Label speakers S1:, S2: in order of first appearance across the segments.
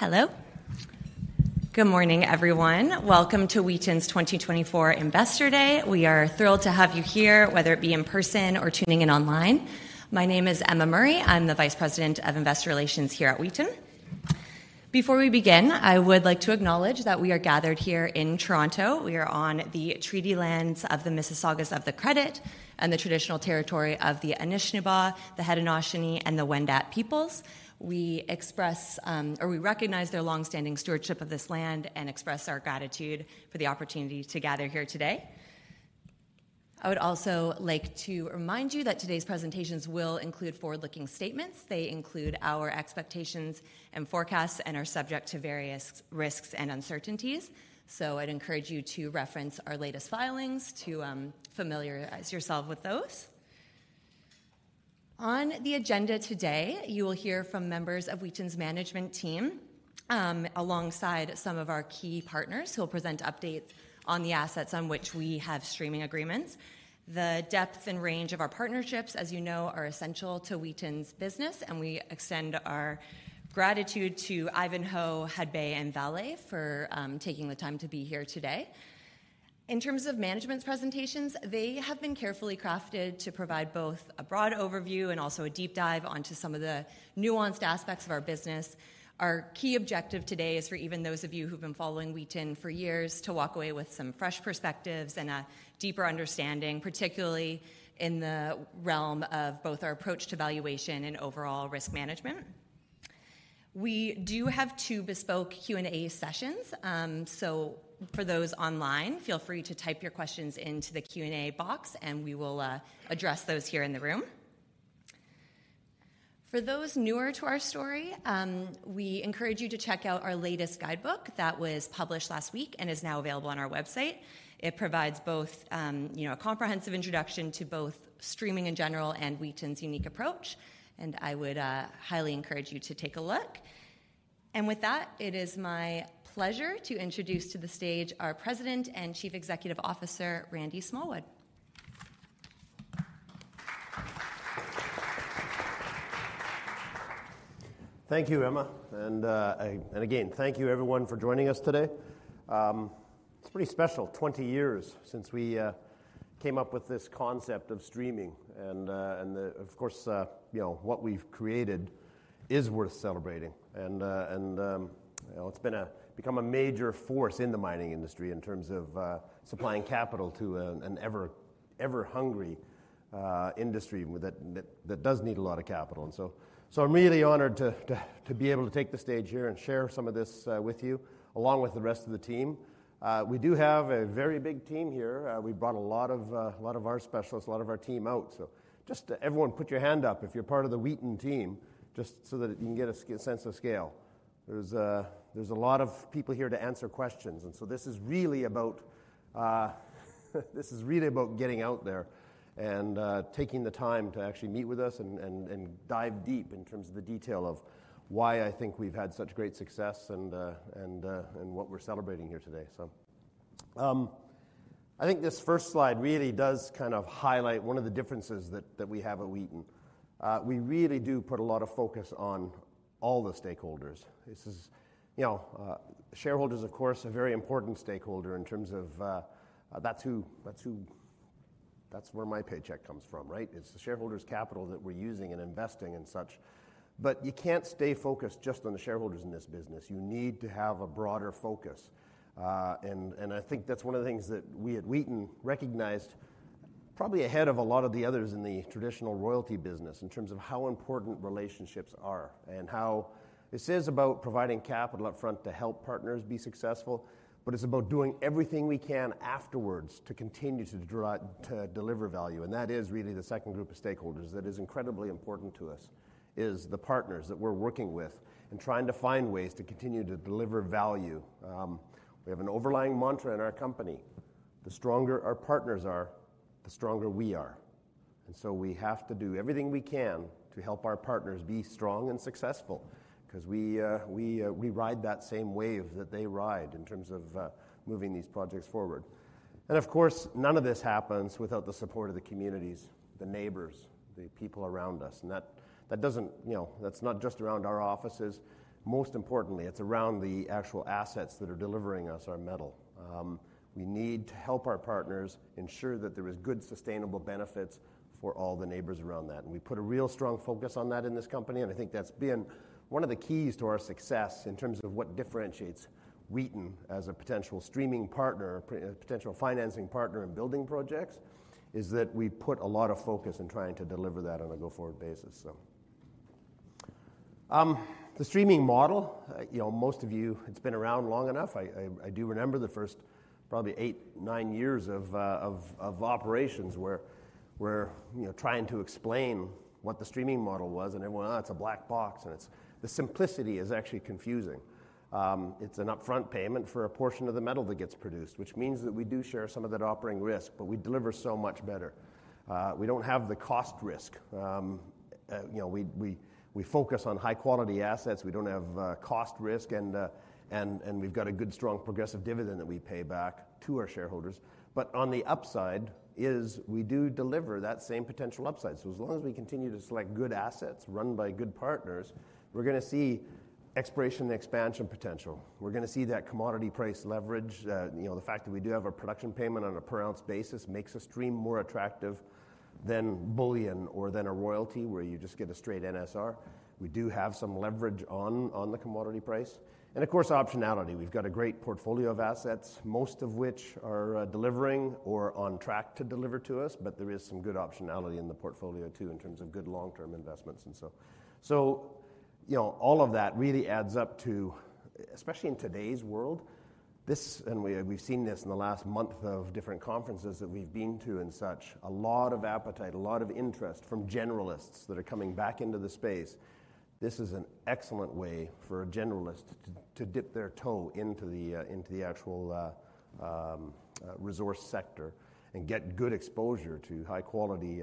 S1: Hello. Good morning, everyone. Welcome to Wheaton's 2024 Investor Day. We are thrilled to have you here, whether it be in person or tuning in online. My name is Emma Murray. I'm the Vice President of Investor Relations here at Wheaton. Before we begin, I would like to acknowledge that we are gathered here in Toronto. We are on the treaty lands of the Mississaugas of the Credit and the traditional territory of the Anishinaabe, the Haudenosaunee, and the Wendat peoples. We express, or we recognize their long-standing stewardship of this land and express our gratitude for the opportunity to gather here today. I would also like to remind you that today's presentations will include forward-looking statements. They include our expectations and forecasts and are subject to various risks and uncertainties, so I'd encourage you to reference our latest filings to familiarize yourself with those. On the agenda today, you will hear from members of Wheaton's management team, alongside some of our key partners, who will present updates on the assets on which we have streaming agreements. The depth and range of our partnerships, as you know, are essential to Wheaton's business, and we extend our gratitude to Ivanhoe, Hudbay, and Vale for taking the time to be here today. In terms of management's presentations, they have been carefully crafted to provide both a broad overview and also a deep dive onto some of the nuanced aspects of our business. Our key objective today is for even those of you who've been following Wheaton for years to walk away with some fresh perspectives and a deeper understanding, particularly in the realm of both our approach to valuation and overall risk management. We do have two bespoke Q&A sessions, so for those online, feel free to type your questions into the Q&A box, and we will address those here in the room. For those newer to our story, we encourage you to check out our latest guidebook that was published last week and is now available on our website. It provides both, you know, a comprehensive introduction to both streaming in general and Wheaton's unique approach, and I would highly encourage you to take a look. With that, it is my pleasure to introduce to the stage our President and Chief Executive Officer, Randy Smallwood.
S2: Thank you, Emma, and again, thank you everyone for joining us today. It's pretty special, 20 years since we came up with this concept of streaming and, of course, you know, what we've created is worth celebrating. You know, it's become a major force in the mining industry in terms of supplying capital to an ever-hungry industry that does need a lot of capital. So I'm really honored to be able to take the stage here and share some of this with you, along with the rest of the team. We do have a very big team here. We brought a lot of our specialists, a lot of our team out. So just everyone put your hand up if you're part of the Wheaton team, just so that you can get a sense of scale. There's a lot of people here to answer questions, and so this is really about getting out there and taking the time to actually meet with us and dive deep in terms of the detail of why I think we've had such great success and what we're celebrating here today. So I think this first slide really does kind of highlight one of the differences that we have at Wheaton. We really do put a lot of focus on all the stakeholders. This is, you know, shareholders, of course, are a very important stakeholder in terms of... That's who. That's where my paycheck comes from, right? It's the shareholders' capital that we're using and investing and such, but you can't stay focused just on the shareholders in this business. You need to have a broader focus, and I think that's one of the things that we at Wheaton recognized probably ahead of a lot of the others in the traditional royalty business, in terms of how important relationships are and how this is about providing capital up front to help partners be successful, but it's about doing everything we can afterwards to continue to deliver value. And that is really the second group of stakeholders that is incredibly important to us, is the partners that we're working with and trying to find ways to continue to deliver value. We have an overlying mantra in our company: The stronger our partners are, the stronger we are. And so we have to do everything we can to help our partners be strong and successful 'cause we ride that same wave that they ride in terms of moving these projects forward. And of course, none of this happens without the support of the communities, the neighbors, the people around us, and that doesn't, you know, that's not just around our offices. Most importantly, it's around the actual assets that are delivering us our metal. We need to help our partners ensure that there is good, sustainable benefits for all the neighbors around that, and we put a real strong focus on that in this company, and I think that's been one of the keys to our success in terms of what differentiates Wheaton as a potential streaming partner, potential financing partner in building projects, is that we put a lot of focus in trying to deliver that on a go-forward basis. The streaming model, you know, most of you, it's been around long enough. I do remember the first probably eight, nine years of operations where we're, you know, trying to explain what the streaming model was, and everyone, "It's a black box, and it's..." The simplicity is actually confusing. It's an upfront payment for a portion of the metal that gets produced, which means that we do share some of that operating risk, but we deliver so much better. We don't have the cost risk. You know, we focus on high-quality assets. We don't have cost risk and we've got a good, strong progressive dividend that we pay back to our shareholders. But on the upside is we do deliver that same potential upside. So as long as we continue to select good assets run by good partners, we're gonna see exploration and expansion potential. We're gonna see that commodity price leverage, you know, the fact that we do have a production payment on a per ounce basis makes us stream more attractive than bullion or than a royalty, where you just get a straight NSR. We do have some leverage on the commodity price and, of course, optionality. We've got a great portfolio of assets, most of which are delivering or on track to deliver to us, but there is some good optionality in the portfolio, too, in terms of good long-term investments, and so. So, you know, all of that really adds up to, especially in today's world, this, and we, we've seen this in the last month of different conferences that we've been to and such, a lot of appetite, a lot of interest from generalists that are coming back into the space. This is an excellent way for a generalist to dip their toe into the actual resource sector and get good exposure to high quality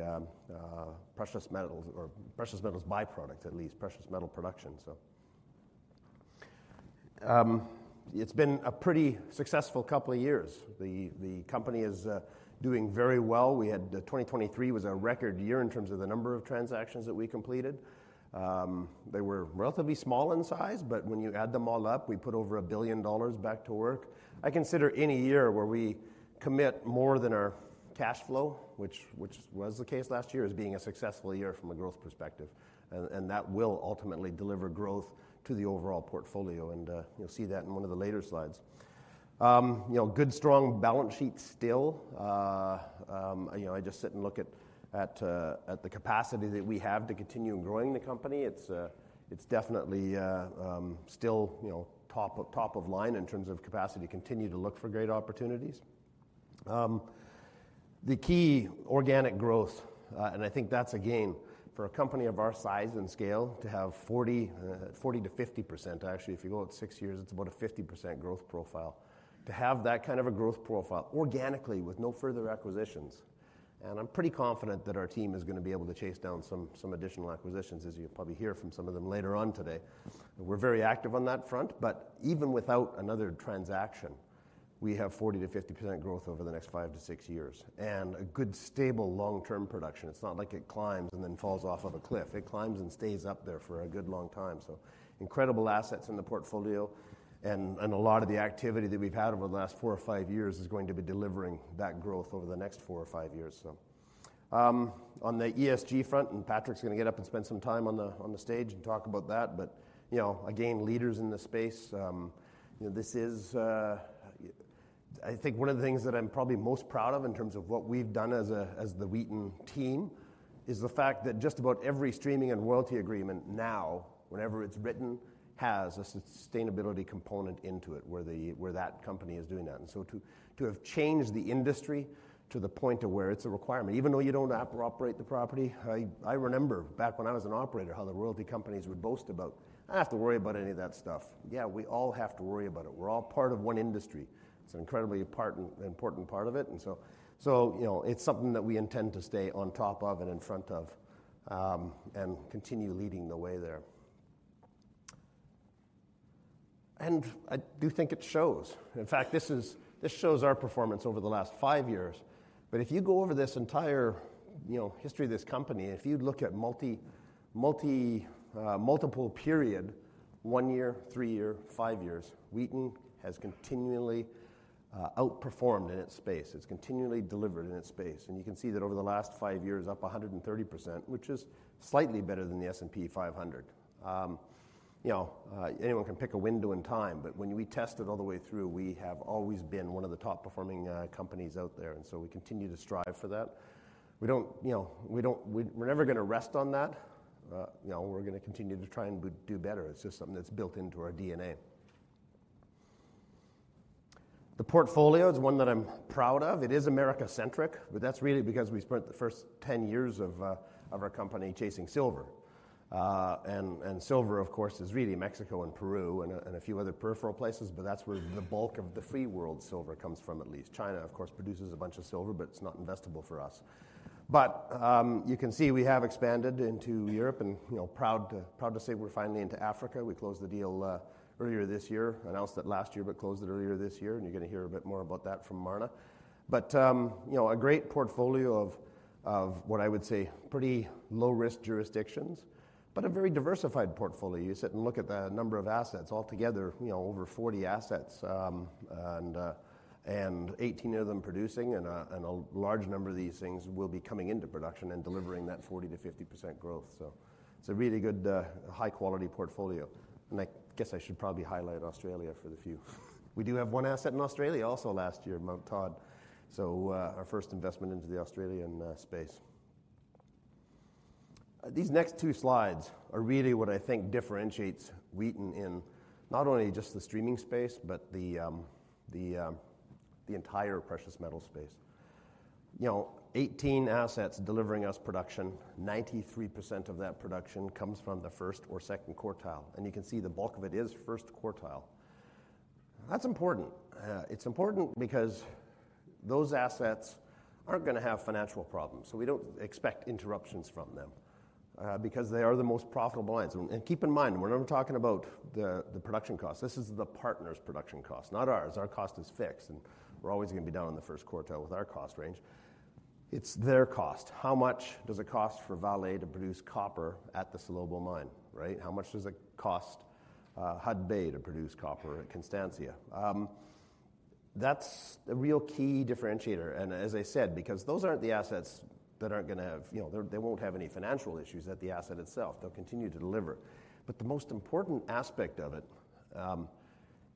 S2: precious metals or precious metals byproducts, at least precious metal production, so. It's been a pretty successful couple of years. The company is doing very well. We had 2023 was a record year in terms of the number of transactions that we completed. They were relatively small in size, but when you add them all up, we put over $1 billion back to work. I consider any year where we commit more than our cash flow, which was the case last year, as being a successful year from a growth perspective, and that will ultimately deliver growth to the overall portfolio, and you'll see that in one of the later slides. You know, good, strong balance sheet still. You know, I just sit and look at the capacity that we have to continue growing the company. It's definitely still, you know, top of line in terms of capacity to continue to look for great opportunities. The key organic growth, and I think that's a game for a company of our size and scale to have 40% to 50%. Actually, if you go out six years, it's about a 50% growth profile. To have that kind of a growth profile organically with no further acquisitions, and I'm pretty confident that our team is gonna be able to chase down some additional acquisitions, as you'll probably hear from some of them later on today. We're very active on that front, but even without another transaction, we have 40% to 50% growth over the next five to six years and a good, stable, long-term production. It's not like it climbs and then falls off of a cliff. It climbs and stays up there for a good long time. So incredible assets in the portfolio and a lot of the activity that we've had over the last four or five years is going to be delivering that growth over the next four or five years. So, on the ESG front, and Patrick's gonna get up and spend some time on the stage and talk about that, but, you know, again, leaders in this space, you know, this is, I think one of the things that I'm probably most proud of in terms of what we've done as a, as the Wheaton team, is the fact that just about every streaming and royalty agreement now, whenever it's written, has a sustainability component into it, where the, where that company is doing that. And so to, to have changed the industry to the point to where it's a requirement, even though you don't have to operate the property. I, I remember back when I was an operator, how the royalty companies would boast about, "I don't have to worry about any of that stuff." Yeah, we all have to worry about it. We're all part of one industry. It's an incredibly important part of it, and so, you know, it's something that we intend to stay on top of and in front of, and continue leading the way there. I do think it shows. In fact, this shows our performance over the last five years. But if you go over this entire, you know, history of this company, if you look at multiple periods, one year, three year, five years, Wheaton has continually outperformed in its space. It's continually delivered in its space, and you can see that over the last five years, up 130%, which is slightly better than the S&P 500. You know, anyone can pick a window in time, but when we test it all the way through, we have always been one of the top performing companies out there, and so we continue to strive for that. We don't, you know. We're never gonna rest on that. You know, we're gonna continue to try and do better. It's just something that's built into our DNA. The portfolio is one that I'm proud of. It is America-centric, but that's really because we spent the first ten years of our company chasing silver. And silver, of course, is really Mexico and Peru and a few other peripheral places, but that's where the bulk of the free world silver comes from, at least. China, of course, produces a bunch of silver, but it's not investable for us. You can see we have expanded into Europe, and you know, proud to say we're finally into Africa. We closed the deal earlier this year. Announced it last year, but closed it earlier this year, and you're gonna hear a bit more about that from Marna. You know, a great portfolio of what I would say pretty low-risk jurisdictions, but a very diversified portfolio. You sit and look at the number of assets altogether, you know, over 40 assets, and 18 of them producing, and a large number of these things will be coming into production and delivering that 40%-50% growth. So it's a really good high quality portfolio, and I guess I should probably highlight Australia for the few. We do have one asset in Australia also last year, Mount Todd, so our first investment into the Australian space. These next two slides are really what I think differentiates Wheaton in not only just the streaming space, but the entire precious metal space. You know, 18 assets delivering us production, 93% of that production comes from the first or second quartile, and you can see the bulk of it is first quartile. That's important. It's important because those assets aren't gonna have financial problems, so we don't expect interruptions from them because they are the most profitable ones. And keep in mind, we're not talking about the production cost. This is the partner's production cost, not ours. Our cost is fixed, and we're always gonna be down in the first quartile with our cost range... it's their cost. How much does it cost for Vale to produce copper at the Salobo mine, right? How much does it cost, Hudbay to produce copper at Constancia? That's a real key differentiator, and as I said, because those aren't the assets that aren't gonna have, you know, they won't have any financial issues at the asset itself. They'll continue to deliver. But the most important aspect of it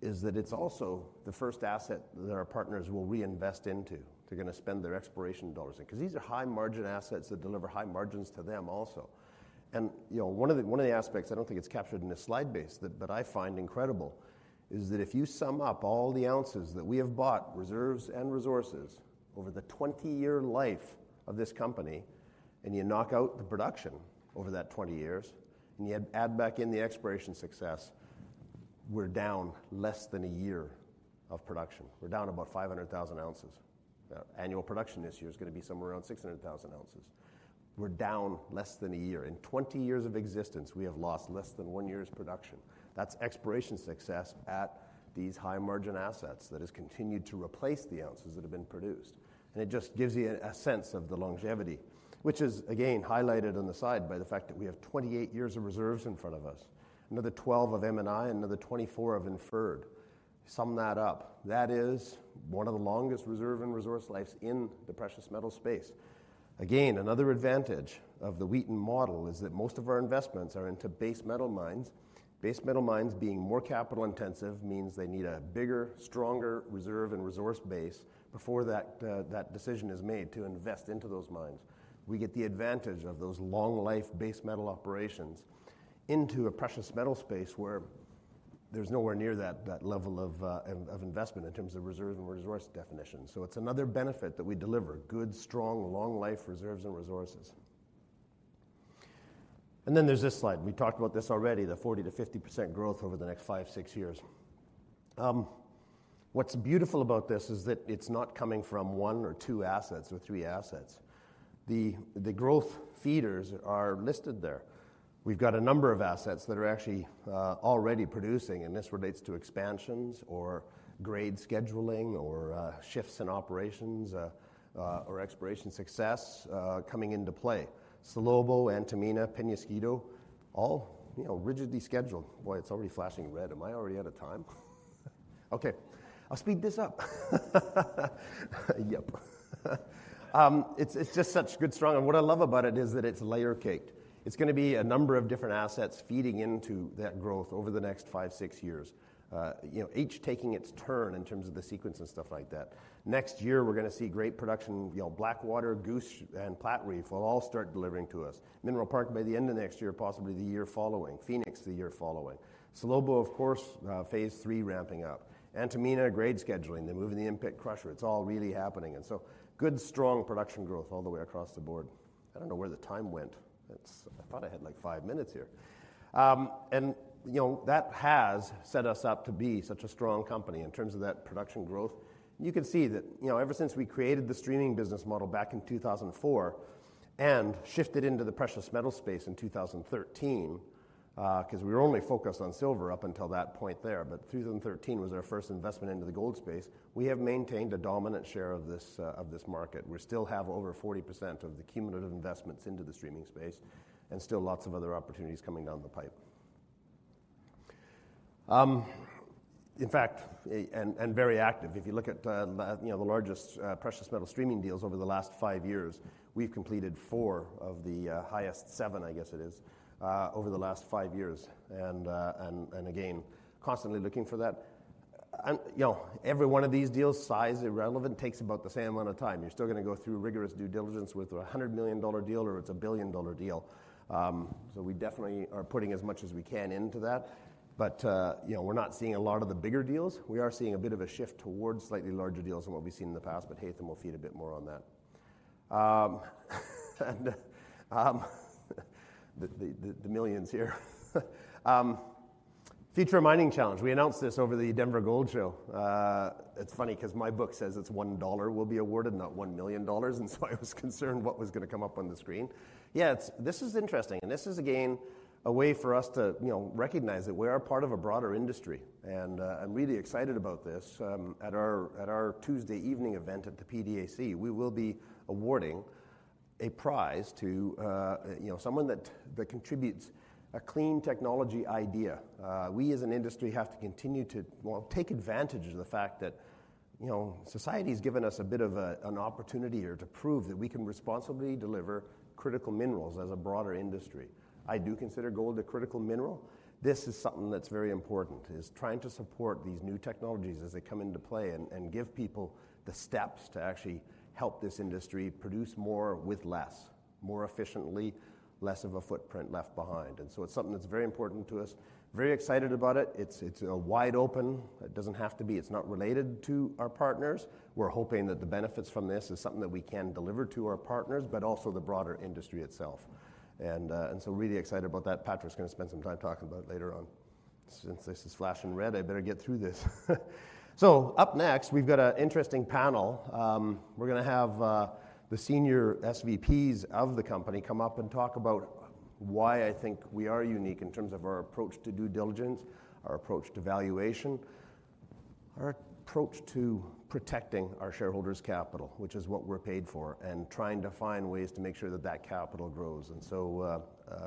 S2: is that it's also the first asset that our partners will reinvest into. They're gonna spend their exploration dollars in, 'cause these are high-margin assets that deliver high margins to them also. You know, one of the aspects I don't think it's captured in this slide base, but I find incredible is that if you sum up all the ounces that we have bought, reserves and resources, over the 20-year life of this company, and you knock out the production over that 20 years, and you add back in the exploration success, we're down less than a year of production. We're down about 500,000 ounces. Annual production this year is gonna be somewhere around 600,000 ounces. We're down less than a year. In 20 years of existence, we have lost less than one year's production. That's exploration success at these high-margin assets that has continued to replace the ounces that have been produced, and it just gives you a sense of the longevity, which is, again, highlighted on the side by the fact that we have 28 years of reserves in front of us, another twelve of M&I, another 24 of inferred. Sum that up. That is one of the longest reserve and resource lives in the precious metal space. Again, another advantage of the Wheaton model is that most of our investments are into base metal mines. Base metal mines being more capital-intensive means they need a bigger, stronger reserve and resource base before that decision is made to invest into those mines. We get the advantage of those long-life base metal operations into a precious metal space, where there's nowhere near that level of investment in terms of reserve and resource definition. So it's another benefit that we deliver: good, strong, long-life reserves and resources. And then there's this slide. We talked about this already, the 40%-50% growth over the next five, six years. What's beautiful about this is that it's not coming from one or two assets or three assets. The growth feeders are listed there. We've got a number of assets that are actually already producing, and this relates to expansions or grade scheduling or shifts in operations or exploration success coming into play. Salobo, Antamina, Peñasquito, all, you know, rigidly scheduled. Boy, it's already flashing red. Am I already out of time? Okay, I'll speed this up. Yep. It's just such good, strong... And what I love about it is that it's layer-caked. It's gonna be a number of different assets feeding into that growth over the next five, six years, you know, each taking its turn in terms of the sequence and stuff like that. Next year, we're gonna see great production. You know, Blackwater, Goose, and Platreef will all start delivering to us. Mineral Park by the end of next year, possibly the year following. Fenix, the year following. Salobo, of course, phase three ramping up. Antamina, grade scheduling. They're moving the in-pit crusher. It's all really happening, and so good, strong production growth all the way across the board. I don't know where the time went. It's... I thought I had, like, five minutes here. And, you know, that has set us up to be such a strong company in terms of that production growth. You can see that, you know, ever since we created the streaming business model back in 2004 and shifted into the precious metal space in 2013, 'cause we were only focused on silver up until that point there, but 2013 was our first investment into the gold space, we have maintained a dominant share of this, of this market. We still have over 40% of the cumulative investments into the streaming space and still lots of other opportunities coming down the pipe. In fact, and very active. If you look at, you know, the largest precious metal streaming deals over the last five years, we've completed four of the highest seven, I guess it is, over the last five years and, and again, constantly looking for that. You know, every one of these deals, size irrelevant, takes about the same amount of time. You're still gonna go through rigorous due diligence with a $100 million deal, or it's a $1 billion deal. So we definitely are putting as much as we can into that, but, you know, we're not seeing a lot of the bigger deals. We are seeing a bit of a shift towards slightly larger deals than what we've seen in the past, but Haytham will feed a bit more on that. And, the, the millions here. Future of Mining Challenge, we announced this over the Denver Gold Show. It's funny 'cause my book says it's $1 will be awarded, not $1 million, and so I was concerned what was gonna come up on the screen. Yeah, it's... This is interesting, and this is, again, a way for us to, you know, recognize that we are part of a broader industry, and I'm really excited about this. At our Tuesday evening event at the PDAC, we will be awarding a prize to, you know, someone that contributes a clean technology idea. We, as an industry, have to continue to, well, take advantage of the fact that, you know, society's given us a bit of a, an opportunity here to prove that we can responsibly deliver critical minerals as a broader industry. I do consider gold a critical mineral. This is something that's very important, is trying to support these new technologies as they come into play and give people the steps to actually help this industry produce more with less, more efficiently, less of a footprint left behind. And so it's something that's very important to us. Very excited about it. It's wide open. It doesn't have to be... It's not related to our partners. We're hoping that the benefits from this is something that we can deliver to our partners, but also the broader industry itself, and so really excited about that. Patrick's gonna spend some time talking about it later on. Since this is flashing red, I better get through this. So up next, we've got an interesting panel. We're gonna have the senior SVPs of the company come up and talk about why I think we are unique in terms of our approach to due diligence, our approach to valuation.... our approach to protecting our shareholders' capital, which is what we're paid for, and trying to find ways to make sure that that capital grows. And so,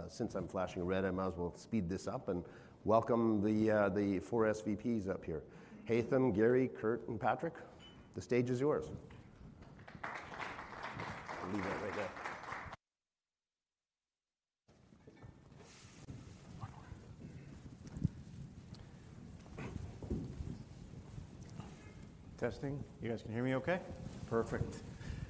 S2: since I'm flashing red, I might as well speed this up and welcome the four SVPs up here. Haytham, Gary, Curt, and Patrick, the stage is yours. I'll leave that right there.
S3: Testing. You guys can hear me okay? Perfect.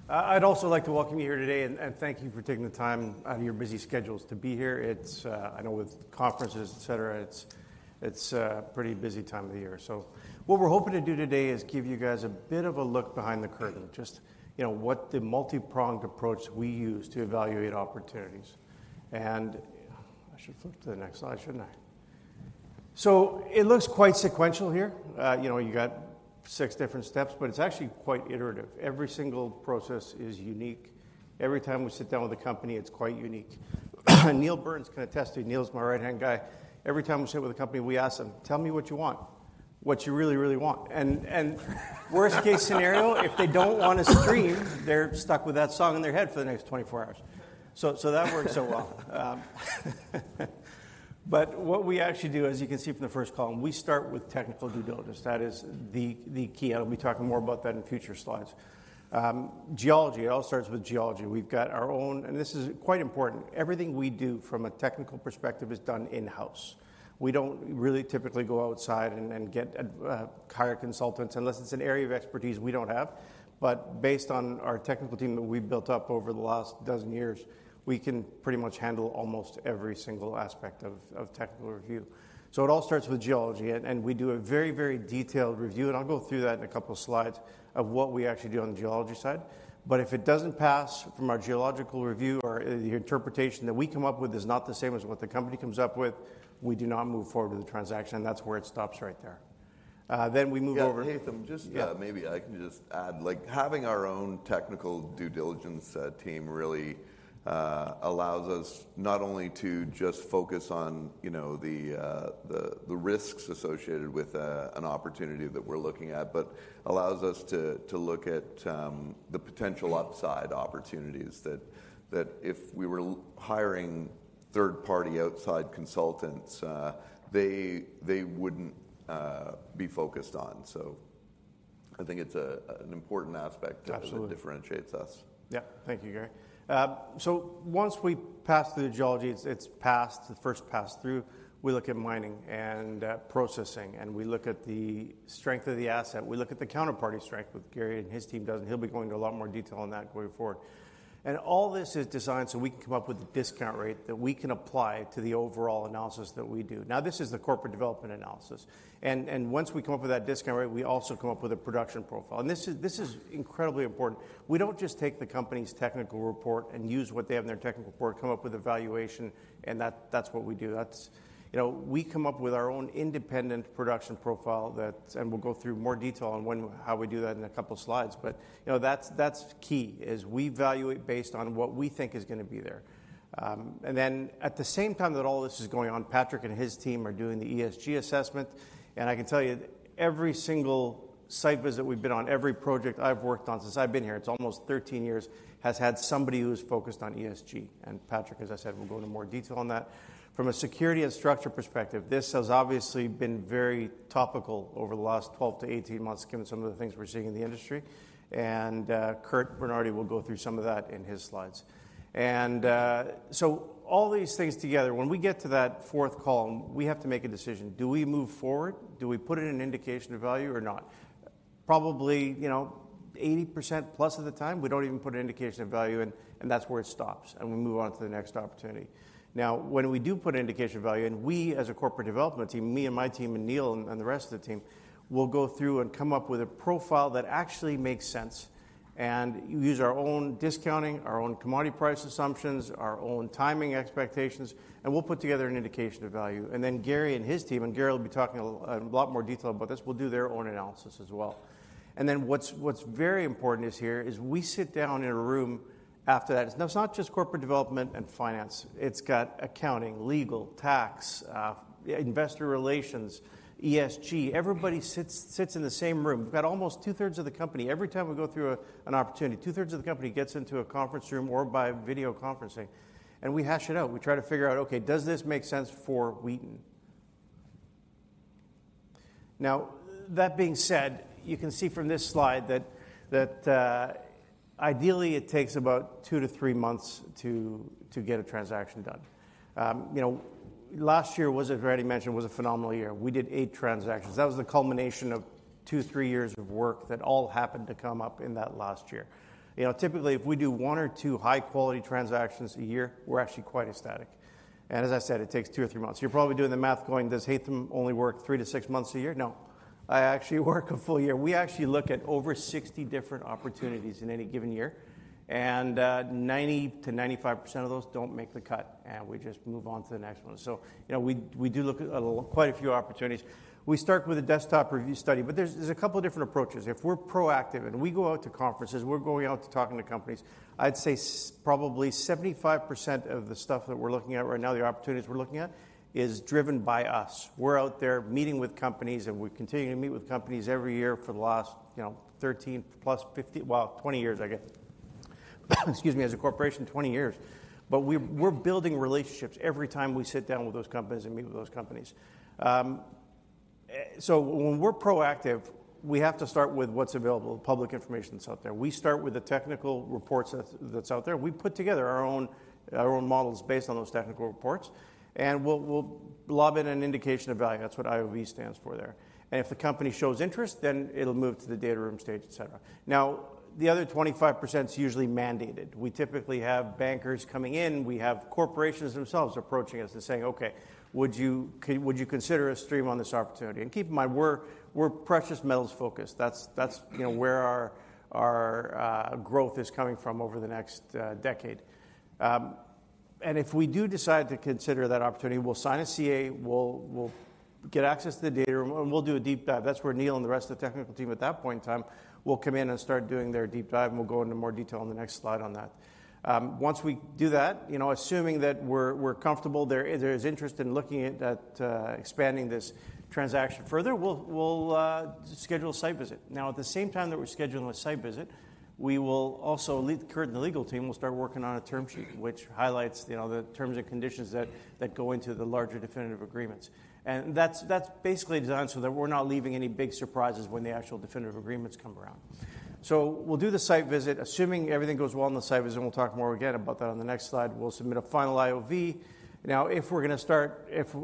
S3: I'd also like to welcome you here today and thank you for taking the time out of your busy schedules to be here. It's, I know with conferences, et cetera, it's a pretty busy time of the year. So what we're hoping to do today is give you guys a bit of a look behind the curtain, just, you know, what the multi-pronged approach we use to evaluate opportunities. And I should flip to the next slide, shouldn't I? So it looks quite sequential here. You know, you got six different steps, but it's actually quite iterative. Every single process is unique. Every time we sit down with a company, it's quite unique. Neil Burns can attest to you, Neil's my right-hand guy. Every time we sit with a company, we ask them, "Tell me what you want, what you really, really want." Worst case scenario, if they don't want to stream, they're stuck with that song in their head for the next 24 hours. So that works so well. But what we actually do, as you can see from the first column, we start with technical due diligence. That is the key. I'll be talking more about that in future slides. Geology, it all starts with geology. We've got our own, and this is quite important. Everything we do from a technical perspective is done in-house. We don't really typically go outside and hire consultants unless it's an area of expertise we don't have. But based on our technical team that we've built up over the last dozen years, we can pretty much handle almost every single aspect of technical review. So it all starts with geology, and we do a very, very detailed review, and I'll go through that in a couple of slides of what we actually do on the geology side. But if it doesn't pass from our geological review, or the interpretation that we come up with is not the same as what the company comes up with, we do not move forward with the transaction. That's where it stops, right there. Then we move over-
S4: Yeah, Haytham, just, maybe I can just add, like, having our own technical due diligence team really allows us not only to just focus on, you know, the risks associated with an opportunity that we're looking at, but allows us to look at the potential upside opportunities that if we were hiring third-party outside consultants, they wouldn't be focused on. So I think it's an important aspect-
S3: Absolutely.
S4: That differentiates us.
S3: Yeah. Thank you, Gary. So once we pass through the geology, it's passed the first pass-through, we look at mining and processing, and we look at the strength of the asset. We look at the counterparty strength, which Gary and his team does, and he'll be going into a lot more detail on that going forward. All this is designed so we can come up with a discount rate that we can apply to the overall analysis that we do. Now, this is the corporate development analysis, and once we come up with that discount rate, we also come up with a production profile. This is incredibly important. We don't just take the company's technical report and use what they have in their technical report, come up with a valuation, and that's what we do. That's... You know, we come up with our own independent production profile that, and we'll go through more detail on when, how we do that in a couple of slides. But, you know, that's, that's key, is we evaluate based on what we think is gonna be there. And then at the same time that all this is going on, Patrick and his team are doing the ESG assessment. And I can tell you, every single site visit we've been on, every project I've worked on since I've been here, it's almost 13 years, has had somebody who's focused on ESG. And Patrick, as I said, will go into more detail on that. From a security and structure perspective, this has obviously been very topical over the last 12-18 months, given some of the things we're seeing in the industry. Curt Bernardi will go through some of that in his slides. All these things together, when we get to that fourth column, we have to make a decision. Do we move forward? Do we put in an indication of value or not? Probably, you know, 80% plus of the time, we don't even put an indication of value in, and that's where it stops, and we move on to the next opportunity. Now, when we do put an indication of value, and we as a corporate development team, me and my team and Neil and the rest of the team, will go through and come up with a profile that actually makes sense. We use our own discounting, our own commodity price assumptions, our own timing expectations, and we'll put together an indication of value. Then Gary and his team, and Gary will be talking a little more detail about this, will do their own analysis as well. Then what's very important is here is we sit down in a room after that. Now, it's not just corporate development and finance. It's got accounting, legal, tax, investor relations, ESG. Everybody sits in the same room. We've got almost two-thirds of the company. Every time we go through an opportunity, two-thirds of the company gets into a conference room or by video conferencing, and we hash it out. We try to figure out, okay, does this make sense for Wheaton? Now, that being said, you can see from this slide that ideally it takes about two to three months to get a transaction done. You know, last year was, as I've already mentioned, a phenomenal year. We did eight transactions. That was the culmination of two, three years of work that all happened to come up in that last year. You know, typically, if we do one or two high-quality transactions a year, we're actually quite ecstatic. And as I said, it takes two or three months. You're probably doing the math going, "Does Haytham only work three to six months a year?" No, I actually work a full year. We actually look at over 60 different opportunities in any given year, and 90%-95% of those don't make the cut, and we just move on to the next one. So, you know, we do look at quite a few opportunities. We start with a desktop review study, but there's a couple of different approaches. If we're proactive and we go out to conferences, we're going out to talking to companies, I'd say probably 75% of the stuff that we're looking at right now, the opportunities we're looking at, is driven by us. We're out there meeting with companies, and we're continuing to meet with companies every year for the last, you know, thirteen plus fifty... well, 20 years, I guess.... excuse me, as a corporation, 20 years. But we, we're building relationships every time we sit down with those companies and meet with those companies. So when we're proactive, we have to start with what's available, public information that's out there. We start with the technical reports that's out there. We put together our own models based on those technical reports, and we'll lob in an indication of value. That's what IOV stands for there. And if the company shows interest, then it'll move to the data room stage, et cetera. Now, the other 25% is usually mandated. We typically have bankers coming in, we have corporations themselves approaching us and saying, "Okay, would you consider a stream on this opportunity?" And keep in mind, we're precious metals focused. That's you know where our growth is coming from over the next decade. And if we do decide to consider that opportunity, we'll sign a CA, we'll get access to the data room, and we'll do a deep dive. That's where Neil and the rest of the technical team at that point in time will come in and start doing their deep dive, and we'll go into more detail on the next slide on that. Once we do that, you know, assuming that we're comfortable, there is interest in looking at that, expanding this transaction further, we'll schedule a site visit. Now, at the same time that we're scheduling a site visit, we will also have the technical and the legal team start working on a term sheet, which highlights, you know, the terms and conditions that go into the larger definitive agreements. That's basically done so that we're not leaving any big surprises when the actual definitive agreements come around. We'll do the site visit. Assuming everything goes well on the site visit, and we'll talk more again about that on the next slide, we'll submit a final LOI. Now, if we're gonna start... If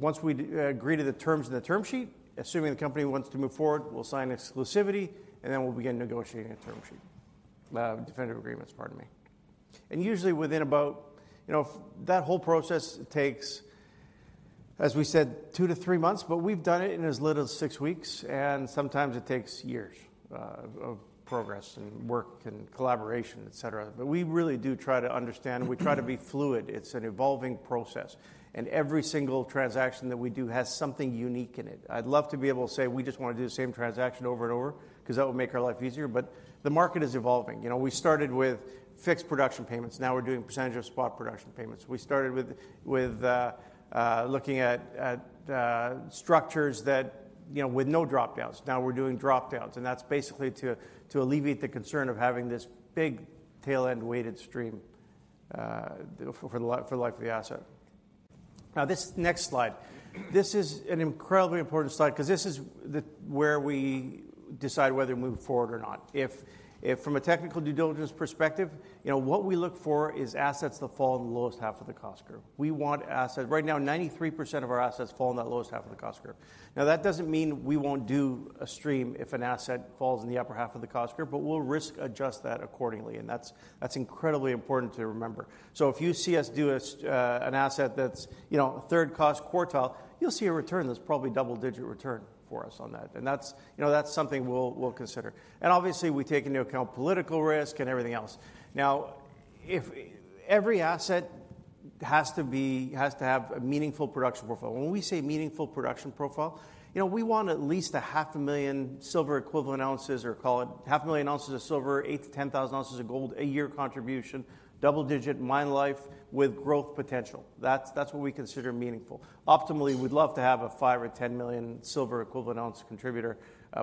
S3: once we agree to the terms in the term sheet, assuming the company wants to move forward, we'll sign exclusivity, and then we'll begin negotiating a term sheet. Definitive agreements, pardon me. And usually within about, you know, that whole process takes, as we said, two to three months, but we've done it in as little as six weeks, and sometimes it takes years of progress and work and collaboration, et cetera. But we really do try to understand, we try to be fluid. It's an evolving process, and every single transaction that we do has something unique in it. I'd love to be able to say we just wanna do the same transaction over and over, 'cause that would make our life easier, but the market is evolving. You know, we started with fixed production payments, now we're doing percentage of spot production payments. We started with looking at structures that, you know, with no drop-downs. Now we're doing drop-downs, and that's basically to alleviate the concern of having this big tail-end weighted stream for the life of the asset. Now, this next slide, this is an incredibly important slide 'cause this is where we decide whether to move forward or not. If from a technical due diligence perspective, you know, what we look for is assets that fall in the lowest half of the cost curve. We want assets. Right now, 93% of our assets fall in that lowest half of the cost curve. Now, that doesn't mean we won't do a stream if an asset falls in the upper half of the cost curve, but we'll risk adjust that accordingly, and that's, that's incredibly important to remember. So if you see us do an asset that's, you know, a third cost quartile, you'll see a return that's probably double-digit return for us on that. And that's, you know, that's something we'll, we'll consider. And obviously, we take into account political risk and everything else. Now, every asset has to be, has to have a meaningful production profile. When we say meaningful production profile, you know, we want at least 500,000 silver equivalent ounces, or call it 500,000 ounces of silver, 8,000-10,000 ounces of gold, a year contribution, double-digit mine life with growth potential. That's, that's what we consider meaningful. Optimally, we'd love to have a five or 10 million silver equivalent ounce contributor,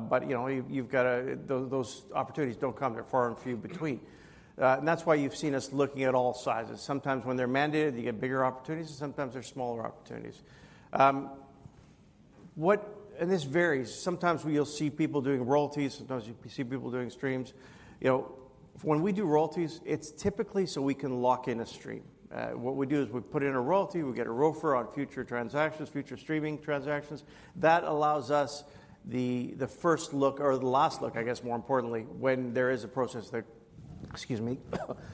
S3: but you know, you've got to... those opportunities don't come, they're far and few between. And that's why you've seen us looking at all sizes. Sometimes when they're mandated, you get bigger opportunities, and sometimes they're smaller opportunities. And this varies. Sometimes we'll see people doing royalties, sometimes you see people doing streams. You know, when we do royalties, it's typically so we can lock in a stream. What we do is we put in a royalty, we get a ROFR on future transactions, future streaming transactions. That allows us the first look or the last look, I guess more importantly, when there is a process that, excuse me,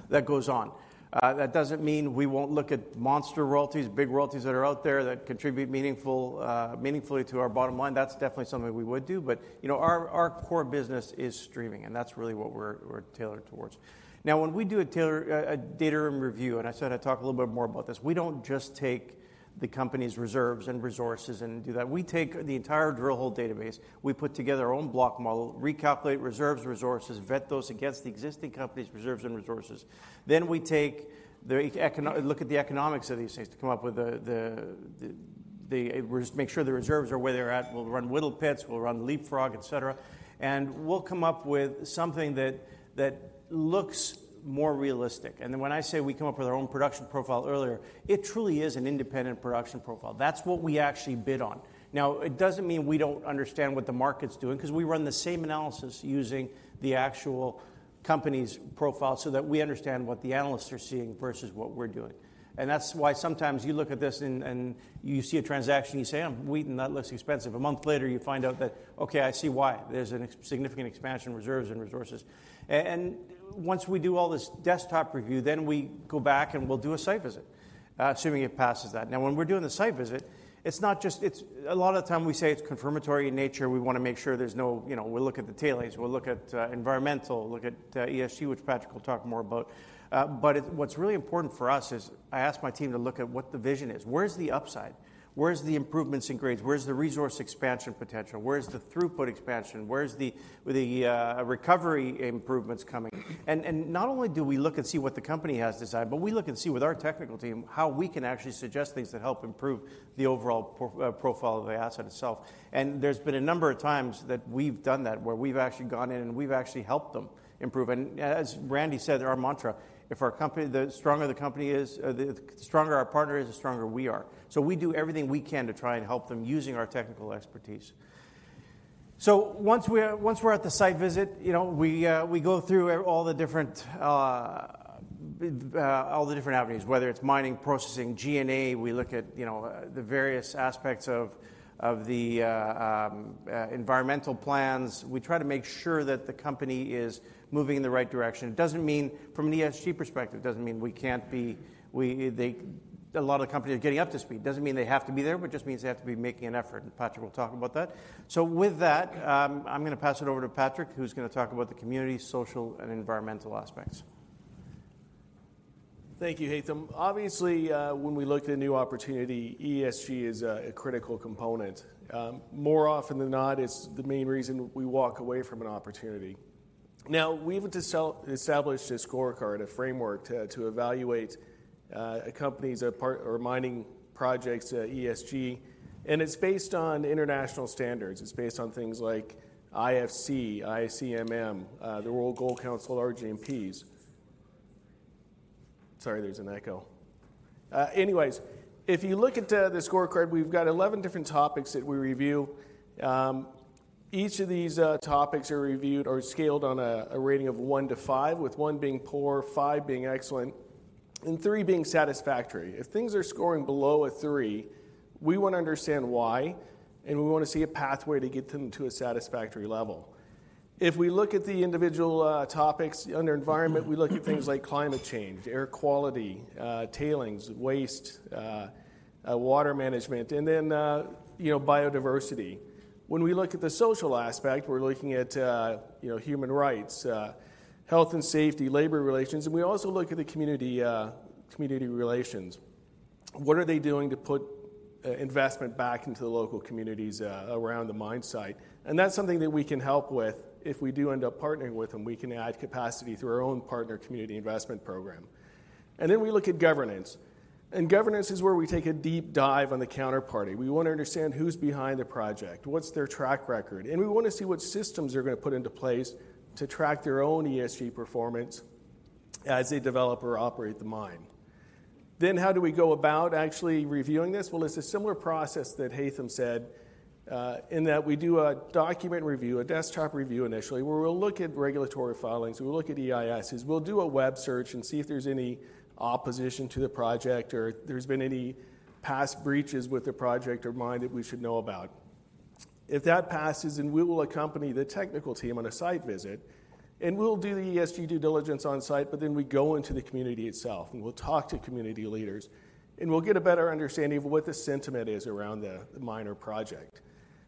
S3: that goes on. That doesn't mean we won't look at monster royalties, big royalties that are out there that contribute meaningful, meaningfully to our bottom line. That's definitely something we would do, but you know, our core business is streaming, and that's really what we're tailored towards. Now, when we do a tailored data room review, and I said I'd talk a little bit more about this, we don't just take the company's reserves and resources and do that. We take the entire drill hole database, we put together our own block model, recalculate reserves, resources, vet those against the existing company's reserves and resources. Then we take a look at the economics of these things to come up with the. We just make sure the reserves are where they're at. We'll run Whittle pits, we'll run Leapfrog, et cetera, and we'll come up with something that looks more realistic. Then when I say we come up with our own production profile earlier, it truly is an independent production profile. That's what we actually bid on. Now, it doesn't mean we don't understand what the market's doing, 'cause we run the same analysis using the actual company's profile so that we understand what the analysts are seeing versus what we're doing. And that's why sometimes you look at this and you see a transaction, you say, "Damn, Wheaton, that looks expensive." A month later, you find out that, okay, I see why. There's a significant expansion in reserves and resources. And once we do all this desktop review, then we go back and we'll do a site visit, assuming it passes that. Now, when we're doing the site visit, it's not just. A lot of the time we say it's confirmatory in nature. We wanna make sure there's no, you know, we'll look at the tailings, we'll look at environmental, look at ESG, which Patrick will talk more about. But it, what's really important for us is, I ask my team to look at what the vision is. Where's the upside? Where's the improvements in grades? Where's the resource expansion potential? Where's the throughput expansion? Where's the recovery improvements coming? And not only do we look and see what the company has decided, but we look and see with our technical team, how we can actually suggest things that help improve the overall profile of the asset itself. And there's been a number of times that we've done that, where we've actually gone in and we've actually helped them improve. And as Randy said, our mantra, if our company, the stronger the company is, the stronger our partner is, the stronger we are. So we do everything we can to try and help them using our technical expertise.... So once we're at the site visit, you know, we go through all the different avenues, whether it's mining, processing, G&A, we look at, you know, the various aspects of the environmental plans. We try to make sure that the company is moving in the right direction. It doesn't mean, from an ESG perspective, it doesn't mean we can't be. A lot of companies are getting up to speed. It doesn't mean they have to be there, but just means they have to be making an effort, and Patrick will talk about that. With that, I'm gonna pass it over to Patrick, who's gonna talk about the community, social, and environmental aspects.
S5: Thank you, Haytham. Obviously, when we look at a new opportunity, ESG is a critical component. More often than not, it's the main reason we walk away from an opportunity. Now, we've established a scorecard, a framework to evaluate a company's or mining projects' ESG, and it's based on international standards. It's based on things like IFC, ICMM, the World Gold Council, RGMPs. Sorry, there's an echo. Anyways, if you look at the scorecard, we've got 11 different topics that we review. Each of these topics are reviewed or scaled on a rating of one to five, with one being poor, five being excellent, and three being satisfactory. If things are scoring below a three, we wanna understand why, and we wanna see a pathway to get them to a satisfactory level. If we look at the individual topics under environment, we look at things like climate change, air quality, tailings, waste, water management, and then, you know, biodiversity. When we look at the social aspect, we're looking at, you know, human rights, health and safety, labor relations, and we also look at the community, community relations. What are they doing to put investment back into the local communities around the mine site? And that's something that we can help with. If we do end up partnering with them, we can add capacity through our own Partner Community Investment Program. And then we look at governance, and governance is where we take a deep dive on the counterparty. We wanna understand who's behind the project, what's their track record, and we wanna see what systems they're gonna put into place to track their own ESG performance as they develop or operate the mine. Then how do we go about actually reviewing this? It's a similar process that Haytham said in that we do a document review, a desktop review initially, where we'll look at regulatory filings, we'll look at EISs, we'll do a web search and see if there's any opposition to the project or if there's been any past breaches with the project or mine that we should know about. If that passes, then we will accompany the technical team on a site visit, and we'll do the ESG due diligence on site, but then we go into the community itself, and we'll talk to community leaders, and we'll get a better understanding of what the sentiment is around the mine or project.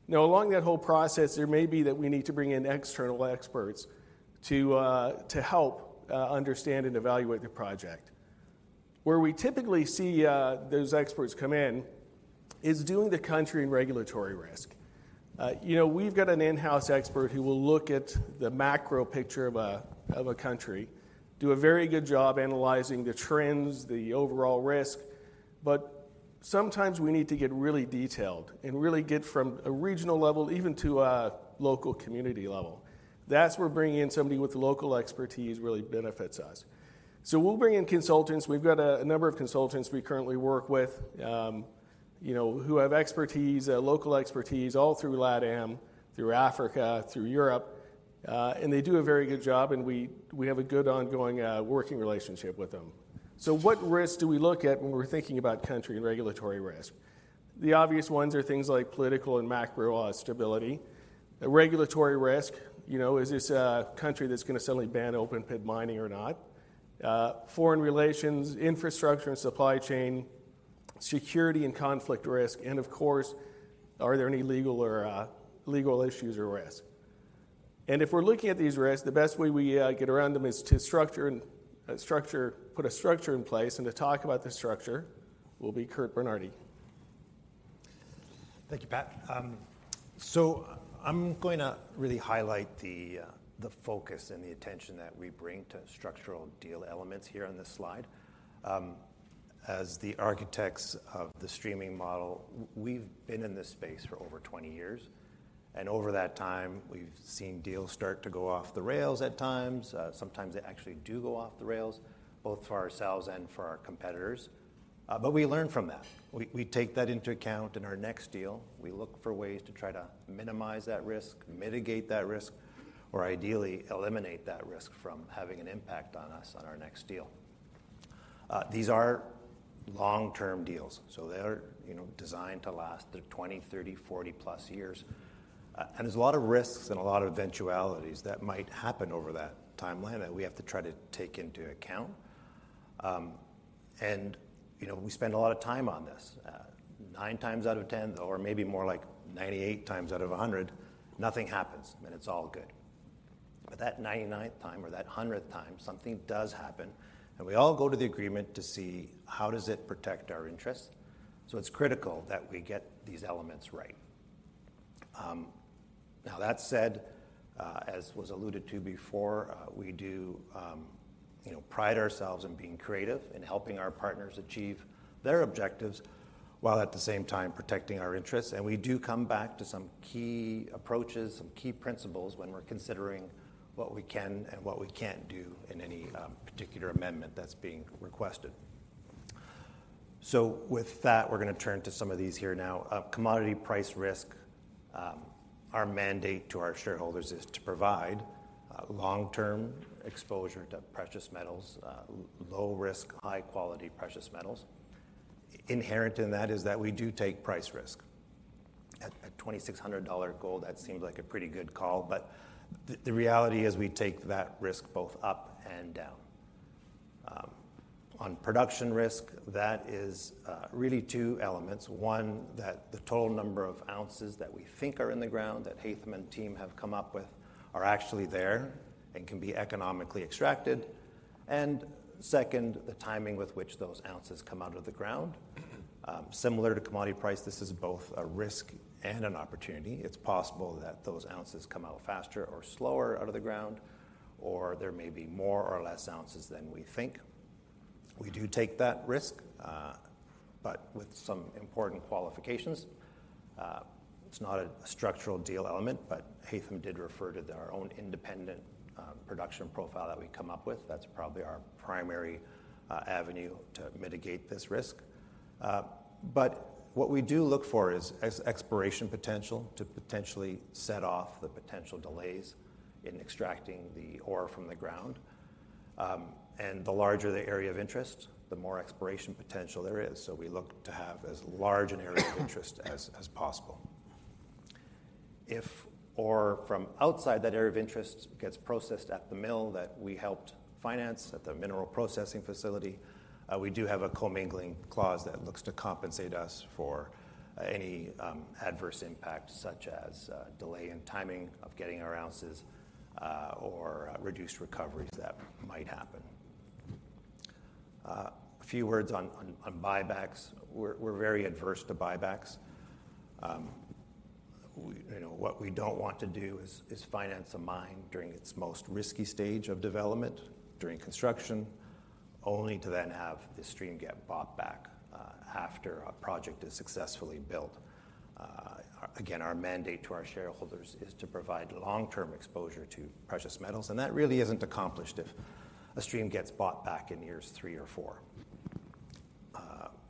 S5: Now, along that whole process, there may be that we need to bring in external experts to help understand and evaluate the project. Where we typically see those experts come in is doing the country and regulatory risk. You know, we've got an in-house expert who will look at the macro picture of a country, do a very good job analyzing the trends, the overall risk, but sometimes we need to get really detailed and really get from a regional level even to a local community level. That's where bringing in somebody with local expertise really benefits us. So we'll bring in consultants. We've got a number of consultants we currently work with, you know, who have expertise, local expertise, all through LATAM, through Africa, through Europe, and they do a very good job, and we have a good ongoing, working relationship with them. So what risks do we look at when we're thinking about country and regulatory risk? The obvious ones are things like political and macro, stability. Regulatory risk, you know, is this a country that's gonna suddenly ban open-pit mining or not? Foreign relations, infrastructure and supply chain, security and conflict risk, and of course, are there any legal issues or risk? If we're looking at these risks, the best way we get around them is to put a structure in place, and to talk about the structure will be Curt Bernardi.
S6: Thank you, Pat. So I'm going to really highlight the the focus and the attention that we bring to structural deal elements here on this slide. As the architects of the streaming model, we've been in this space for over 20 years, and over that time, we've seen deals start to go off the rails at times. Sometimes they actually do go off the rails, both for ourselves and for our competitors. But we learn from that. We take that into account in our next deal. We look for ways to try to minimize that risk, mitigate that risk, or ideally, eliminate that risk from having an impact on us on our next deal. These are long-term deals, so they are, you know, designed to last 20, 30,40+ years. And there's a lot of risks and a lot of eventualities that might happen over that timeline that we have to try to take into account. And, you know, we spend a lot of time on this. Nine times out of 10, or maybe more like 98 times out of 100, nothing happens, and it's all good. But that 99th time or that 100th time, something does happen, and we all go to the agreement to see how does it protect our interests. So it's critical that we get these elements right. Now, that said, as was alluded to before, we do, you know, pride ourselves in being creative and helping our partners achieve their objectives while at the same time protecting our interests. We do come back to some key approaches, some key principles when we're considering what we can and what we can't do in any particular amendment that's being requested. With that, we're gonna turn to some of these here now. Commodity price risk, our mandate to our shareholders is to provide long-term exposure to precious metals, low risk, high quality precious metals. Inherent in that is that we do take price risk. At $2,600 gold, that seems like a pretty good call, but the reality is we take that risk both up and down. On production risk, that is really two elements: one, that the total number of ounces that we think are in the ground, that Haytham and team have come up with, are actually there and can be economically extracted. And second, the timing with which those ounces come out of the ground. Similar to commodity price, this is both a risk and an opportunity. It's possible that those ounces come out faster or slower out of the ground, or there may be more or less ounces than we think. We do take that risk, but with some important qualifications. It's not a structural deal element, but Haytham did refer to their own independent production profile that we come up with. That's probably our primary avenue to mitigate this risk. But what we do look for is exploration potential to potentially set off the potential delays in extracting the ore from the ground. And the larger the area of interest, the more exploration potential there is, so we look to have as large an area of interest as possible. If ore from outside that area of interest gets processed at the mill that we helped finance, at the mineral processing facility, we do have a commingling clause that looks to compensate us for any, adverse impact, such as, delay in timing of getting our ounces, or, reduced recoveries that might happen. A few words on buybacks. We're very adverse to buybacks. We, you know, what we don't want to do is finance a mine during its most risky stage of development, during construction, only to then have the stream get bought back, after a project is successfully built. Again, our mandate to our shareholders is to provide long-term exposure to precious metals, and that really isn't accomplished if a stream gets bought back in years three or four.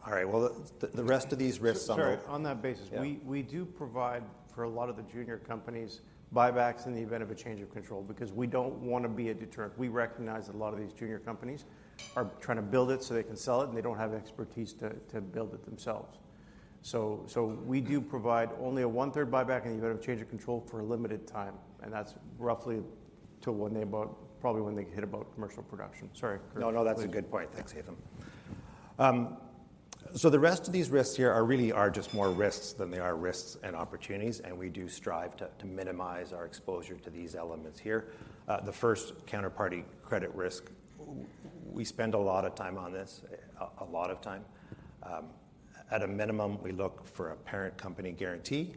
S6: All right, well, the rest of these risks are-
S3: Sorry, on that basis-
S6: Yeah.
S3: We do provide for a lot of the junior companies buybacks in the event of a change of control, because we don't want to be a deterrent. We recognize that a lot of these junior companies are trying to build it so they can sell it, and they don't have the expertise to build it themselves. So we do provide only a one-third buyback in the event of change of control for a limited time, and that's roughly to when they about, probably when they hit about commercial production. Sorry, Curt.
S6: No, no, that's a good point. Thanks, Haytham. So the rest of these risks here are really just more risks than opportunities, and we do strive to minimize our exposure to these elements here. The first, counterparty credit risk, we spend a lot of time on this, a lot of time. At a minimum, we look for a parent company guarantee.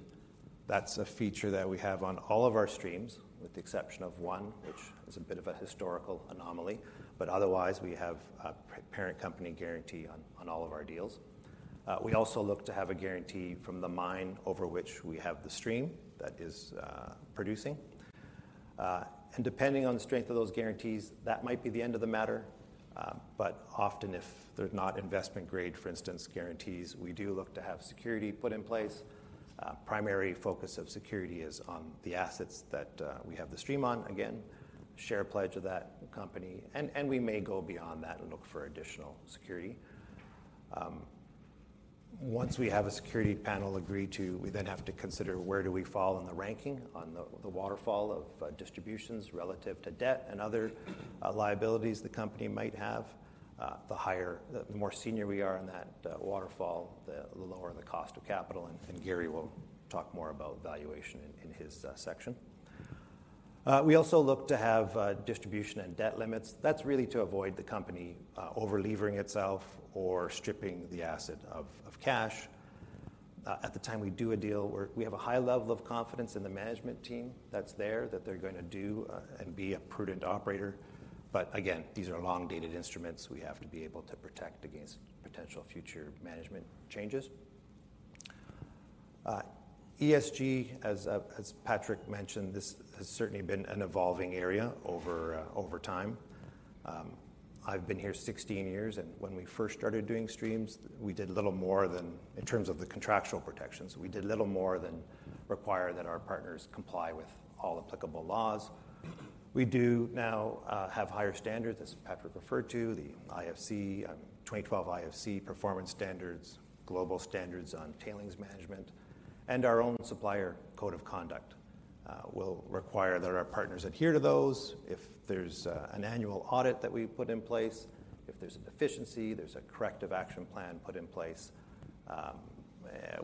S6: That's a feature that we have on all of our streams, with the exception of one, which is a bit of a historical anomaly, but otherwise, we have a parent company guarantee on all of our deals. We also look to have a guarantee from the mine over which we have the stream that is producing. Depending on the strength of those guarantees, that might be the end of the matter, but often, if they're not investment grade guarantees, for instance, we do look to have security put in place. Primary focus of security is on the assets that we have the stream on. Again, share pledge of that company, and we may go beyond that and look for additional security. Once we have a security package agreed to, we then have to consider where do we fall in the ranking on the waterfall of distributions relative to debt and other liabilities the company might have. The higher, the more senior we are in that waterfall, the lower the cost of capital, and Gary will talk more about valuation in his section. We also look to have distribution and debt limits. That's really to avoid the company over-levering itself or stripping the asset of cash. At the time we do a deal, we have a high level of confidence in the management team that's there, that they're gonna do and be a prudent operator. But again, these are long-dated instruments. We have to be able to protect against potential future management changes. ESG, as Patrick mentioned, this has certainly been an evolving area over time. I've been here 16 years, and when we first started doing streams, we did little more than... In terms of the contractual protections, we did little more than require that our partners comply with all applicable laws. We do now have higher standards, as Patrick referred to, the IFC, 2012 IFC Performance Standards, global standards on tailings management, and our own Supplier Code of Conduct. We'll require that our partners adhere to those. If there's an annual audit that we put in place, if there's a deficiency, there's a corrective action plan put in place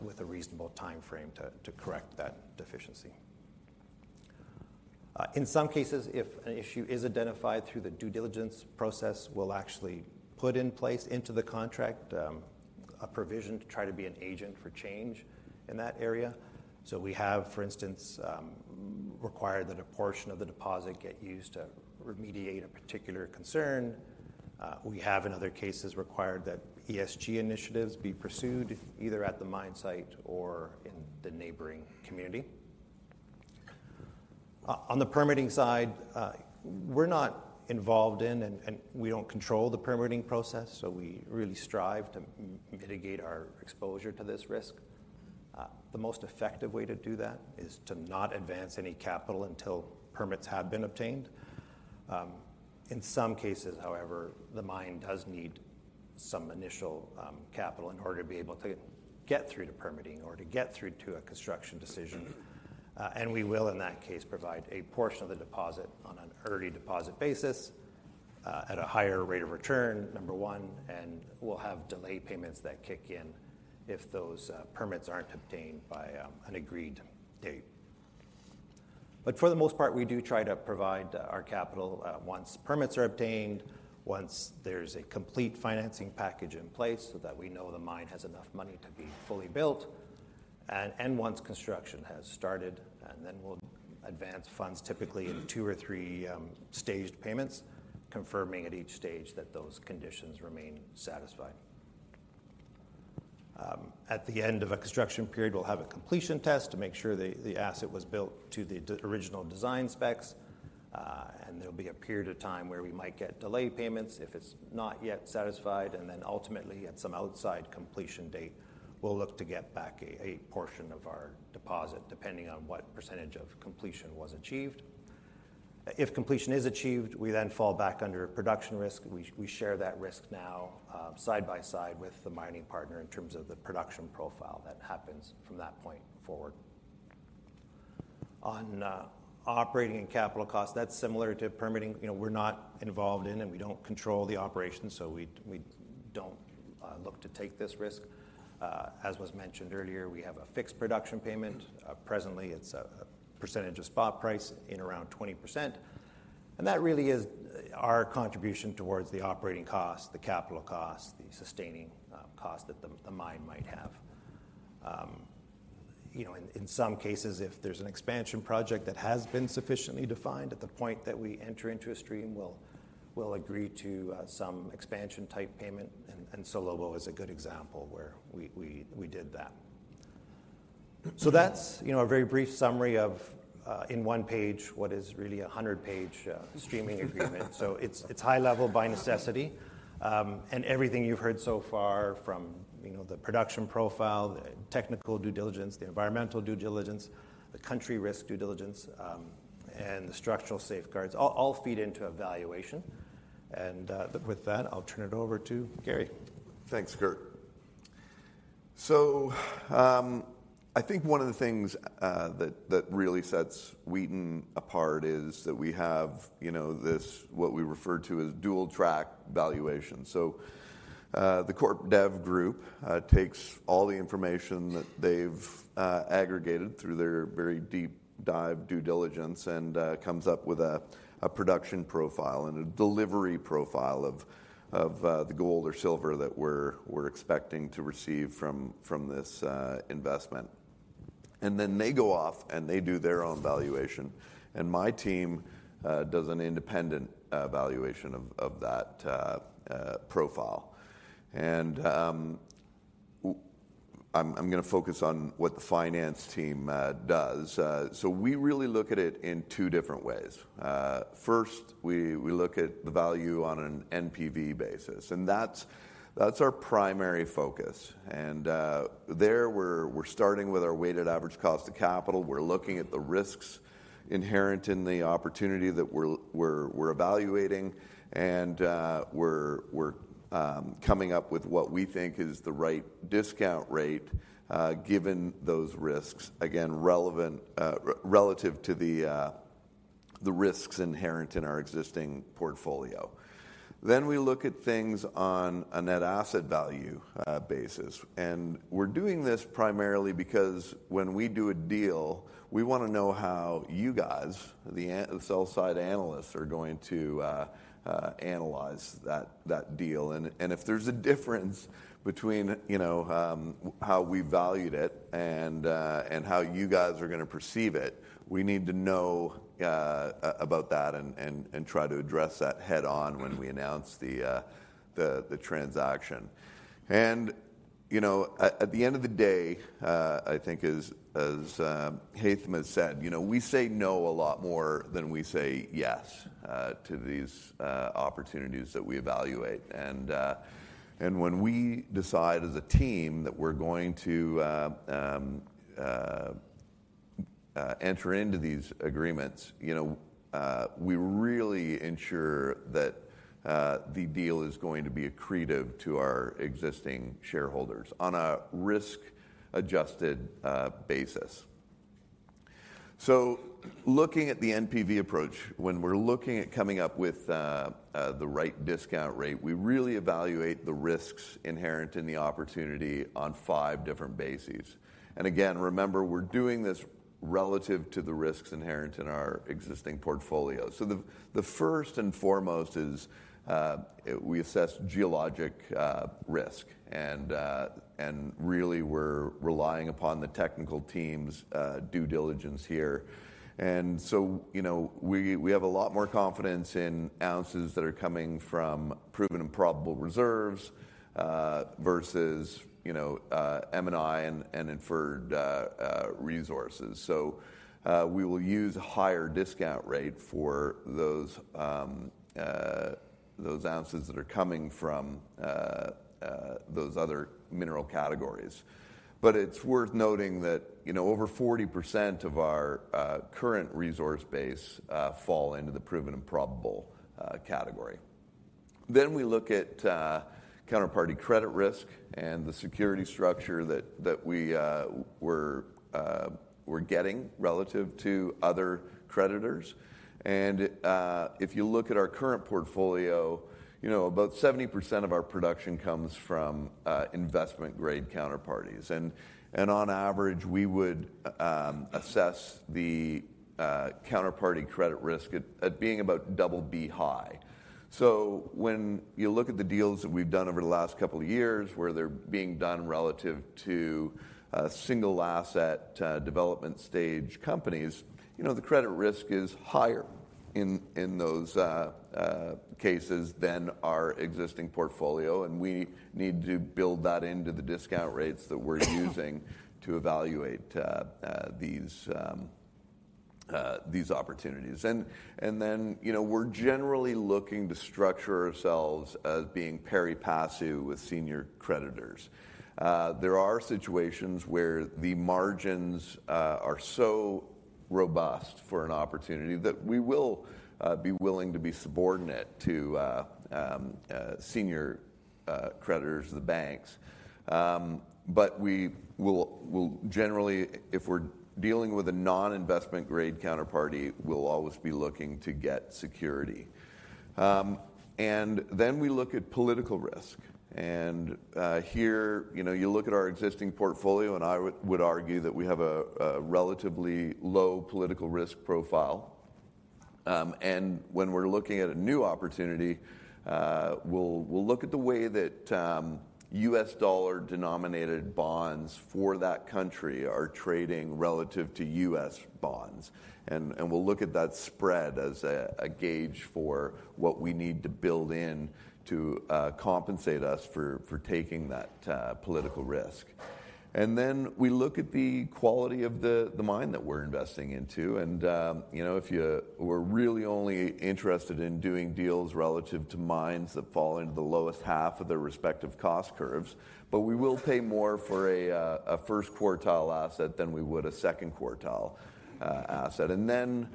S6: with a reasonable timeframe to correct that deficiency. In some cases, if an issue is identified through the due diligence process, we'll actually put in place into the contract a provision to try to be an agent for change in that area. So we have, for instance, required that a portion of the deposit get used to remediate a particular concern. We have, in other cases, required that ESG initiatives be pursued, either at the mine site or in the neighboring community. On the permitting side, we're not involved in, and we don't control the permitting process, so we really strive to mitigate our exposure to this risk. The most effective way to do that is to not advance any capital until permits have been obtained. In some cases, however, the mine does need some initial capital in order to be able to get through to permitting or to get through to a construction decision, and we will, in that case, provide a portion of the deposit on an early deposit basis, at a higher rate of return, number one, and we'll have delay payments that kick in if those permits aren't obtained by an agreed date. But for the most part, we do try to provide our capital, once permits are obtained, once there's a complete financing package in place so that we know the mine has enough money to be fully built, and once construction has started, and then we'll advance funds, typically in two or three staged payments, confirming at each stage that those conditions remain satisfied. At the end of a construction period, we'll have a completion test to make sure the asset was built to the original design specs, and there'll be a period of time where we might get delay payments if it's not yet satisfied, and then ultimately, at some outside completion date, we'll look to get back a portion of our deposit, depending on what percentage of completion was achieved. If completion is achieved, we then fall back under production risk. We share that risk now, side by side with the mining partner in terms of the production profile that happens from that point forward. On operating and capital costs, that's similar to permitting. You know, we're not involved in and we don't control the operations, so we don't look to take this risk. As was mentioned earlier, we have a fixed production payment. Presently, it's a percentage of spot price in around 20%, and that really is our contribution towards the operating cost, the capital cost, the sustaining cost that the mine might have. You know, in some cases, if there's an expansion project that has been sufficiently defined at the point that we enter into a stream, we'll agree to some expansion-type payment, and Salobo is a good example where we did that. So that's, you know, a very brief summary of, in one page, what is really a hundred-page streaming agreement. So it's high level by necessity, and everything you've heard so far from, you know, the production profile, the technical due diligence, the environmental due diligence, the country risk due diligence, and the structural safeguards, all feed into a valuation. With that, I'll turn it over to Gary.
S4: Thanks, Curt. So, I think one of the things that really sets Wheaton apart is that we have, you know, this, what we refer to as dual track valuation. So, the corp dev group takes all the information that they've aggregated through their very deep dive due diligence and comes up with a production profile and a delivery profile of the gold or silver that we're expecting to receive from this investment. And then they go off, and they do their own valuation, and my team does an independent valuation of that profile. And I'm gonna focus on what the finance team does. So we really look at it in two different ways. First, we look at the value on an NPV basis, and that's our primary focus. And there we're starting with our weighted average cost of capital. We're looking at the risks inherent in the opportunity that we're evaluating, and we're coming up with what we think is the right discount rate, given those risks, again, relevant relative to the risks inherent in our existing portfolio. Then we look at things on a net asset value basis, and we're doing this primarily because when we do a deal, we wanna know how you guys, the sell side analysts, are going to analyze that deal. And if there's a difference between, you know, how we valued it and how you guys are gonna perceive it, we need to know about that and try to address that head-on when we announce the transaction. And, you know, at the end of the day, I think as Haytham has said, you know, we say no a lot more than we say yes to these opportunities that we evaluate. And when we decide as a team that we're going to enter into these agreements, you know, we really ensure that the deal is going to be accretive to our existing shareholders on a risk-adjusted basis. So looking at the NPV approach, when we're looking at coming up with the right discount rate, we really evaluate the risks inherent in the opportunity on five different bases... and again, remember, we're doing this relative to the risks inherent in our existing portfolio. The first and foremost is we assess geologic risk, and really we're relying upon the technical team's due diligence here. And so, you know, we have a lot more confidence in ounces that are coming from proven and probable reserves versus, you know, M&I and inferred resources. We will use a higher discount rate for those ounces that are coming from those other mineral categories. But it's worth noting that, you know, over 40% of our current resource base fall into the proven and probable category. Then we look at counterparty credit risk and the security structure that we're getting relative to other creditors. And if you look at our current portfolio, you know, about 70% of our production comes from investment-grade counterparties. And on average, we would assess the counterparty credit risk at being about BB high. So when you look at the deals that we've done over the last couple of years, where they're being done relative to single asset development stage companies, you know, the credit risk is higher in those cases than our existing portfolio, and we need to build that into the discount rates that we're using to evaluate these opportunities. And then, you know, we're generally looking to structure ourselves as being pari passu with senior creditors. There are situations where the margins are so robust for an opportunity that we will be willing to be subordinate to senior creditors, the banks. But we will generally, if we're dealing with a non-investment grade counterparty, we'll always be looking to get security. And then we look at political risk. Here you know, you look at our existing portfolio, and I would argue that we have a relatively low political risk profile. When we're looking at a new opportunity, we'll look at the way that U.S. dollar-denominated bonds for that country are trading relative to U.S. bonds. We'll look at that spread as a gauge for what we need to build in to compensate us for taking that political risk. Then we look at the quality of the mine that we're investing into. You know, we're really only interested in doing deals relative to mines that fall into the lowest half of their respective cost curves, but we will pay more for a first quartile asset than we would a second quartile asset. And then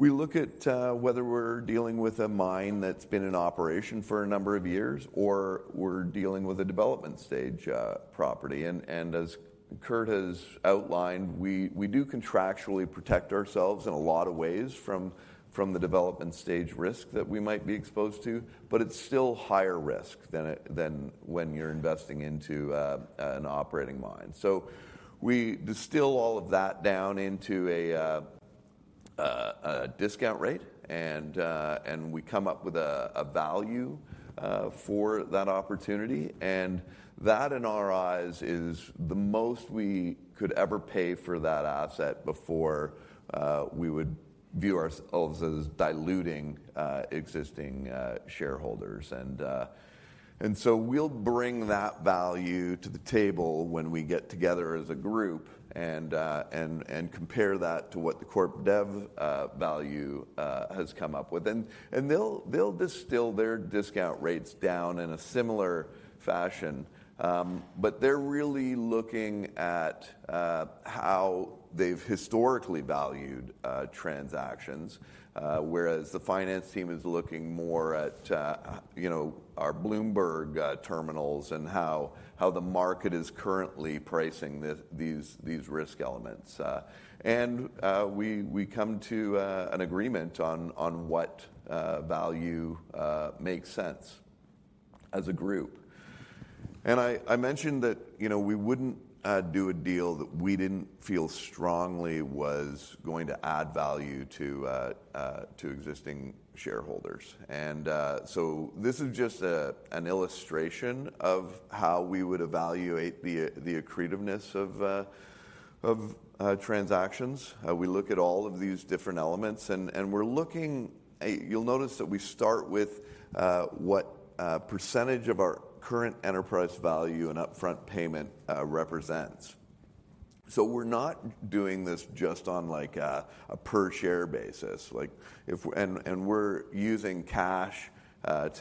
S4: we look at whether we're dealing with a mine that's been in operation for a number of years, or we're dealing with a development stage property. And as Curt has outlined, we do contractually protect ourselves in a lot of ways from the development stage risk that we might be exposed to, but it's still higher risk than when you're investing into an operating mine. So we distill all of that down into a discount rate, and we come up with a value for that opportunity. And that, in our eyes, is the most we could ever pay for that asset before we would view ourselves as diluting existing shareholders. And so we'll bring that value to the table when we get together as a group and compare that to what the corp dev value has come up with. And they'll distill their discount rates down in a similar fashion, but they're really looking at how they've historically valued transactions, whereas the finance team is looking more at, you know, our Bloomberg terminals and how the market is currently pricing these risk elements. And we come to an agreement on what value makes sense as a group. And I mentioned that, you know, we wouldn't do a deal that we didn't feel strongly was going to add value to existing shareholders. So this is just an illustration of how we would evaluate the accretiveness of transactions. We look at all of these different elements, and we're looking. You'll notice that we start with what percentage of our current enterprise value and upfront payment represents. So we're not doing this just on, like, a per share basis. Like, we're using cash on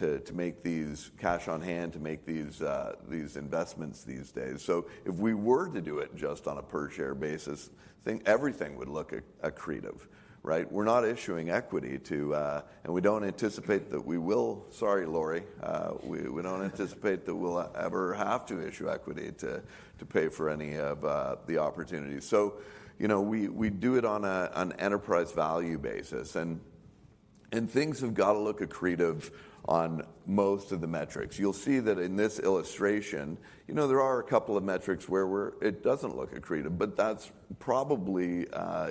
S4: hand to make these investments these days. So if we were to do it just on a per share basis, then everything would look accretive, right? We're not issuing equity to. And we don't anticipate that we will. Sorry, Laurie. We don't anticipate that we'll ever have to issue equity to pay for any of the opportunities. So, you know, we do it on an enterprise value basis, and things have got to look accretive on most of the metrics. You'll see that in this illustration, you know, there are a couple of metrics where it doesn't look accretive, but that's probably,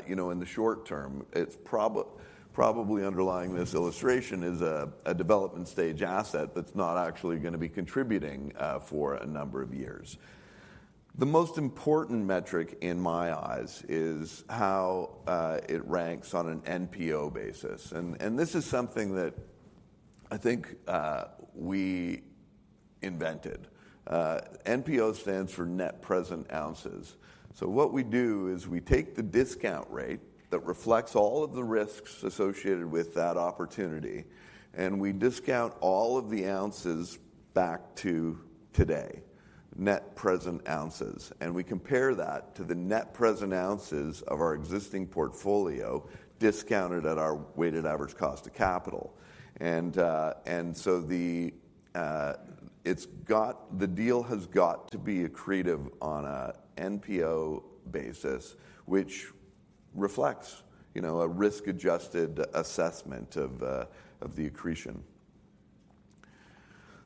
S4: you know, in the short term. It's probably underlying this illustration is a development stage asset that's not actually going to be contributing for a number of years. The most important metric in my eyes is how it ranks on an NPO basis, and this is something that I think we invented. NPO stands for Net Present Ounces. So what we do is we take the discount rate that reflects all of the risks associated with that opportunity, and we discount all of the ounces back to today, net present ounces. And we compare that to the net present ounces of our existing portfolio, discounted at our weighted average cost of capital. And so the deal has got to be accretive on a NPO basis, which reflects, you know, a risk-adjusted assessment of the accretion.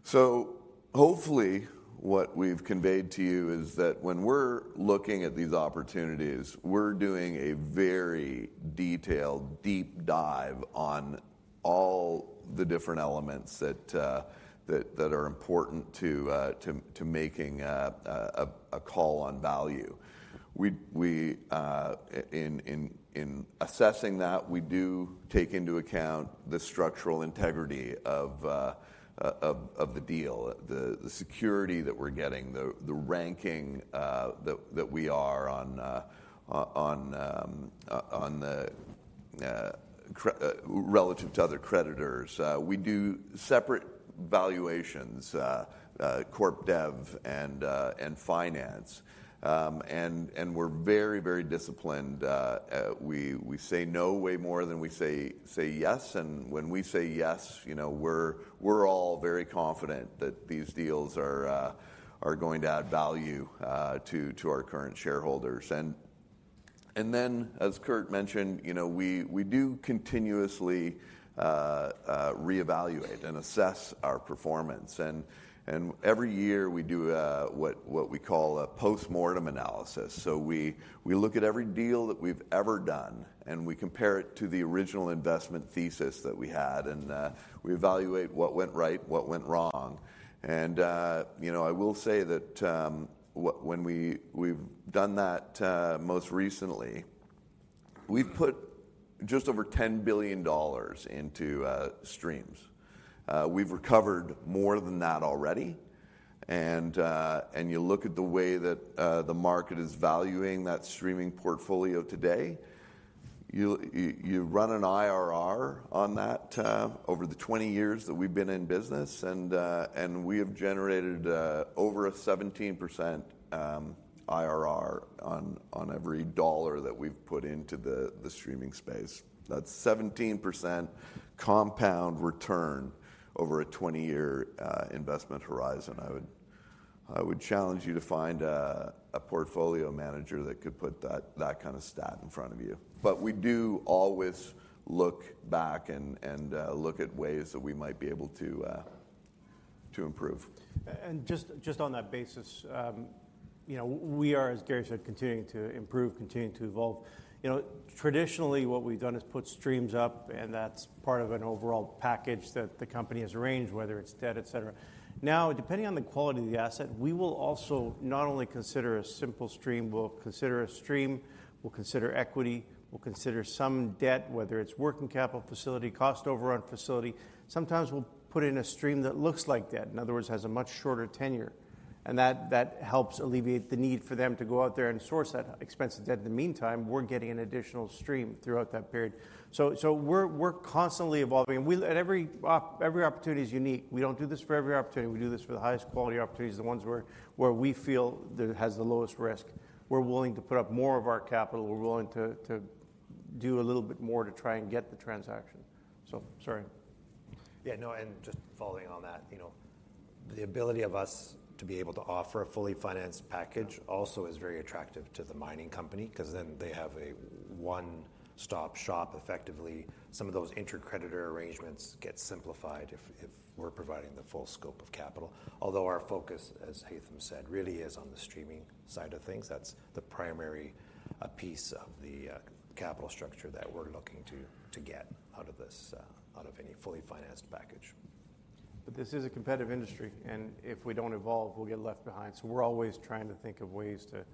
S4: So hopefully, what we've conveyed to you is that when we're looking at these opportunities, we're doing a very detailed, deep dive on all the different elements that are important to making a call on value. We, in assessing that, we do take into account the structural integrity of the deal, the security that we're getting, the ranking that we are on relative to other creditors. We do separate valuations, corp dev and finance, and we're very, very disciplined. We say no way more than we say yes, and when we say yes, you know, we're all very confident that these deals are going to add value to our current shareholders, and then, as Curt mentioned, you know, we do continuously reevaluate and assess our performance, and every year we do what we call a postmortem analysis, so we look at every deal that we've ever done, and we compare it to the original investment thesis that we had, and we evaluate what went right, what went wrong. You know, I will say that when we, we've done that most recently, we've put just over $10 billion into streams. We've recovered more than that already, and you look at the way that the market is valuing that streaming portfolio today, you run an IRR on that over the 20 years that we've been in business, and we have generated over a 17% IRR on every dollar that we've put into the streaming space. That's 17% compound return over a 20-year investment horizon. I would challenge you to find a portfolio manager that could put that kind of stat in front of you. But we do always look back and look at ways that we might be able to to improve.
S3: And just on that basis, you know, we are, as Gary said, continuing to improve, continuing to evolve. You know, traditionally, what we've done is put streams up, and that's part of an overall package that the company has arranged, whether it's debt, et cetera. Now, depending on the quality of the asset, we will also not only consider a simple stream, we'll consider a stream, we'll consider equity, we'll consider some debt, whether it's working capital facility, cost overrun facility. Sometimes we'll put in a stream that looks like debt, in other words, has a much shorter tenure, and that helps alleviate the need for them to go out there and source that expensive debt. In the meantime, we're getting an additional stream throughout that period. So we're constantly evolving, and every opportunity is unique. We don't do this for every opportunity. We do this for the highest quality opportunities, the ones where we feel that it has the lowest risk. We're willing to put up more of our capital. We're willing to do a little bit more to try and get the transaction. So, sorry.
S6: Yeah, no, and just following on that, you know, the ability of us to be able to offer a fully financed package also is very attractive to the mining company 'cause then they have a one-stop shop effectively. Some of those inter-creditor arrangements get simplified if we're providing the full scope of capital. Although our focus, as Haytham said, really is on the streaming side of things. That's the primary piece of the capital structure that we're looking to get out of this out of any fully financed package.
S3: But this is a competitive industry, and if we don't evolve, we'll get left behind. So we're always trying to think of ways to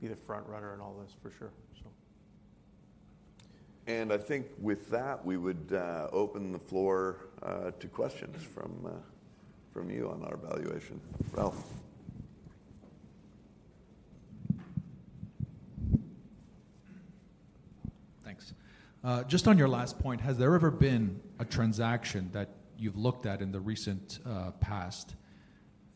S3: be the front runner in all this, for sure, so.
S4: And I think with that, we would open the floor to questions from you on our valuation. Ralph? Thanks. Just on your last point, has there ever been a transaction that you've looked at in the recent past,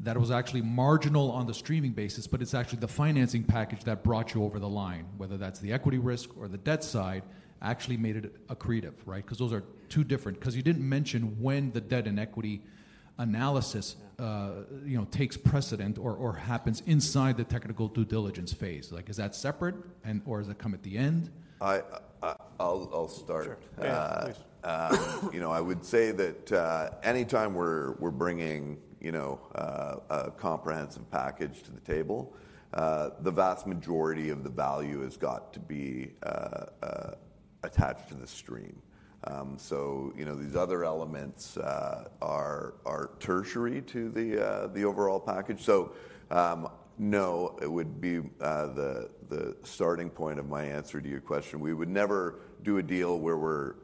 S4: that was actually marginal on the streaming basis, but it's actually the financing package that brought you over the line, whether that's the equity risk or the debt side, actually made it accretive, right? 'Cause those are two different... 'Cause you didn't mention when the debt and equity analysis, you know, takes precedent or, or happens inside the technical due diligence phase. Like, is that separate and or does it come at the end? I'll start.
S3: Sure. Yeah, please.
S4: You know, I would say that anytime we're bringing, you know, a comprehensive package to the table, the vast majority of the value has got to be... attached to the stream. You know, these other elements are tertiary to the overall package. No, it would be the starting point of my answer to your question. We would never do a deal where we're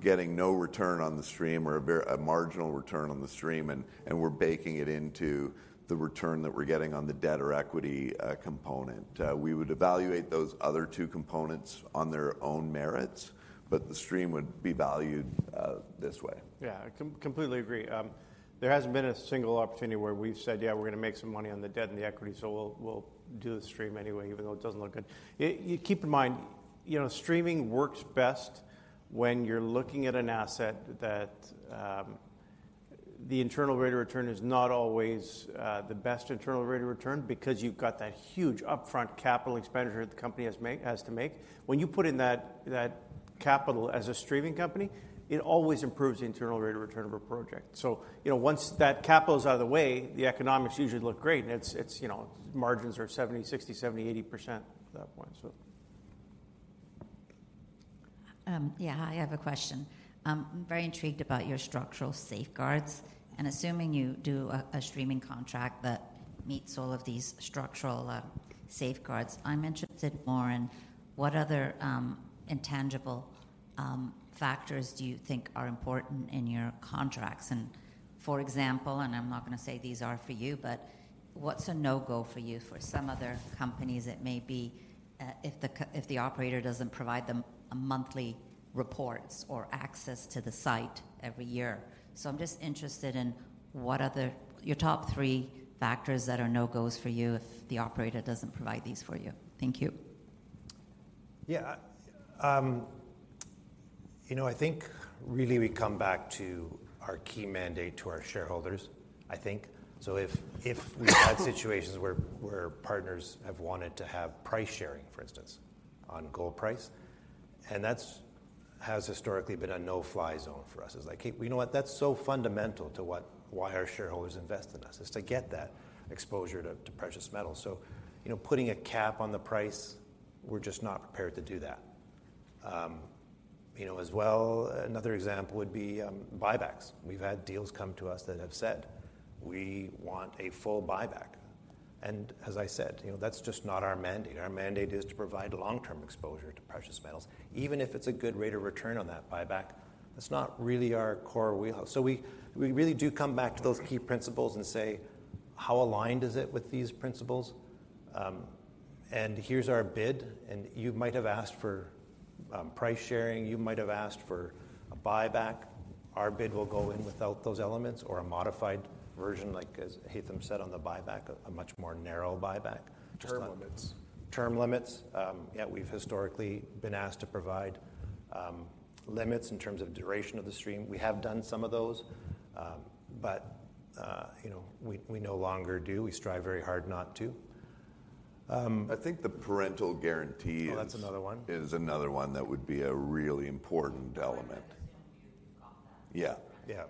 S4: getting no return on the stream or a very marginal return on the stream, and we're baking it into the return that we're getting on the debt or equity component. We would evaluate those other two components on their own merits, but the stream would be valued this way.
S3: Yeah, I completely agree. There hasn't been a single opportunity where we've said, "Yeah, we're gonna make some money on the debt and the equity, so we'll, we'll do the stream anyway, even though it doesn't look good." You keep in mind, you know, streaming works best when you're looking at an asset that, the internal rate of return is not always the best internal rate of return because you've got that huge upfront capital expenditure the company has to make. When you put in that, that capital as a streaming company, it always improves the internal rate of return of a project. So, you know, once that capital is out of the way, the economics usually look great, and it's, it's, you know, margins are 70%, 60%, 70%, 80% at that point, so. Yeah, I have a question. I'm very intrigued about your structural safeguards, and assuming you do a streaming contract that meets all of these structural safeguards, I'm interested more in what other intangible factors do you think are important in your contracts? And for example, and I'm not gonna say these are for you, but what's a no-go for you for some other companies that may be, if the operator doesn't provide them a monthly reports or access to the site every year? So I'm just interested in what other... Your top three factors that are no-gos for you if the operator doesn't provide these for you. Thank you.
S6: Yeah. You know, I think really we come back to our key mandate to our shareholders, I think. So if we've had situations where partners have wanted to have price sharing, for instance, on gold price, and that has historically been a no-fly zone for us. It's like, "Hey, you know what? That's so fundamental to what, why our shareholders invest in us, is to get that exposure to precious metals." So, you know, putting a cap on the price, we're just not prepared to do that. You know, as well, another example would be buybacks. We've had deals come to us that have said, "We want a full buyback." And as I said, you know, that's just not our mandate. Our mandate is to provide long-term exposure to precious metals. Even if it's a good rate of return on that buyback, that's not really our core wheelhouse. So we, we really do come back to those key principles and say: How aligned is it with these principles? And here's our bid, and you might have asked for price sharing, you might have asked for a buyback. Our bid will go in without those elements or a modified version, like as Haytham said on the buyback, a much more narrow buyback. Just-
S4: Term limits.
S6: Term limits. Yeah, we've historically been asked to provide limits in terms of duration of the stream. We have done some of those, but you know, we no longer do. We strive very hard not to.
S4: I think the parental guarantee is-
S6: Oh, that's another one....
S4: is another one that would be a really important element. Yeah.
S6: Yeah ...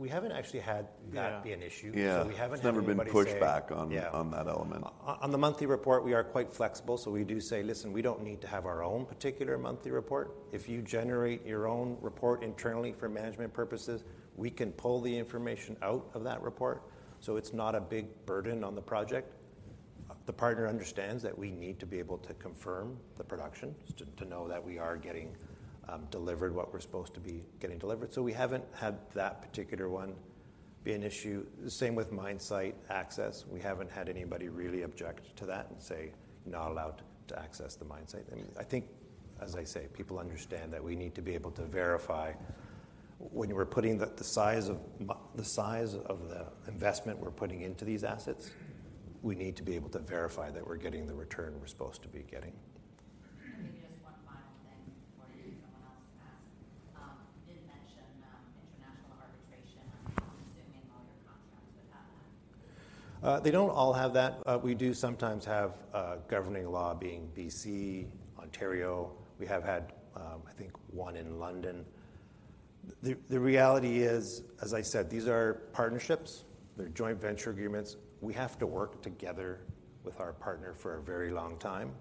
S6: guarantee that you mentioned. I'm just wondering more, you know, if your operator is not giving you the monthly reports and allowing you access to sites, saying, "No, we don't want to do that for you." Is that something you say, "Well, no"? We haven't actually had that-
S3: Yeah...
S6: be an issue.
S4: Yeah.
S6: So we haven't had anybody say-
S4: There's never been pushback on-
S6: Yeah...
S4: on that element.
S2: On the monthly report, we are quite flexible, so we do say, "Listen, we don't need to have our own particular monthly report. If you generate your own report internally for management purposes, we can pull the information out of that report, so it's not a big burden on the project." The partner understands that we need to be able to confirm the production, to know that we are getting delivered what we're supposed to be getting delivered. So we haven't had that particular one be an issue. The same with mine site access. We haven't had anybody really object to that and say, "You're not allowed to access the mine site." I mean, I think, as I say, people understand that we need to be able to verify when we're putting the size of the investment we're putting into these assets, we need to be able to verify that we're getting the return we're supposed to be getting. Maybe just one final thing before someone else asks. You didn't mention international arbitration. I'm assuming all your contracts would have that.
S6: They don't all have that. We do sometimes have governing law being BC, Ontario. We have had, I think one in London. The reality is, as I said, these are partnerships. They're joint venture agreements. We have to work together with our partner for a very long time.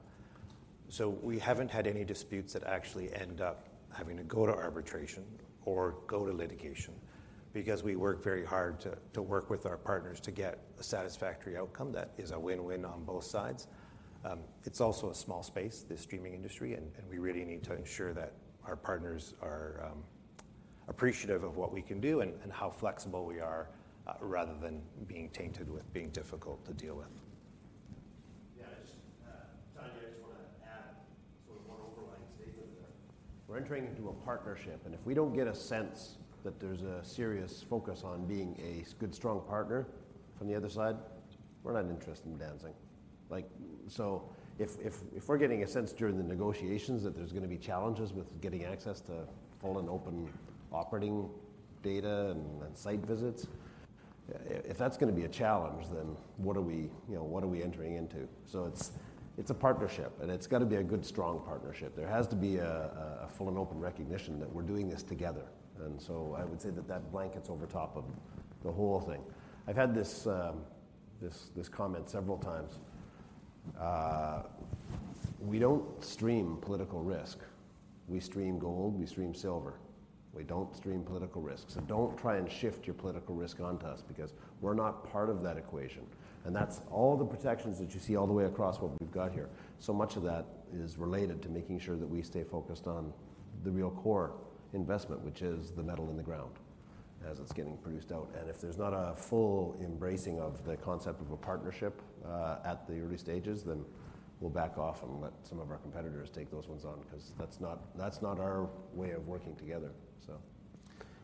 S6: So we haven't had any disputes that actually end up having to go to arbitration or go to litigation because we work very hard to work with our partners to get a satisfactory outcome that is a win-win on both sides. It's also a small space, the streaming industry, and we really need to ensure that our partners are appreciative of what we can do and how flexible we are, rather than being tainted with being difficult to deal with.
S2: Yeah, just, Tanya, I just wanna add sort of one overlying statement there. We're entering into a partnership, and if we don't get a sense that there's a serious focus on being a good, strong partner from the other side, we're not interested in dancing. Like, so if we're getting a sense during the negotiations that there's gonna be challenges with getting access to full and open operating data and site visits...... if that's going to be a challenge, then what are we, you know, what are we entering into? So it's a partnership, and it's got to be a good, strong partnership. There has to be a full and open recognition that we're doing this together, and so I would say that that blankets over top of the whole thing. I've had this comment several times. We don't stream political risk. We stream gold, we stream silver. We don't stream political risk, so don't try and shift your political risk onto us because we're not part of that equation. And that's all the protections that you see all the way across what we've got here. So much of that is related to making sure that we stay focused on the real core investment, which is the metal in the ground as it's getting produced out. And if there's not a full embracing of the concept of a partnership at the early stages, then we'll back off and let some of our competitors take those ones on, 'cause that's not, that's not our way of working together. So,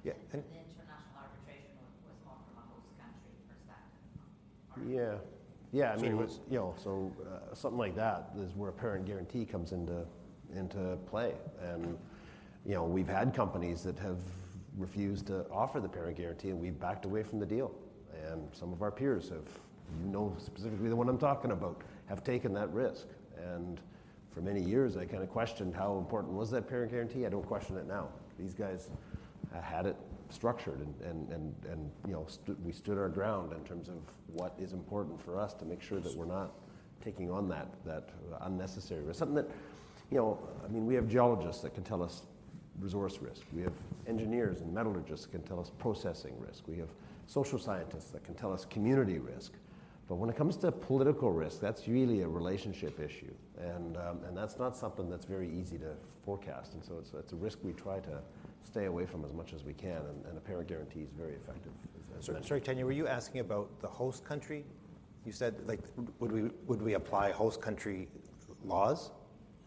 S2: yeah, and- And the international arbitration was more from a host country perspective, huh? Yeah. Yeah, I mean- Sure. It was, you know, so something like that is where a parent guarantee comes into play. And, you know, we've had companies that have refused to offer the parent guarantee, and we've backed away from the deal. And some of our peers have, you know, specifically the one I'm talking about, have taken that risk. And for many years, I kind of questioned, how important was that parent guarantee? I don't question it now. These guys had it structured and, you know, we stood our ground in terms of what is important for us to make sure that we're not taking on that unnecessary risk. Something that, you know... I mean, we have geologists that can tell us resource risk. We have engineers and metallurgists can tell us processing risk. We have social scientists that can tell us community risk. But when it comes to political risk, that's really a relationship issue, and, and that's not something that's very easy to forecast. And so it's, it's a risk we try to stay away from as much as we can, and, and a parent guarantee is very effective as-
S6: Sorry, Tanya, were you asking about the host country? You said, like, would we apply host country laws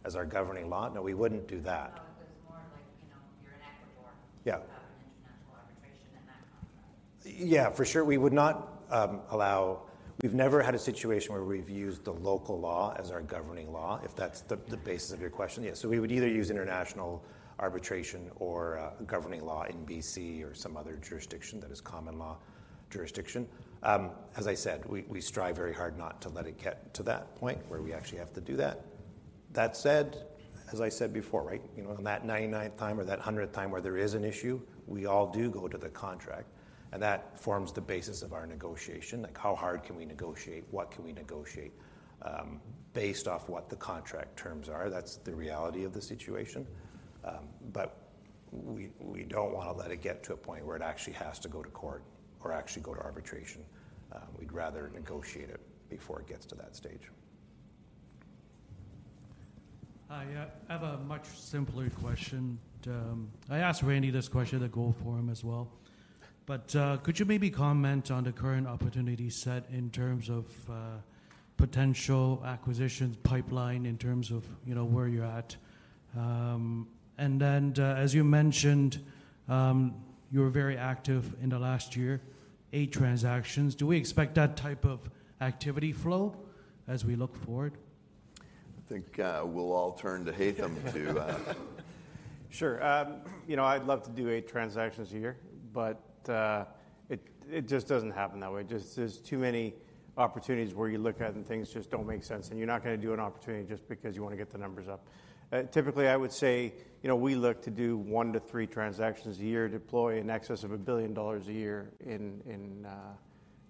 S6: as our governing law? No, we wouldn't do that. No, it was more of like, you know, you're in Ecuador- Yeah. You have an international arbitration in that contract. Yeah, for sure, we would not allow. We've never had a situation where we've used the local law as our governing law, if that's the basis of your question. Yeah, so we would either use international arbitration or governing law in BC or some other jurisdiction that is common law jurisdiction. As I said, we strive very hard not to let it get to that point where we actually have to do that. That said, as I said before, right? You know, on that 99th time or that 100th time where there is an issue, we all do go to the contract, and that forms the basis of our negotiation. Like, how hard can we negotiate? What can we negotiate based off what the contract terms are? That's the reality of the situation. But we don't want to let it get to a point where it actually has to go to court or actually go to arbitration. We'd rather negotiate it before it gets to that stage. Hi, yeah, I have a much simpler question. I asked Randy this question at the Gold Forum as well, but could you maybe comment on the current opportunity set in terms of potential acquisitions pipeline, in terms of, you know, where you're at, and then, as you mentioned, you were very active in the last year, eight transactions. Do we expect that type of activity flow as we look forward?
S2: I think, we'll all turn to Haytham to,
S3: Sure, you know, I'd love to do eight transactions a year, but it just doesn't happen that way. Just, there's too many opportunities where you look at and things just don't make sense, and you're not gonna do an opportunity just because you want to get the numbers up. Typically, I would say, you know, we look to do one to three transactions a year, deploy in excess of $1 billion a year in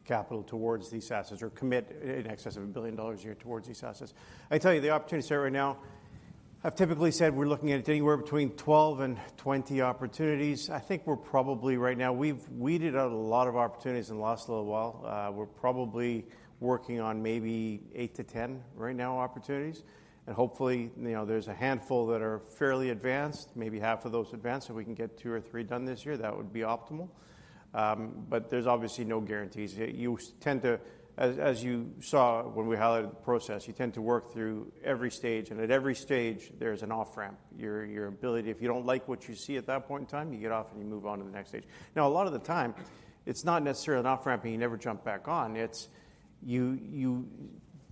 S3: capital towards these assets, or commit in excess of $1 billion a year towards these assets. I tell you, the opportunity set right now, I've typically said we're looking at anywhere between 12 and 20 opportunities. I think we're probably right now, we've weeded out a lot of opportunities in the last little while. We're probably working on maybe eight to ten right now opportunities, and hopefully, you know, there's a handful that are fairly advanced, maybe half of those advanced. So if we can get two or three done this year, that would be optimal. But there's obviously no guarantees. You tend to. As you saw when we highlighted the process, you tend to work through every stage, and at every stage, there's an off-ramp. Your ability, if you don't like what you see at that point in time, you get off, and you move on to the next stage. Now, a lot of the time, it's not necessarily an off-ramp, and you never jump back on. It's you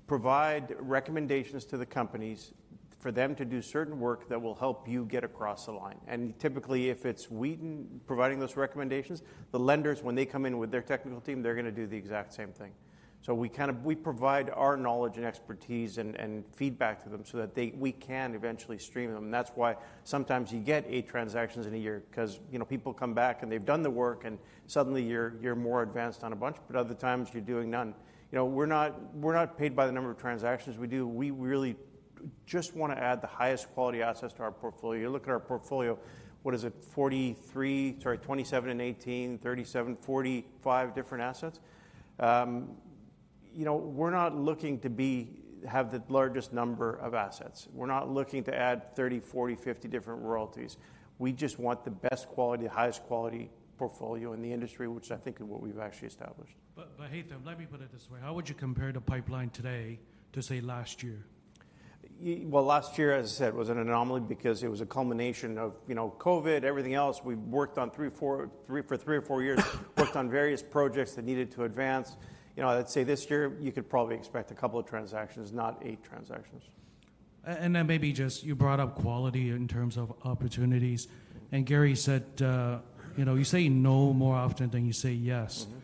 S3: provide recommendations to the companies for them to do certain work that will help you get across the line. And typically, if it's Wheaton providing those recommendations, the lenders, when they come in with their technical team, they're going to do the exact same thing. So we kind of, we provide our knowledge and expertise and feedback to them so that we can eventually stream them. That's why sometimes you get eight transactions in a year, 'cause, you know, people come back, and they've done the work, and suddenly you're more advanced on a bunch, but other times, you're doing none. You know, we're not paid by the number of transactions we do. We really just want to add the highest quality assets to our portfolio. You look at our portfolio, what is it? 43, sorry, 27 and 18, 37, 45 different assets. You know, we're not looking to have the largest number of assets. We're not looking to add thirty, forty, fifty different royalties. We just want the best quality, highest quality portfolio in the industry, which I think is what we've actually established. Haytham, let me put it this way: How would you compare the pipeline today to, say, last year? Last year, as I said, was an anomaly because it was a culmination of, you know, COVID, everything else. We've worked on for three or four years, worked on various projects that needed to advance. You know, I'd say this year, you could probably expect a couple of transactions, not eight transactions. and then maybe just, you brought up quality in terms of opportunities, and Gary said, you know, you say no more often than you say yes. Mm-hmm.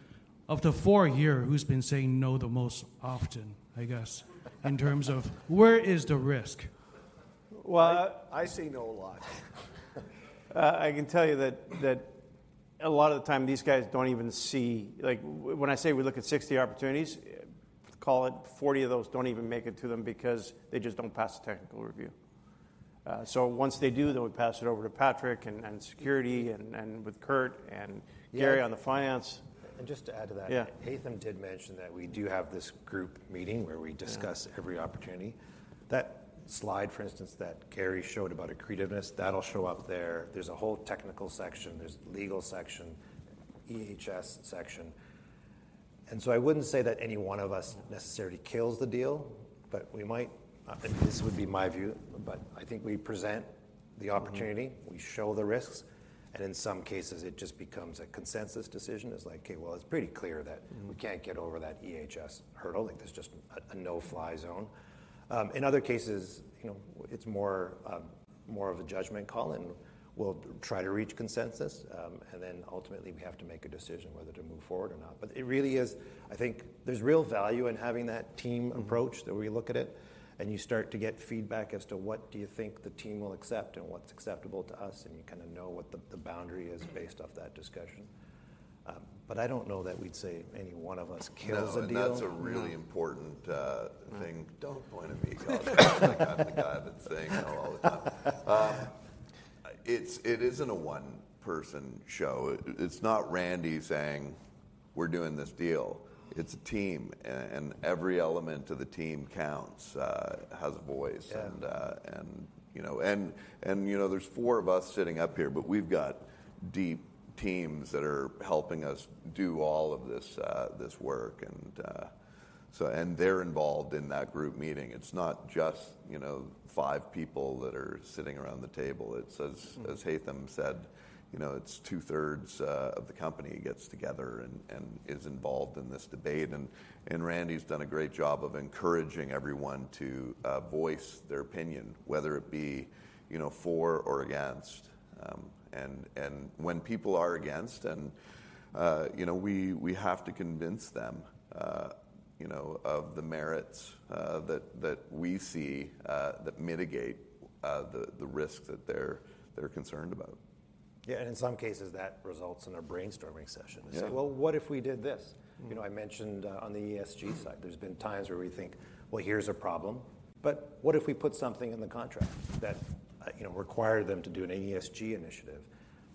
S3: Of the four here, who's been saying no the most often, I guess, in terms of where is the risk? Well, I-
S6: I say no a lot.
S3: I can tell you that a lot of the time, these guys don't even see, like, when I say we look at 60 opportunities, call it 40 of those don't even make it to them because they just don't pass the technical review. So once they do, then we pass it over to Patrick, and security, and with Curt and-
S6: Yeah...
S3: Gary on the finance.
S6: Just to add to that-
S3: Yeah.
S6: Haytham did mention that we do have this group meeting where we discuss...
S3: Yeah...
S6: every opportunity. That slide, for instance, that Gary showed about accretiveness, that'll show up there. There's a whole technical section, there's legal section, EHS section, and so I wouldn't say that any one of us necessarily kills the deal, but we might, and this would be my view, but I think we present the opportunity-
S3: Mm-hmm.
S6: We show the risks, and in some cases, it just becomes a consensus decision. It's like: Okay, well, it's pretty clear that-
S3: Mm-hmm...
S6: we can't get over that EHS hurdle. Like, there's just a no-fly zone. In other cases, you know, it's more of a judgment call, and we'll try to reach consensus, and then ultimately, we have to make a decision whether to move forward or not. But it really is... I think there's real value in having that team approach.
S3: Mm-hmm...
S6: the way we look at it, and you start to get feedback as to what do you think the team will accept and what's acceptable to us, and you kind of know what the boundary is based off that discussion. But I don't know that we'd say any one of us kills a deal.
S4: No, and that's a really important thing. Don't point at me, 'cause I'm like, I'm the guy that's saying no all the time. It's, it isn't a one-person show. It, it's not Randy saying, "We're doing this deal." It's a team, and every element of the team counts, has a voice.
S6: Yeah.
S4: You know, there's four of us sitting up here, but we've got deep teams that are helping us do all of this work, and so they're involved in that group meeting. It's not just, you know, five people that are sitting around the table. It's as Haytham said. You know, it's two-thirds of the company that gets together and is involved in this debate. Randy's done a great job of encouraging everyone to voice their opinion, whether it be, you know, for or against. When people are against, then, you know, we have to convince them, you know, of the merits that we see that mitigate the risk that they're concerned about.
S6: Yeah, and in some cases, that results in a brainstorming session.
S4: Yeah.
S6: What if we did this?
S4: Mm-hmm.
S6: You know, I mentioned, on the ESG side, there's been times where we think, "Well, here's a problem, but what if we put something in the contract that, you know, required them to do an ESG initiative?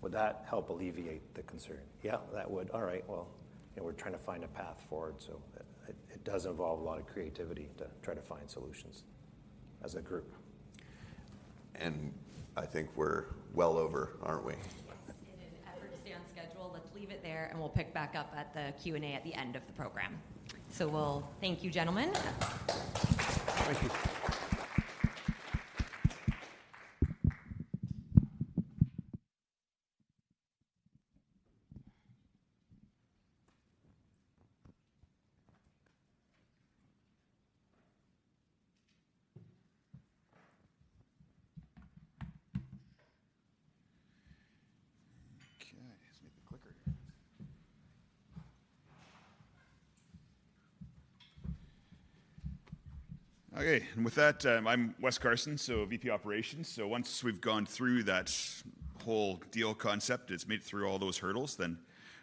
S6: Would that help alleviate the concern?" "Yeah, that would." "All right, well, you know, we're trying to find a path forward," so it does involve a lot of creativity to try to find solutions as a group.
S4: I think we're well over, aren't we?
S1: Yes. In an effort to stay on schedule, let's leave it there, and we'll pick back up at the Q&A at the end of the program, so we'll thank you, gentlemen.
S3: Thank you.
S7: Okay, let's make the clicker. Okay, and with that, I'm Wes Carson, VP Operations. Once we've gone through that whole deal concept, it's made it through all those hurdles, then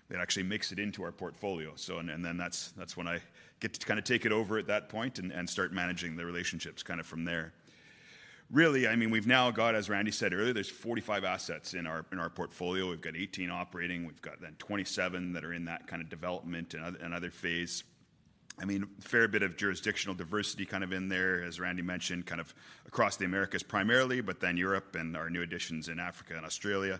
S7: it actually makes it into our portfolio. And then that's when I get to kind of take it over at that point and start managing the relationships kind of from there. Really, I mean, we've now got, as Randy said earlier, there's 45 assets in our portfolio. We've got 18 operating, we've got then 27 that are in that kind of development and other phase. I mean, a fair bit of jurisdictional diversity kind of in there, as Randy mentioned, kind of across the Americas primarily, but then Europe and our new additions in Africa and Australia.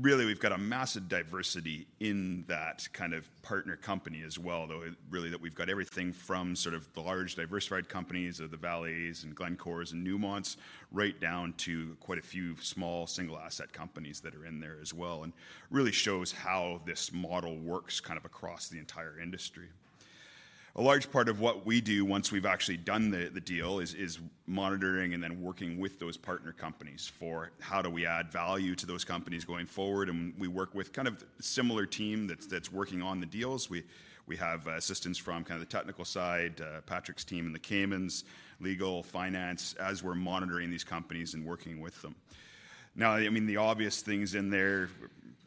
S7: Really, we've got a massive diversity in that kind of partner company as well, though, really, that we've got everything from sort of the large diversified companies of the Vales and Glencores and Newmonts, right down to quite a few small, single-asset companies that are in there as well, and really shows how this model works kind of across the entire industry. A large part of what we do, once we've actually done the deal is monitoring and then working with those partner companies for how do we add value to those companies going forward, and we work with kind of similar team that's working on the deals. We have assistance from kind of the technical side, Patrick's team in the Cayman Islands, legal, finance, as we're monitoring these companies and working with them. Now, I mean, the obvious things in there,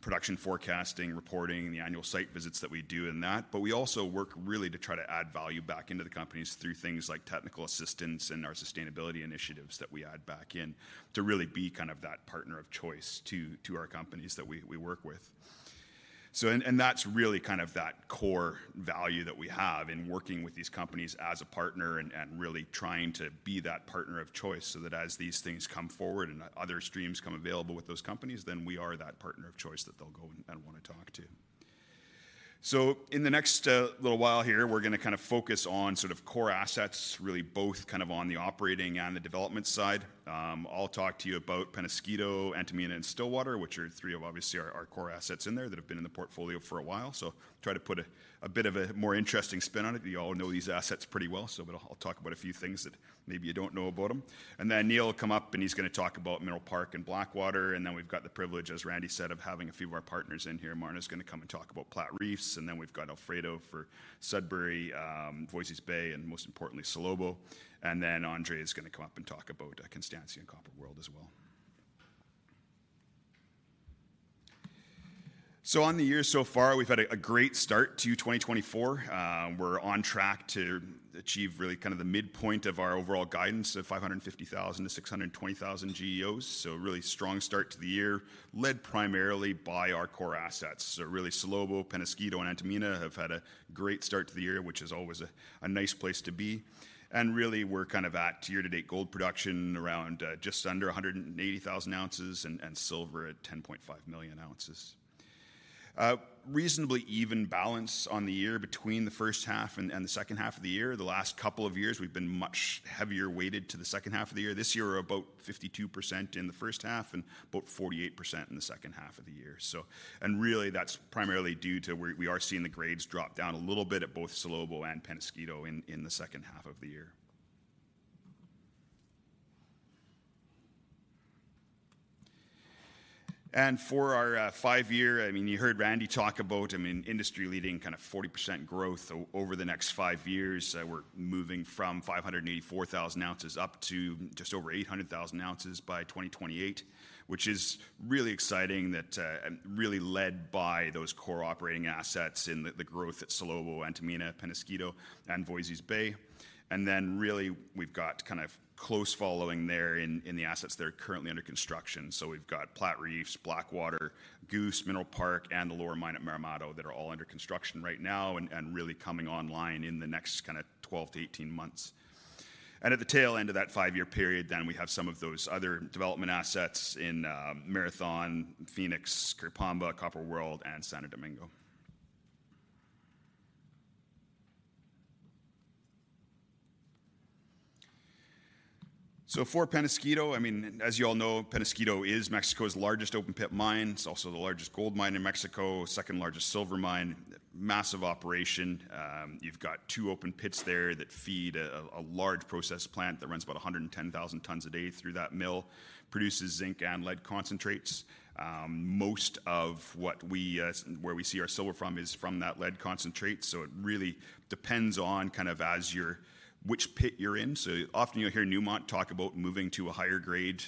S7: production forecasting, reporting, the annual site visits that we do in that, but we also work really to try to add value back into the companies through things like technical assistance and our sustainability initiatives that we add back in, to really be kind of that partner of choice to our companies that we work with. So, and that's really kind of that core value that we have in working with these companies as a partner and really trying to be that partner of choice, so that as these things come forward and other streams become available with those companies, then we are that partner of choice that they'll go and wanna talk to. So in the next little while here, we're gonna kind of focus on sort of core assets, really both kind of on the operating and the development side. I'll talk to you about Peñasquito, Antamina, and Stillwater, which are three of obviously our core assets in there that have been in the portfolio for a while. So try to put a bit of a more interesting spin on it. You all know these assets pretty well, so but I'll talk about a few things that maybe you don't know about them. And then Neil will come up, and he's gonna talk about Mineral Park and Blackwater. And then we've got the privilege, as Randy said, of having a few of our partners in here. Marna's gonna come and talk about Platreef, and then we've got Alfredo for Sudbury, Voisey's Bay, and most importantly, Salobo. And then André is gonna come up and talk about Constancia and Copper World as well. On the year so far, we've had a great start to 2024. We're on track to achieve really kind of the midpoint of our overall guidance of 550,000-620,000 GEOs. So a really strong start to the year, led primarily by our core assets. Really, Salobo, Peñasquito, and Antamina have had a great start to the year, which is always a nice place to be. And really, we're kind of at year-to-date gold production around just under 180,000 ounces, and silver at 10.5 million ounces. Reasonably even balance on the year between the first half and the second half of the year. The last couple of years, we've been much heavier weighted to the second half of the year. This year, we're about 52% in the first half and about 48% in the second half of the year, and really, that's primarily due to where we are seeing the grades drop down a little bit at both Salobo and Peñasquito in the second half of the year. And for our five-year, I mean, you heard Randy talk about, I mean, industry-leading kind of 40% growth over the next five years. We're moving from 584,000 ounces up to just over 800,000 ounces by 2028, which is really exciting and really led by those core operating assets and the growth at Salobo, Antamina, Peñasquito, and Voisey's Bay. And then really, we've got kind of close following there in the assets that are currently under construction. So we've got Platreef, Blackwater, Goose, Mineral Park, and the lower mine at Marmato that are all under construction right now and really coming online in the next kind of 12-18 months. And at the tail end of that five-year period, then we have some of those other development assets in Marathon, Fenix, Curipamba, Copper World, and Santo Domingo. So for Peñasquito, I mean, as you all know, Peñasquito is Mexico's largest open-pit mine. It's also the largest gold mine in Mexico, second-largest silver mine, massive operation. You've got two open pits there that feed a large process plant that runs about 110,000 tons a day through that mill, produces zinc and lead concentrates. Most of what we see where we see our silver from is from that lead concentrate, so it really depends on kind of as you're which pit you're in, so often, you'll hear Newmont talk about moving to a higher grade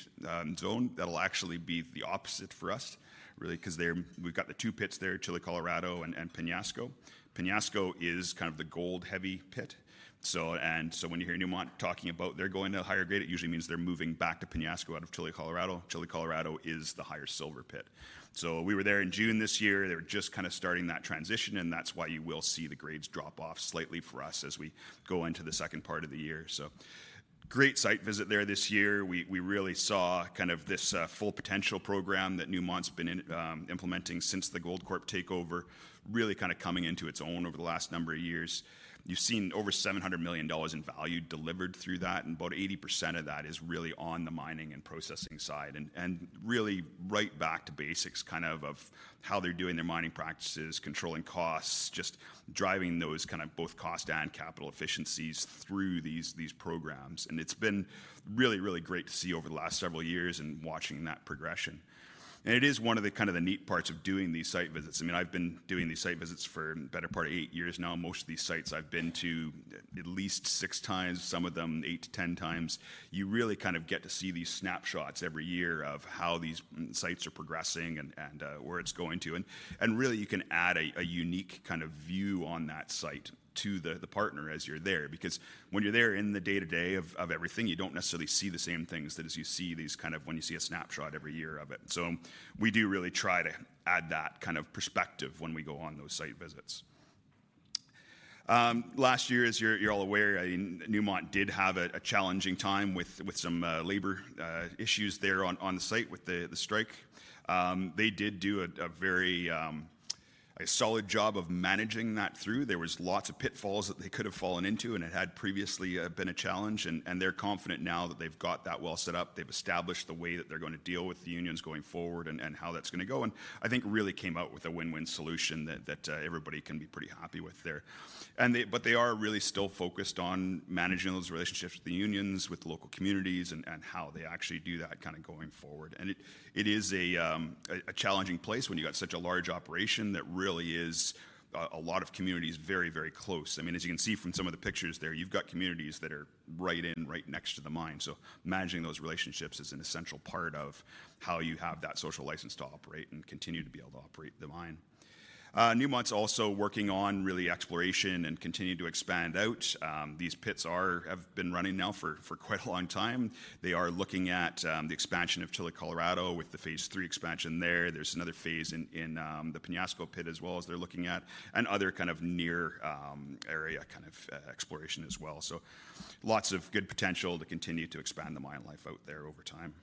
S7: zone. That'll actually be the opposite for us, really, 'cause there we've got the two pits there, Chile Colorado and Peñasco. Peñasco is kind of the gold-heavy pit, so and so when you hear Newmont talking about they're going to a higher grade, it usually means they're moving back to Peñasco out of Chile Colorado. Chile Colorado is the higher silver pit, so we were there in June this year. They were just kind of starting that transition, and that's why you will see the grades drop off slightly for us as we go into the second part of the year. Great site visit there this year. We really saw kind of this Full Potential program that Newmont been implementing since the Goldcorp takeover, really kind of coming into its own over the last number of years. You've seen over $700 million in value delivered through that, and about 80% of that is really on the mining and processing side. And really right back to basics, kind of, of how they're doing their mining practices, controlling costs, just driving those kind of both cost and capital efficiencies through these programs. And it's been really great to see over the last several years and watching that progression. And it is one of the kind of neat parts of doing these site visits. I mean, I've been doing these site visits for the better part of eight years now. Most of these sites I've been to at least six times, some of them eight to 10 times. You really kind of get to see these snapshots every year of how these sites are progressing and where it's going to, and really, you can add a unique kind of view on that site to the partner as you're there, because when you're there in the day-to-day of everything, you don't necessarily see the same things that as you see these kind of when you see a snapshot every year of it, so we do really try to add that kind of perspective when we go on those site visits. Last year, as you're all aware, I mean, Newmont did have a challenging time with some labor issues there on the site with the strike. They did do a very solid job of managing that through. There was lots of pitfalls that they could have fallen into, and it had previously been a challenge, and they're confident now that they've got that well set up. They've established the way that they're gonna deal with the unions going forward and how that's gonna go, and I think really came out with a win-win solution that everybody can be pretty happy with there. But they are really still focused on managing those relationships with the unions, with the local communities, and how they actually do that kind of going forward. It is a challenging place when you've got such a large operation that really is a lot of communities very, very close. I mean, as you can see from some of the pictures there, you've got communities that are right in, right next to the mine. So managing those relationships is an essential part of how you have that social license to operate and continue to be able to operate the mine. Newmont's also working on really exploration and continuing to expand out. These pits have been running now for quite a long time. They are looking at the expansion of Chile Colorado with the phase three expansion there. There's another phase in the Peñasco Pit, as well as they're looking at and other kind of near area kind of exploration as well. So lots of good potential to continue to expand the mine life out there over time.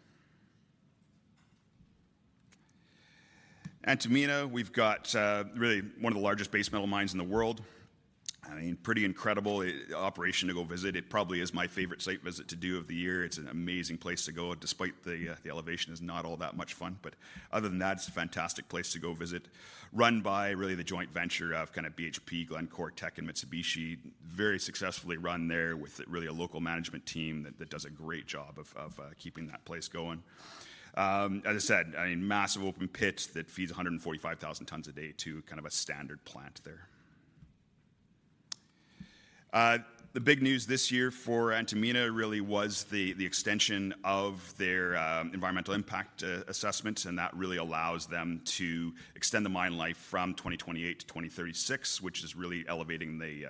S7: Antamina, we've got really one of the largest base metal mines in the world. I mean, pretty incredible operation to go visit. It probably is my favorite site visit to do of the year. It's an amazing place to go, despite the elevation is not all that much fun. But other than that, it's a fantastic place to go visit. Run by really the joint venture of kinda BHP, Glencore, Teck, and Mitsubishi. Very successfully run there with really a local management team that does a great job of keeping that place going. As I said, a massive open pit that feeds 145,000 tons a day to kind of a standard plant there. The big news this year for Antamina really was the extension of their environmental impact assessment, and that really allows them to extend the mine life from 2028 to 2036, which is really elevating the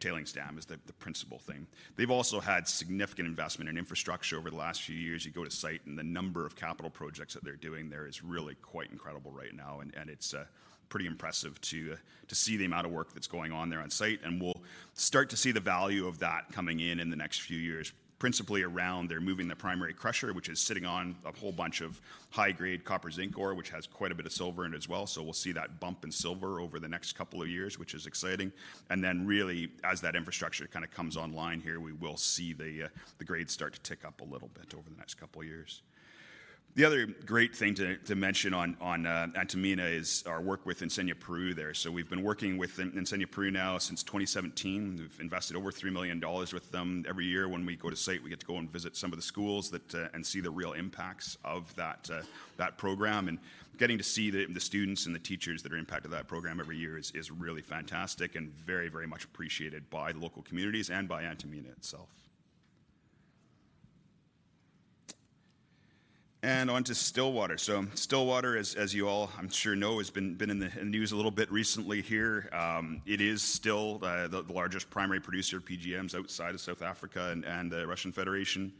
S7: tailings dam, which is the principal thing. They've also had significant investment in infrastructure over the last few years. You go to site, and the number of capital projects that they're doing there is really quite incredible right now, and it's pretty impressive to see the amount of work that's going on there on site. We'll start to see the value of that coming in in the next few years, principally around they're moving their primary crusher, which is sitting on a whole bunch of high-grade copper-zinc ore, which has quite a bit of silver in it as well. So we'll see that bump in silver over the next couple of years, which is exciting. And then really, as that infrastructure kinda comes online here, we will see the grades start to tick up a little bit over the next couple of years. The other great thing to mention on Antamina is our work with Enseña Perú there. So we've been working with Enseña Perú now since 2017. We've invested over $3 million with them. Every year when we go to site, we get to go and visit some of the schools that and see the real impacts of that program. And getting to see the students and the teachers that are impacted by that program every year is really fantastic and very, very much appreciated by the local communities and by Antamina itself. On to Stillwater. Stillwater, as you all, I'm sure know, has been in the news a little bit recently here. It is still the largest primary producer of PGMs outside of South Africa and the Russian Federation,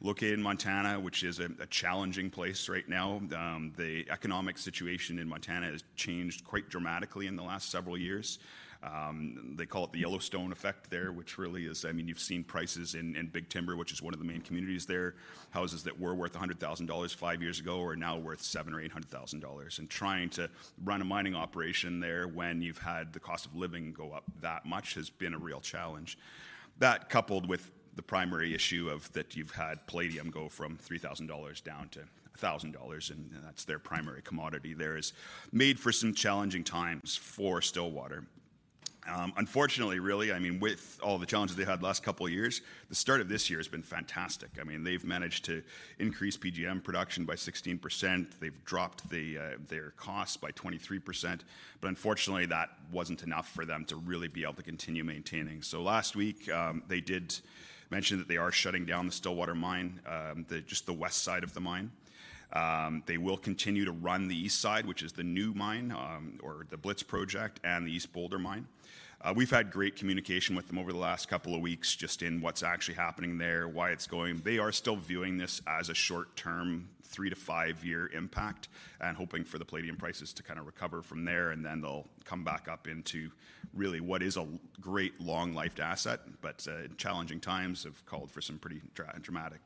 S7: located in Montana, which is a challenging place right now. The economic situation in Montana has changed quite dramatically in the last several years. They call it the Yellowstone effect there, which really is... I mean, you've seen prices in Big Timber, which is one of the main communities there. Houses that were worth $100,000 five years ago are now worth $700,000 or $800,000. Trying to run a mining operation there when you've had the cost of living go up that much has been a real challenge. That, coupled with the primary issue of that you've had palladium go from $3,000 down to $1,000, and that's their primary commodity there, has made for some challenging times for Stillwater. Unfortunately, really, I mean, with all the challenges they had the last couple of years, the start of this year has been fantastic. I mean, they've managed to increase PGM production by 16%. They've dropped the their costs by 23%, but unfortunately, that wasn't enough for them to really be able to continue maintaining. So last week, they did mention that they are shutting down the Stillwater Mine, the just the west side of the mine. They will continue to run the east side, which is the new mine, or the Blitz Project and the East Boulder Mine. We've had great communication with them over the last couple of weeks, just in what's actually happening there, why it's going. They are still viewing this as a short-term, three-to-five-year impact and hoping for the palladium prices to kind of recover from there, and then they'll come back up into really what is a great long-lived asset. But challenging times have called for some pretty dramatic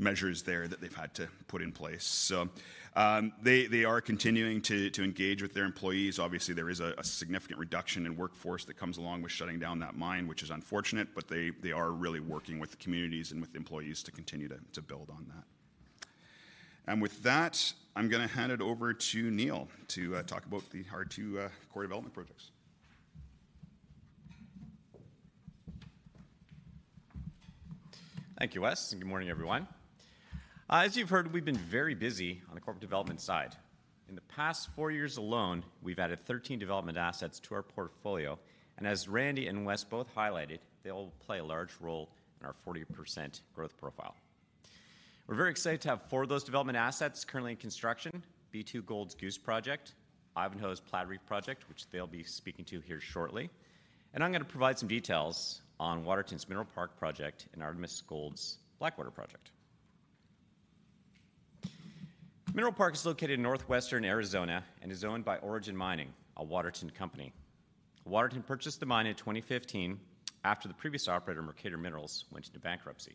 S7: measures there that they've had to put in place. So they are continuing to engage with their employees. Obviously, there is a significant reduction in workforce that comes along with shutting down that mine, which is unfortunate, but they are really working with the communities and with the employees to continue to build on that. With that, I'm gonna hand it over to Neil to talk about our core development projects.
S8: Thank you, Wes, and good morning, everyone. As you've heard, we've been very busy on the corporate development side. In the past four years alone, we've added 13 development assets to our portfolio, and as Randy and Wes both highlighted, they'll play a large role in our 40% growth profile. We're very excited to have four of those development assets currently in construction: B2Gold's Goose Project, Ivanhoe's Platreef Project, which they'll be speaking to here shortly, and I'm gonna provide some details on Waterton's Mineral Park Project and Artemis Gold's Blackwater Project. Mineral Park is located in northwestern Arizona and is owned by Origin Mining, a Waterton company. Waterton purchased the mine in 2015 after the previous operator, Mercator Minerals, went into bankruptcy.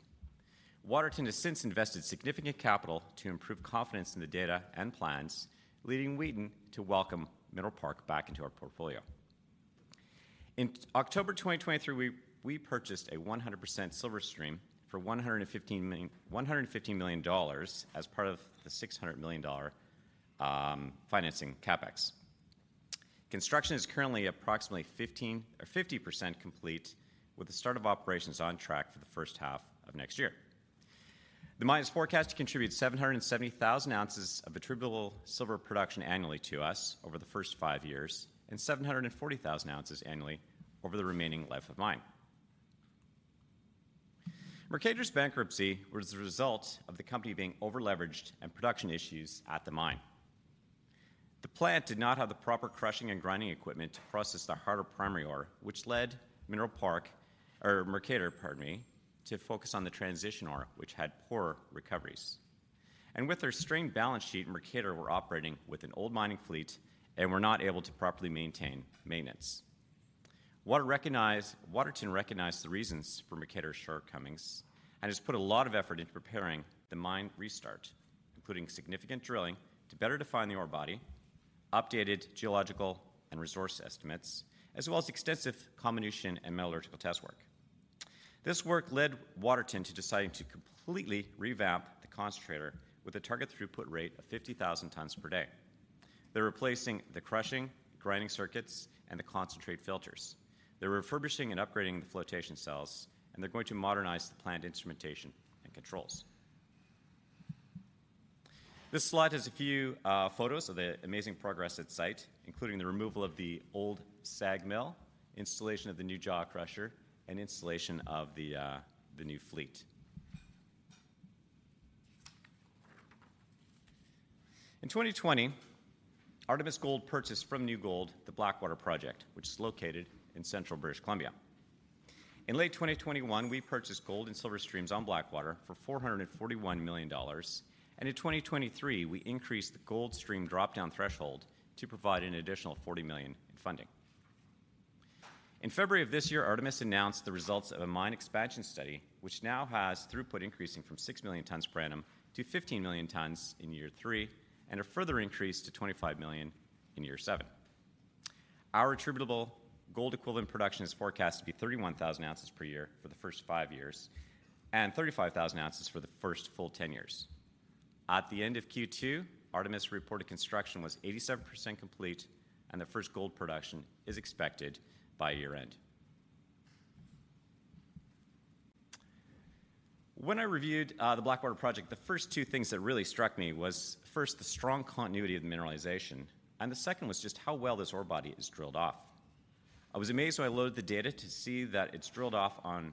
S8: Waterton has since invested significant capital to improve confidence in the data and plans, leading Wheaton to welcome Mineral Park back into our portfolio. In October 2023, we purchased a 100% silver stream for $150 million dollars as part of the $600 million financing CapEx. Construction is currently approximately 15% or 50% complete, with the start of operations on track for the first half of next year. The mine is forecast to contribute 770,000 ounces of attributable silver production annually to us over the first five years, and 740,000 ounces annually over the remaining life of mine. Mercator's bankruptcy was the result of the company being over-leveraged and production issues at the mine. The plant did not have the proper crushing and grinding equipment to process the harder primary ore, which led Mineral Park, or Mercator, pardon me, to focus on the transition ore, which had poorer recoveries. With their strained balance sheet, Mercator was operating with an old mining fleet and was not able to properly maintain maintenance. Waterton recognized the reasons for Mercator's shortcomings and has put a lot of effort into preparing the mine restart, including significant drilling to better define the ore body, updated geological and resource estimates, as well as extensive comminution and metallurgical test work. This work led Waterton to deciding to completely revamp the concentrator with a target throughput rate of 50,000 tons per day. They're replacing the crushing, grinding circuits, and the concentrate filters. They're refurbishing and upgrading the flotation cells, and they're going to modernize the plant instrumentation and controls. This slide has a few photos of the amazing progress at site, including the removal of the old SAG mill, installation of the new jaw crusher, and installation of the new fleet. In 2020, Artemis Gold purchased from New Gold the Blackwater Project, which is located in central British Columbia. In late 2021, we purchased gold and silver streams on Blackwater for $441 million, and in 2023, we increased the gold stream drop-down threshold to provide an additional $40 million in funding. In February of this year, Artemis announced the results of a mine expansion study, which now has throughput increasing from 6 million tons per annum to 15 million tons in year three, and a further increase to 25 million tons in year seven. Our attributable gold-equivalent production is forecast to be 31,000 ounces per year for the first five years and 35,000 ounces for the first full ten years. At the end of Q2, Artemis reported construction was 87% complete, and the first gold production is expected by year-end. When I reviewed the Blackwater Project, the first two things that really struck me was, first, the strong continuity of the mineralization, and the second was just how well this ore body is drilled off. I was amazed when I loaded the data to see that it's drilled off on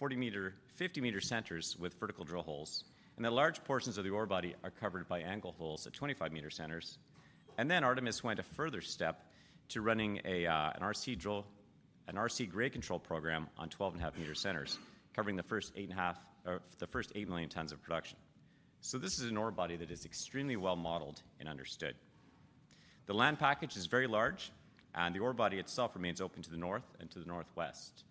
S8: 40-meter, 50-meter centers with vertical drill holes, and that large portions of the ore body are covered by angle holes at 25-meter centers. And then Artemis went a further step to running an RC drill, an RC grade control program on 12.5-meter centers, covering the first eight million tons of production. So this is an ore body that is extremely well modeled and understood. The land package is very large, and the ore body itself remains open to the north and to the northwest.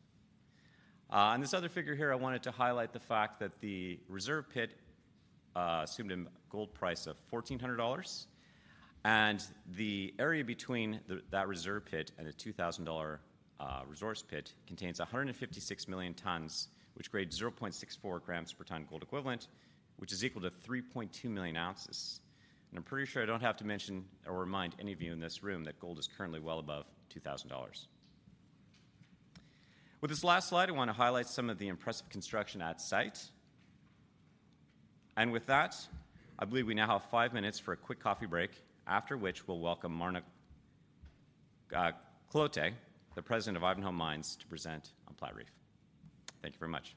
S8: On this other figure here, I wanted to highlight the fact that the reserve pit assumed a gold price of $1,400, and the area between the, that reserve pit and a $2,000 resource pit contains 156 million tons, which grade 0.64 grams per ton gold equivalent, which is equal to 3.2 million ounces, and I'm pretty sure I don't have to mention or remind any of you in this room that gold is currently well above $2,000. With this last slide, I want to highlight some of the impressive construction at site, and with that, I believe we now have five minutes for a quick coffee break, after which we'll welcome Marna Cloete, the President of Ivanhoe Mines, to present on Platreef. Thank you very much. ...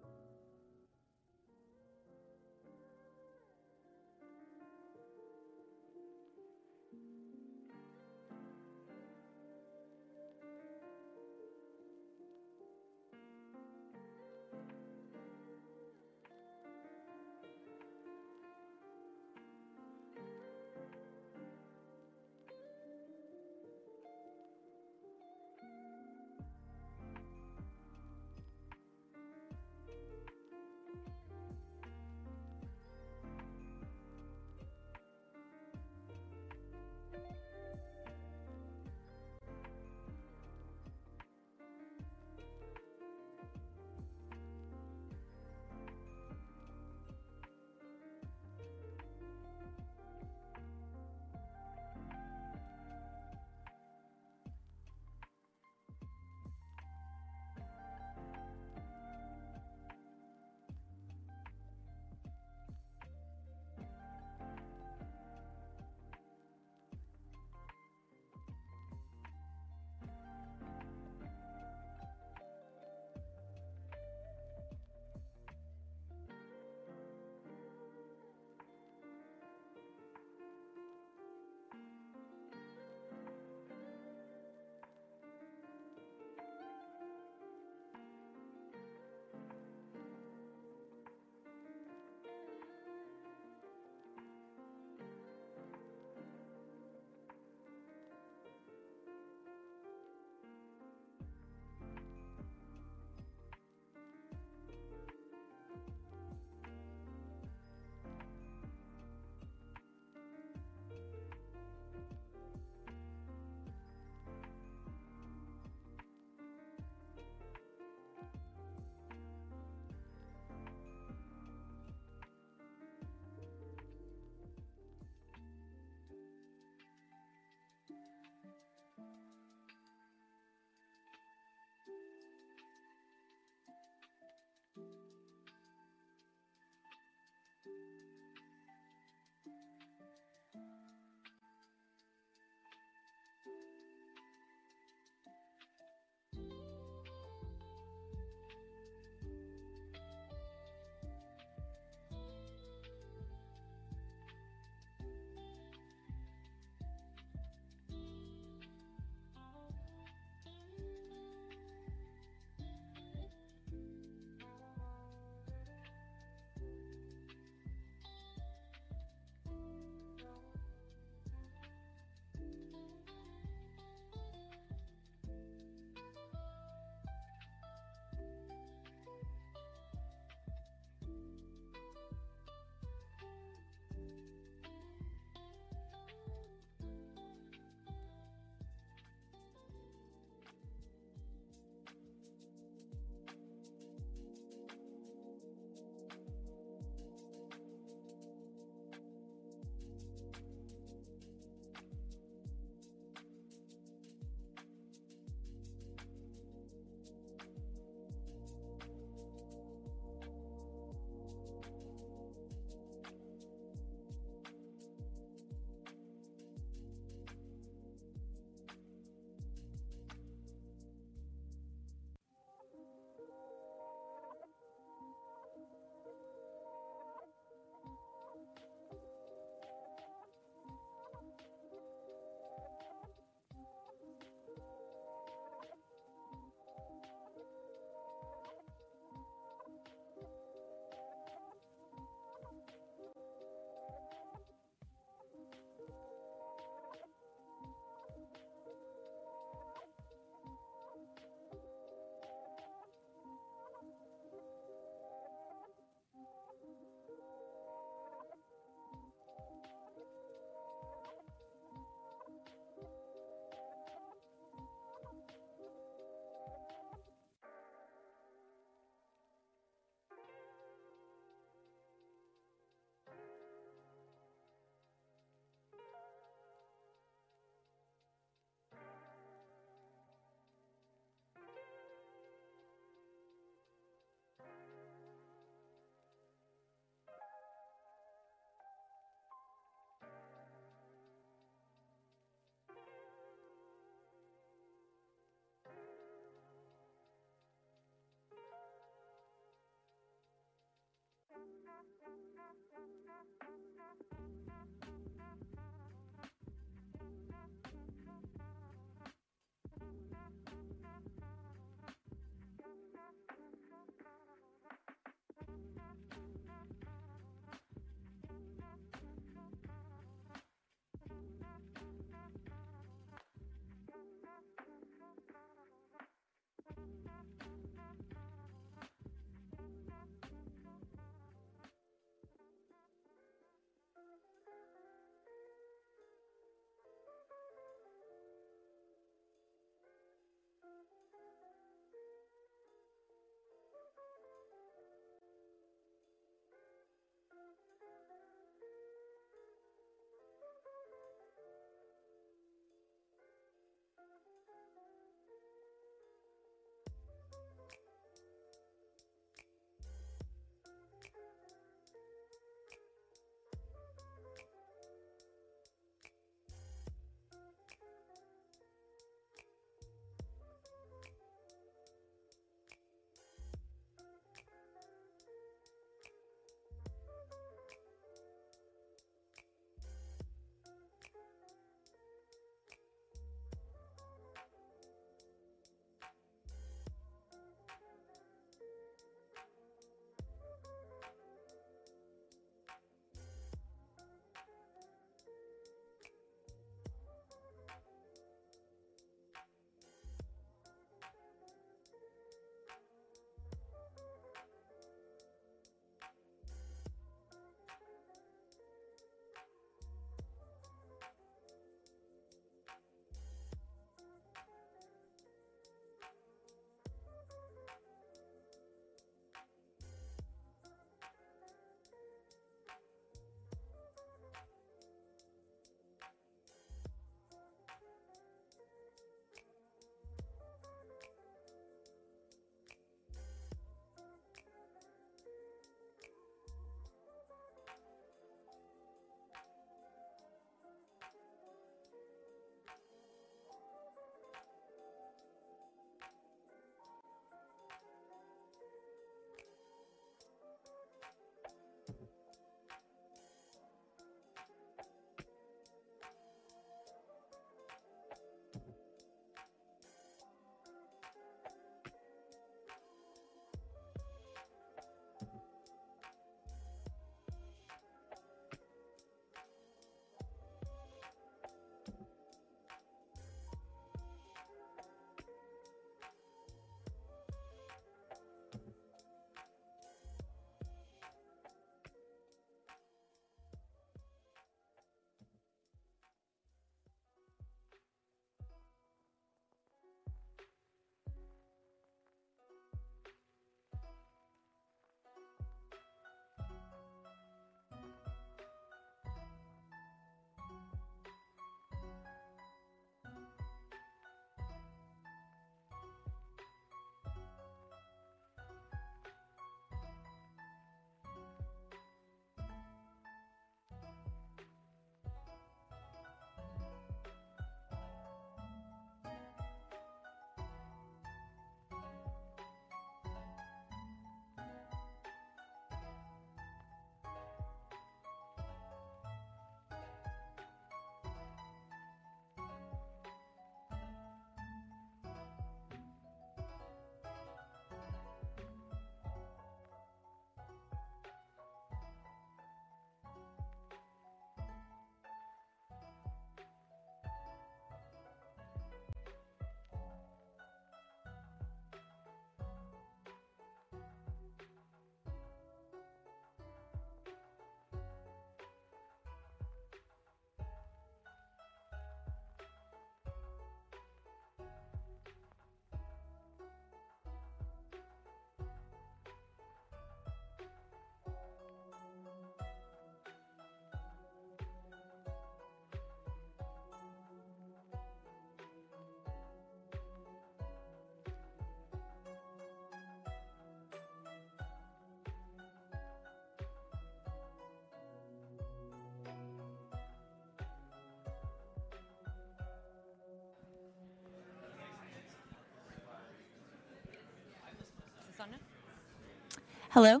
S1: Hello?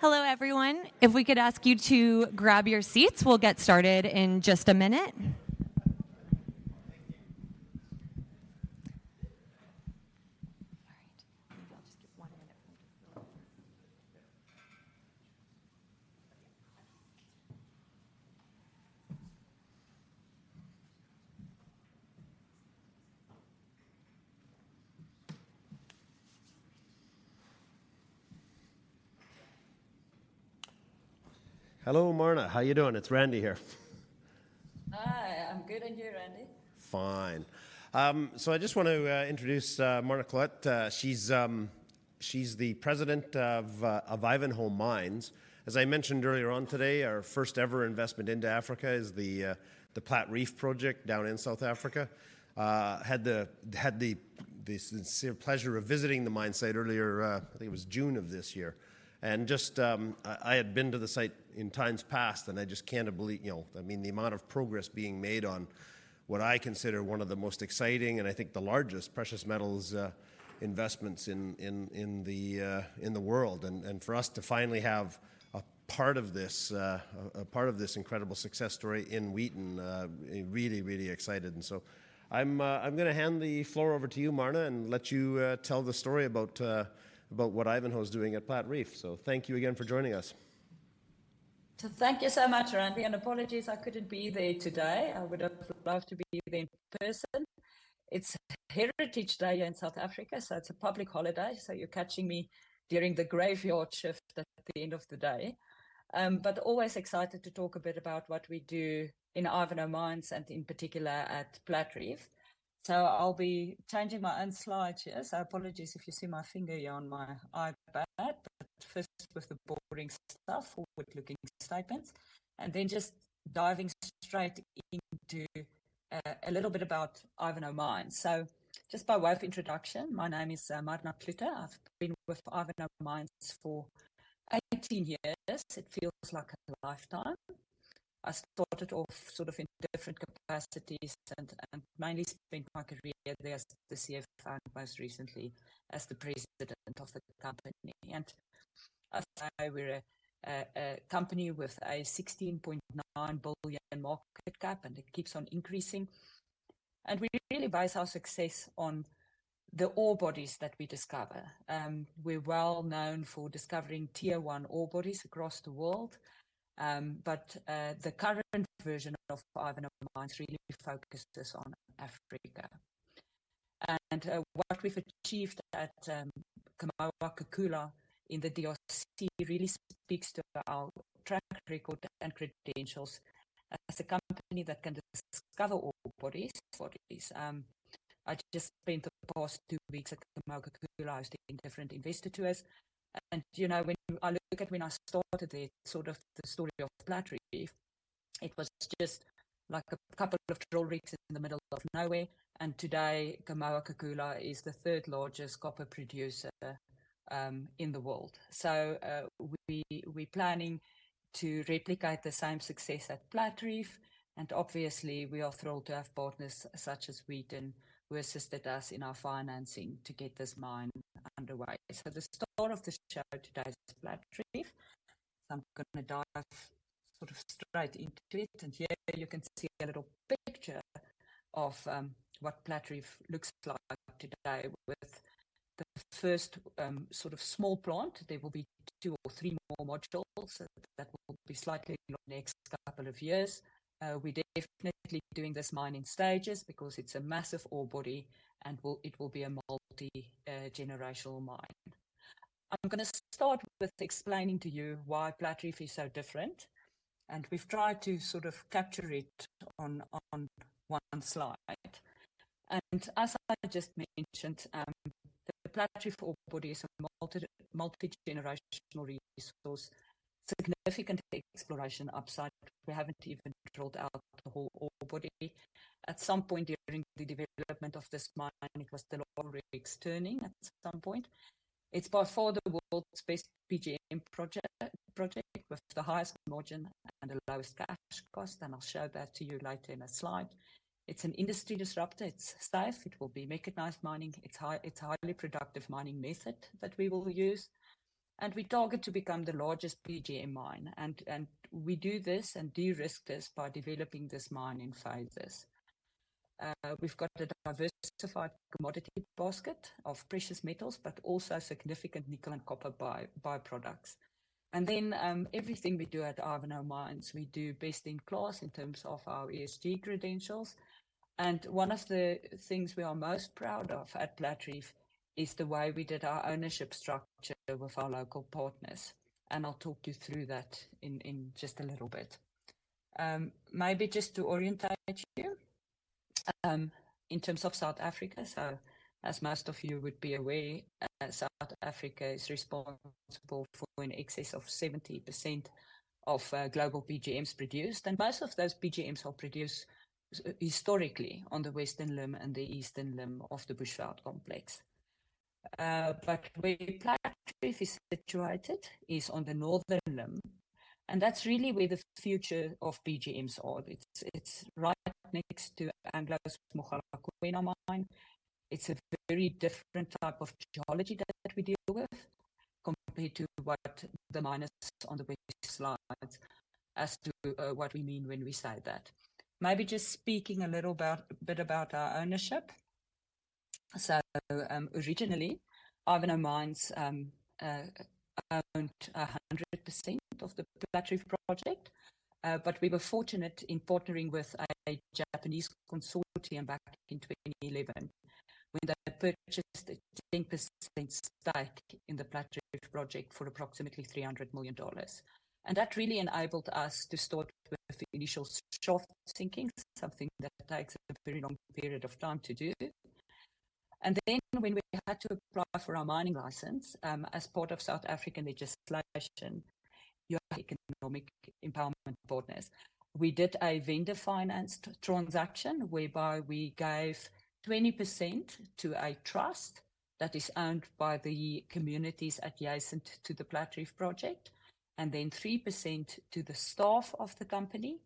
S1: Hello, everyone. If we could ask you to grab your seats, we'll get started in just a minute. All right, maybe I'll just give one minute.
S2: Hello, Marna. How you doing? It's Randy here.
S9: Hi, I'm good. And you, Randy?
S2: Fine. So I just want to introduce Marna Cloete. She's the President of Ivanhoe Mines. As I mentioned earlier on today, our first ever investment into Africa is the Platreef Project down in South Africa. Had the sincere pleasure of visiting the mine site earlier. I think it was June of this year. And just, I had been to the site in times past, and I just can't believe, you know. I mean, the amount of progress being made on what I consider one of the most exciting and I think the largest precious metals investments in the world. And for us to finally have a part of this, a part of this incredible success story in Wheaton, really excited. And so I'm gonna hand the floor over to you, Marna, and let you tell the story about what Ivanhoe is doing at Platreef. So thank you again for joining us.
S9: Thank you so much, Randy, and apologies I couldn't be there today. I would have loved to be there in person. It's Heritage Day in South Africa, so it's a public holiday, so you're catching me during the graveyard shift at the end of the day, but always excited to talk a bit about what we do in Ivanhoe Mines and in particular at Platreef. I'll be changing my own slides here, so apologies if you see my finger here on my iPad, but first, with the boring stuff, forward-looking statements, and then just diving straight into a little bit about Ivanhoe Mines. Just by way of introduction, my name is Marna Cloete. I've been with Ivanhoe Mines for eighteen years. It feels like a lifetime. I started off sort of in different capacities and mainly spent my career there as the CFO and most recently as the president of the company. As I, we're a company with a $16.9 billion market cap, and it keeps on increasing, and we really base our success on the ore bodies that we discover. We're well known for discovering tier-one ore bodies across the world. The current version of Ivanhoe Mines really focuses on Africa. What we've achieved at Kamoa-Kakula in the DRC really speaks to our track record and credentials as a company that can discover ore bodies, what it is. I just spent the past two weeks at Kamoa-Kakula hosting different investor tours, and you know, when I look at when I started there, sort of the story of Platreef, it was just like a couple of drill rigs in the middle of nowhere, and today, Kamoa-Kakula is the third largest copper producer in the world. We planning to replicate the same success at Platreef, and obviously, we are thrilled to have partners such as Wheaton who assisted us in our financing to get this mine underway. The star of the show today is Platreef. I'm gonna dive sort of straight into it, and here you can see a little picture of what Platreef looks like today with the first sort of small plant. There will be two or three more modules that will be slightly in the next couple of years. We're definitely doing this mine in stages because it's a massive ore body and it will be a multi-generational mine. I'm gonna start with explaining to you why Platreef is so different, and we've tried to sort of capture it on one slide. As I just mentioned, the Platreef ore body is a multi-generational resource, significant exploration upside. We haven't even drilled out the whole ore body. At some point during the development of this mine, it was still already external at some point. It's by far the world's best PGM project with the highest margin and the lowest cash cost, and I'll show that to you later in a slide. It's an industry disruptor. It's safe. It will be mechanized mining. It's a highly productive mining method that we will use, and we target to become the largest PGM mine. And we do this and de-risk this by developing this mine in phases. We've got a diversified commodity basket of precious metals, but also significant nickel and copper by-products. And then, everything we do at Ivanhoe Mines, we do best in class in terms of our ESG credentials. And one of the things we are most proud of at Platreef is the way we did our ownership structure with our local partners, and I'll talk you through that in just a little bit. Maybe just to orientate you, in terms of South Africa, so as most of you would be aware, South Africa is responsible for in excess of 70% of global PGMs produced, and most of those PGMs were produced historically on the Western Limb and the Eastern Limb of the Bushveld Complex, but where Platreef is situated is on the Northern Limb, and that's really where the future of PGMs are. It's right next to Anglo's Mogalakwena Mine. It's a very different type of geology that we deal with, compared to what the mines are on the west side as to what we mean when we say that. Maybe just speaking a little about our ownership. So, originally, Ivanhoe Mines owned 100% of the Platreef Project. But we were fortunate in partnering with a Japanese consortium back in 2011, when they purchased a 10% stake in the Platreef Project for approximately $300 million. And that really enabled us to start with the initial shaft sinking, something that takes a very long period of time to do. And then when we had to apply for our mining license, as part of South African legislation, you have economic empowerment partners. We did a vendor-financed transaction, whereby we gave 20% to a trust that is owned by the communities adjacent to the Platreef Project, and then 3% to the staff of the company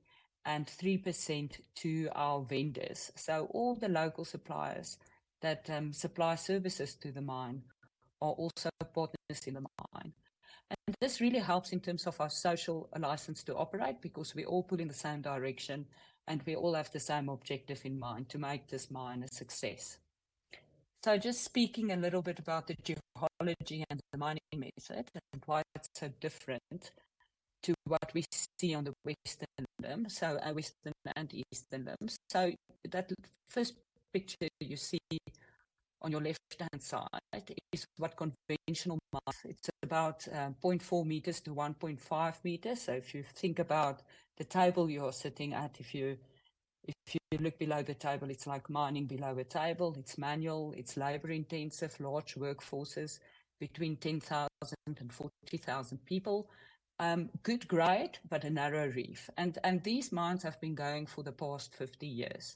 S9: and 3% to our vendors. So all the local suppliers that supply services to the mine are also partners in the mine. This really helps in terms of our social license to operate because we're all pulling the same direction, and we all have the same objective in mind: to make this mine a success. Just speaking a little bit about the geology and the mining method and why it's so different to what we see on the Western Limb, western and Eastern Limbs. That first picture you see on your left-hand side is what conventional mining is about. It's about 0.4 meters to 1.5 meters. If you think about the table you are sitting at, if you look below the table, it's like mining below a table. It's manual, it's labor-intensive, large workforces between 10,000 and 40,000 people. Good grade, but a narrow reef. These mines have been going for the past 50 years.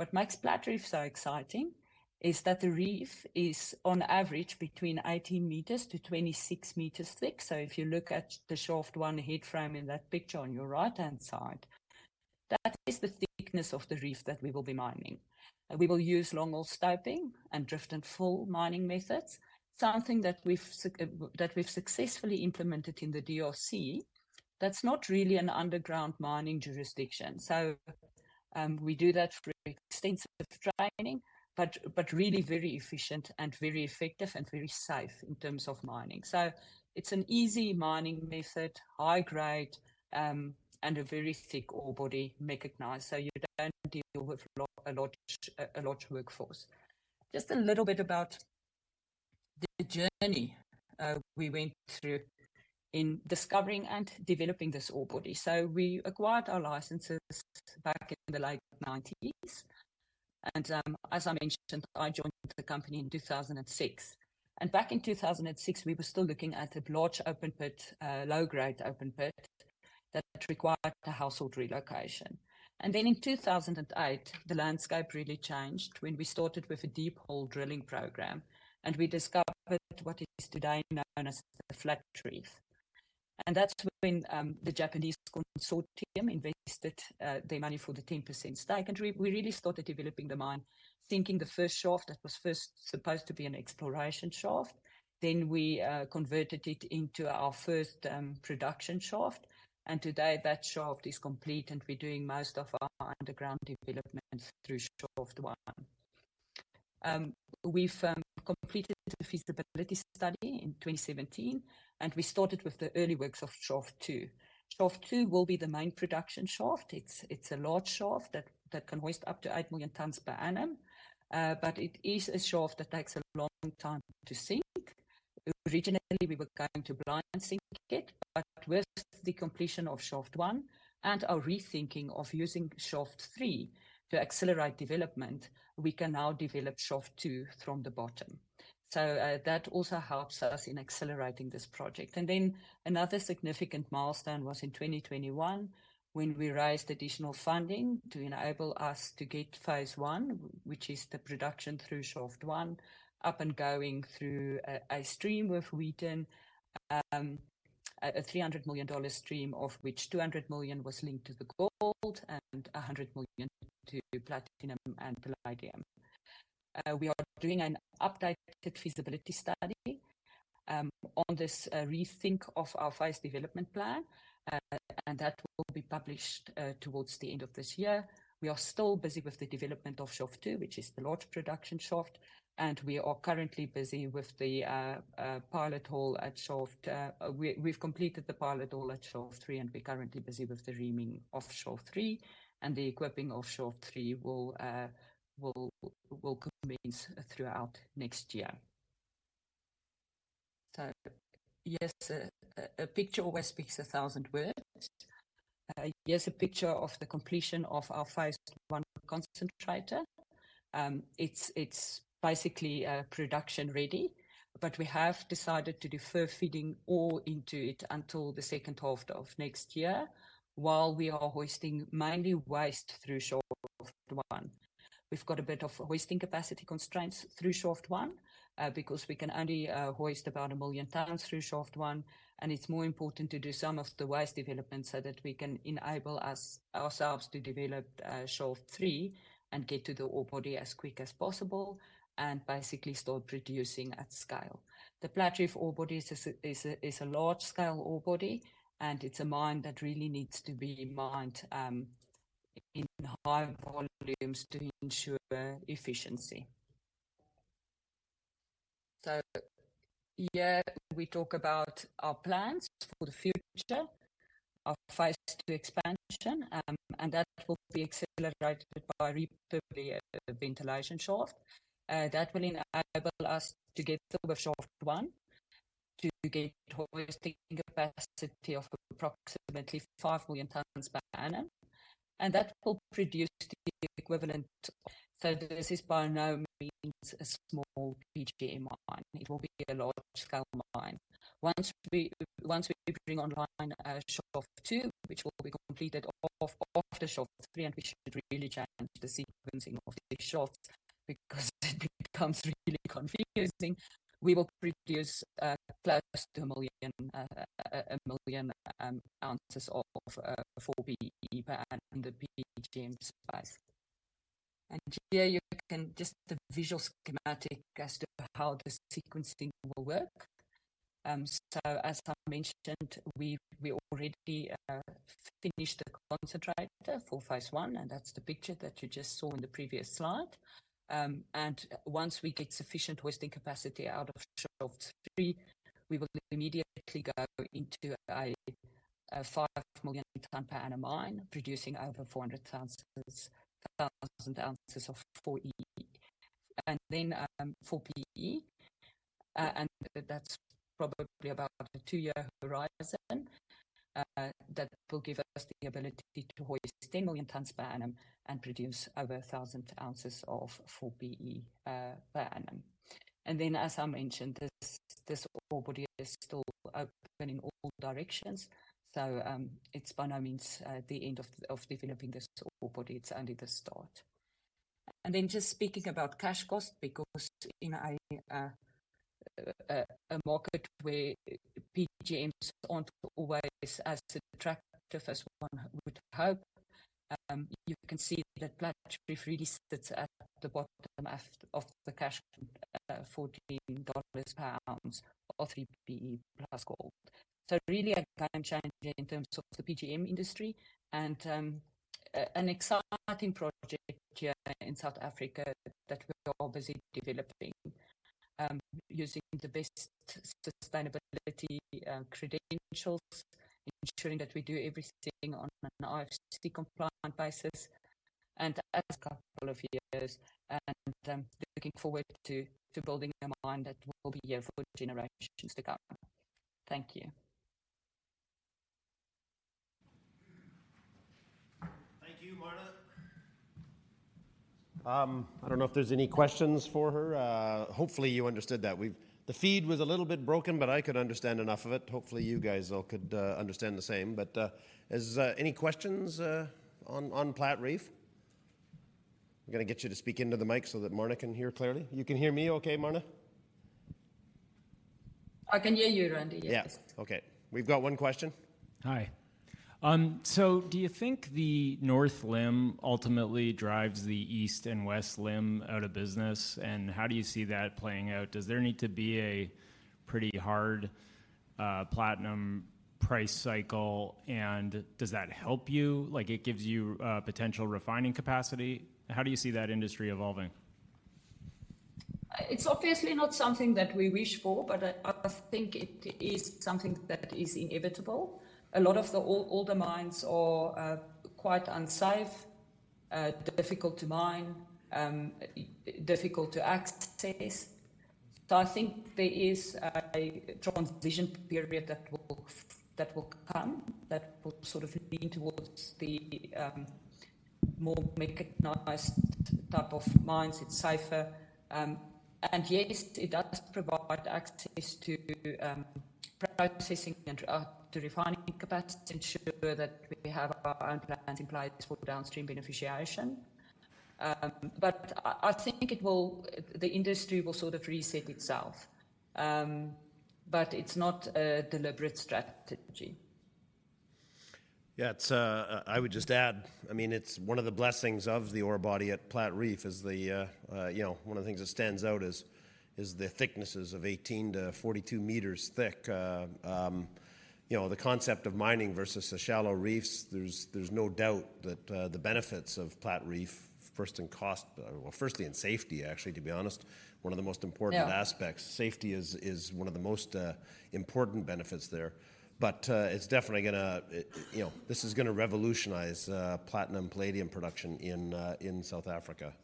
S9: What makes Platreef so exciting is that the reef is on average between eighteen meters to 26 meters thick. So if you look at the Shaft 1 headframe in that picture on your right-hand side, that is the thickness of the reef that we will be mining. We will use longhole stope and drift and fill mining methods, something that we've successfully implemented in the DRC. That's not really an underground mining jurisdiction. So, we do that through extensive training, but really very efficient and very effective and very safe in terms of mining. So it's an easy mining method, high grade, and a very thick ore body, mechanized, so you don't deal with a large workforce. Just a little bit about the journey, we went through in discovering and developing this ore body. So we acquired our licenses back in the late nineties, and, as I mentioned, I joined the company in 2006. And back in 2006, we were still looking at a large open pit, low-grade open pit, that required a household relocation. And then in 2008, the landscape really changed when we started with a deep-hole drilling program, and we discovered what is today known as the Platreef, and that's when the Japanese consortium invested their money for the 10% stake. And we really started developing the mine, sinking the first shaft that was first supposed to be an exploration shaft. Then we converted it into our first production shaft, and today that shaft is complete, and we're doing most of our underground development through Shaft 1. We've completed the feasibility study in 2017, and we started with the early works of Shaft 2. Shaft 2 will be the main production shaft. It's a large shaft that can hoist up to eight million tons per annum. But it is a shaft that takes a long time to sink. Originally, we were going to blind sink it, but with the completion of Shaft 1 and our rethinking of using Shaft 3 to accelerate development, we can now develop Shaft 2 from the bottom. So, that also helps us in accelerating this project. And then another significant milestone was in 2021 when we raised additional funding to enable us to get phase one, which is the production through Shaft 1, up and going through a stream with Wheaton. A $300 million stream, of which $200 million was linked to the gold and $100 million to platinum and palladium. We are doing an updated feasibility study on this rethink of our phase development plan, and that will be published towards the end of this year. We are still busy with the development of Shaft 2, which is the large production shaft, and we are currently busy with the pilot hole at Shaft 3. We've completed the pilot hole at Shaft 3, and we're currently busy with the reaming of Shaft 3, and the equipping of Shaft 3 will commence throughout next year. So yes, a picture always speaks a thousand words. Here's a picture of the completion of our phase one concentrator. It's basically production ready, but we have decided to defer feeding ore into it until the second half of next year, while we are hoisting mainly waste through Shaft 1. We've got a bit of hoisting capacity constraints through Shaft 1, because we can only hoist about a million tons through Shaft 1, and it's more important to do some of the waste development so that we can enable ourselves to develop Shaft 3 and get to the ore body as quick as possible and basically start producing at scale. The Platreef ore body is a large-scale ore body, and it's a mine that really needs to be mined in high volumes to ensure efficiency. Here we talk about our plans for the future, our phase two expansion, and that will be accelerated by a third ventilation shaft. That will enable us to get through the Shaft 1, to get hoisting capacity of approximately five million tons per annum, and that will produce the equivalent. This is by no means a small PGM mine; it will be a large-scale mine. Once we bring online Shaft 2, which will be completed after Shaft 3, and we should really change the sequencing of these shafts because it becomes really confusing, we will produce close to a million, a million ounces of 4PE per annum, the PGM space. Here you can... Just the visual schematic as to how the sequencing will work. As I mentioned, we've already finished the concentrator for phase one, and that's the picture that you just saw in the previous slide. And once we get sufficient hoisting capacity out of Shaft 3, we will immediately go into a five million tons per annum mine, producing over 400,000 ounces of 4E. And then 4PE, and that's probably about a two-year horizon that will give us the ability to hoist 10 million tons per annum and produce over 1,000 ounces of 4PE per annum. And then, as I mentioned, this ore body is still open in all directions, so it's by no means the end of developing this ore body. It's only the start. Then just speaking about cash cost, because in a market where PGMs aren't always as attractive as one would hope, you can see that Platreef really sits at the bottom of the cash $14 per pound for 3PE plus gold. So really a game changer in terms of the PGM industry and an exciting project here in South Africa that we're all busy developing using the best sustainability credentials, ensuring that we do everything on an IFC compliant basis. In a couple of years, looking forward to building a mine that will be here for generations to come. Thank you.
S2: Thank you, Marna. I don't know if there's any questions for her. Hopefully, you understood that. The feed was a little bit broken, but I could understand enough of it. Hopefully, you guys all could understand the same. But, is any questions on Platreef?... I'm gonna get you to speak into the mic so that Marna can hear clearly. You can hear me okay, Marna?
S9: I can hear you, Randy, yes.
S2: Yeah. Okay, we've got one question. Hi. So do you think the north limb ultimately drives the east and west limb out of business, and how do you see that playing out? Does there need to be a pretty hard, platinum price cycle, and does that help you? Like, it gives you potential refining capacity. How do you see that industry evolving?
S9: It's obviously not something that we wish for, but I think it is something that is inevitable. A lot of the old, older mines are quite unsafe, difficult to mine, difficult to access. So I think there is a transition period that will come, that will sort of lean towards the more mechanized type of mines. It's safer. And yes, it does provide access to processing and to refining capacity, ensure that we have our own plans in place for downstream beneficiation. But I think it will... the industry will sort of reset itself. But it's not a deliberate strategy.
S2: Yeah, it's, I would just add, I mean, it's one of the blessings of the ore body at Platreef is the, you know, one of the things that stands out is the thicknesses of 18-42 meters thick. You know, the concept of mining versus the shallow reefs, there's no doubt that the benefits of Platreef, first in cost, well, firstly in safety, actually, to be honest, one of the most important-
S9: Yeah...
S2: aspects. Safety is one of the most important benefits there. But it's definitely gonna, you know, this is gonna revolutionize platinum palladium production in South Africa,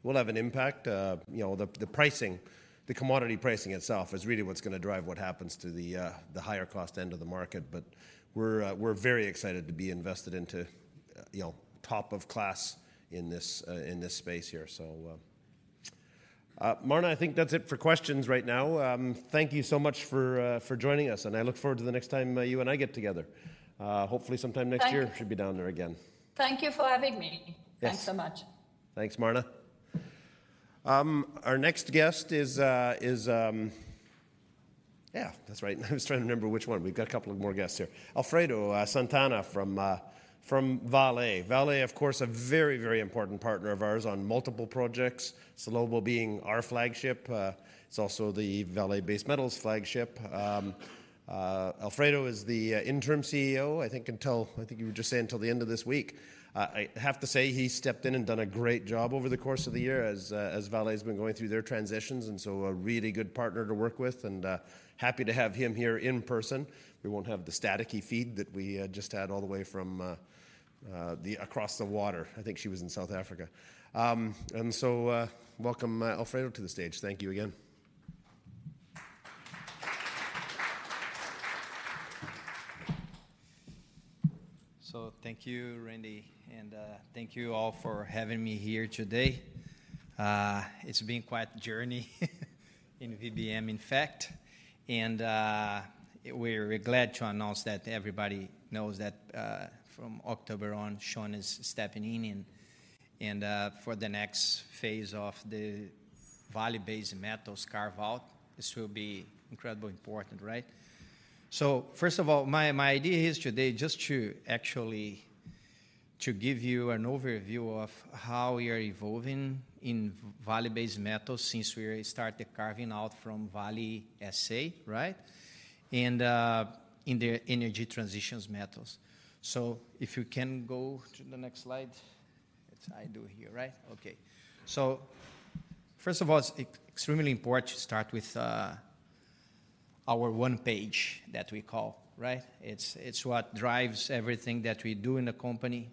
S2: and it will have an impact. You know, the pricing, the commodity pricing itself is really what's gonna drive what happens to the higher cost end of the market. But we're very excited to be invested into, you know, top of class in this space here. So, Marna, I think that's it for questions right now. Thank you so much for joining us, and I look forward to the next time you and I get together, hopefully sometime next year-
S9: Thank-...
S2: you should be down there again.
S9: Thank you for having me.
S2: Yes.
S9: Thanks so much.
S2: Thanks, Marna. Our next guest is... Yeah, that's right. I was trying to remember which one. We've got a couple of more guests here. Alfredo Santana from, from Vale. Vale, of course, a very, very important partner of ours on multiple projects, Salobo being our flagship, it's also the Vale Base Metals flagship. Alfredo is the Interim CEO, I think until, I think you were just saying until the end of this week. I have to say, he stepped in and done a great job over the course of the year as, as Vale's been going through their transitions, and so a really good partner to work with and, happy to have him here in person. We won't have the staticky feed that we just had all the way from, the across the water. I think she was in South Africa. Welcome, Alfredo, to the stage. Thank you again.
S10: So thank you, Randy, and thank you all for having me here today. It's been quite a journey in VBM, in fact, and we're glad to announce that everybody knows that from October on, Shaun is stepping in, and for the next phase of the Vale Base Metals carve-out, this will be incredibly important, right? So first of all, my idea here today just to actually give you an overview of how we are evolving in Vale Base Metals since we started carving out from Vale SA, right? And in the energy transition metals. So if you can go to the next slide, it's I do here, right? Okay. So first of all, it's extremely important to start with our one page that we call, right? It's what drives everything that we do in the company.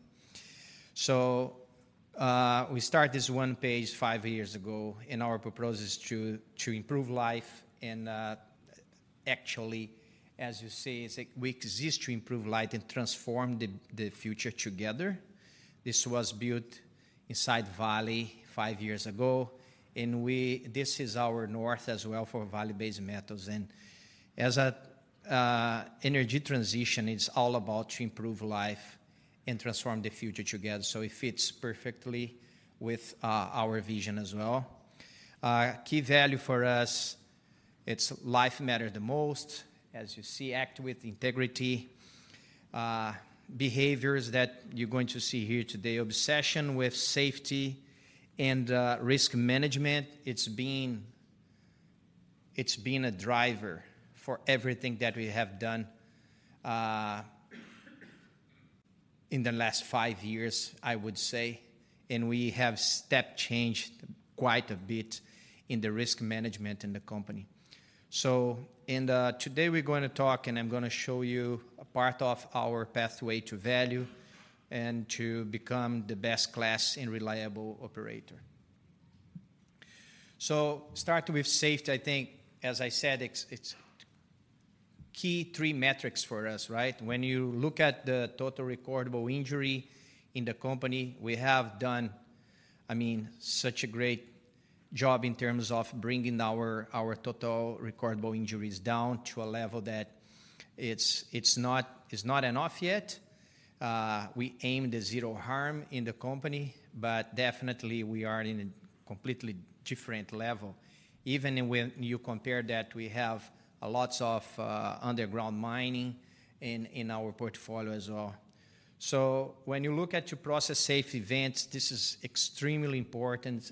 S10: We start this one page five years ago, and our purpose is to improve life and, actually, as you see, is we exist to improve life and transform the future together. This was built inside Vale five years ago, and this is our north as well for Vale Base Metals, and as a energy transition, it's all about to improve life and transform the future together. It fits perfectly with our vision as well. Key value for us, it's life matter the most, as you see, act with integrity. Behaviors that you're going to see here today, obsession with safety and risk management. It's been a driver for everything that we have done in the last five years, I would say, and we have step changed quite a bit in the risk management in the company. Today, we're gonna talk, and I'm gonna show you a part of our pathway to value and to become the best class and reliable operator. Start with safety. I think, as I said, it's key three metrics for us, right? When you look at the total recordable injury in the company, we have done, I mean, such a great job in terms of bringing our total recordable injuries down to a level that it's not enough yet. We aim the zero harm in the company, but definitely we are in a completely different level, even when you compare that we have a lots of underground mining in our portfolio as well. So when you look at your process safety events, this is extremely important.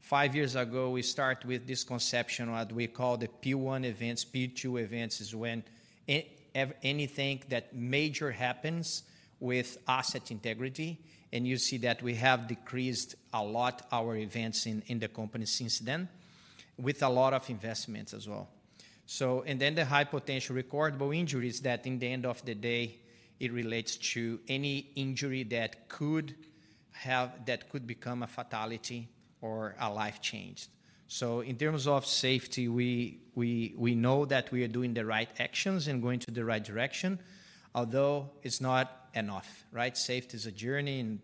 S10: Five years ago, we start with this conception, what we call the P-one events. P-two events is when anything that major happens with asset integrity, and you see that we have decreased a lot our events in the company since then, with a lot of investments as well. And then the high potential recordable injuries that in the end of the day, it relates to any injury that could become a fatality or a life changed. So in terms of safety, we know that we are doing the right actions and going to the right direction, although it's not enough, right? Safety is a journey,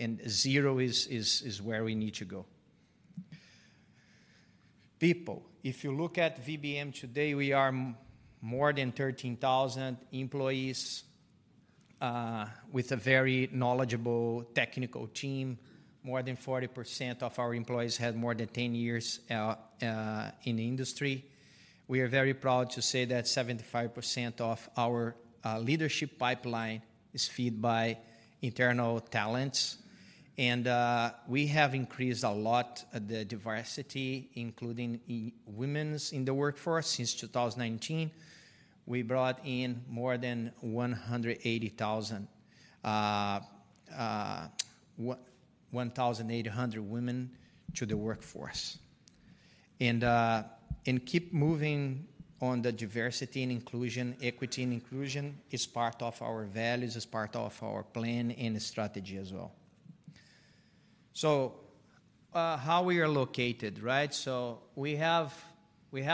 S10: and zero is where we need to go. People. If you look at VBM today, we are more than 13,000 employees, with a very knowledgeable technical team. More than 40% of our employees have more than 10 years in the industry. We are very proud to say that 75% of our leadership pipeline is fed by internal talents, and we have increased a lot the diversity, including women in the workforce. Since 2019, we brought in more than 1,800 women to the workforce. And keep moving on the diversity and inclusion, equity and inclusion, is part of our values, is part of our plan and strategy as well. So how we are located, right? So we have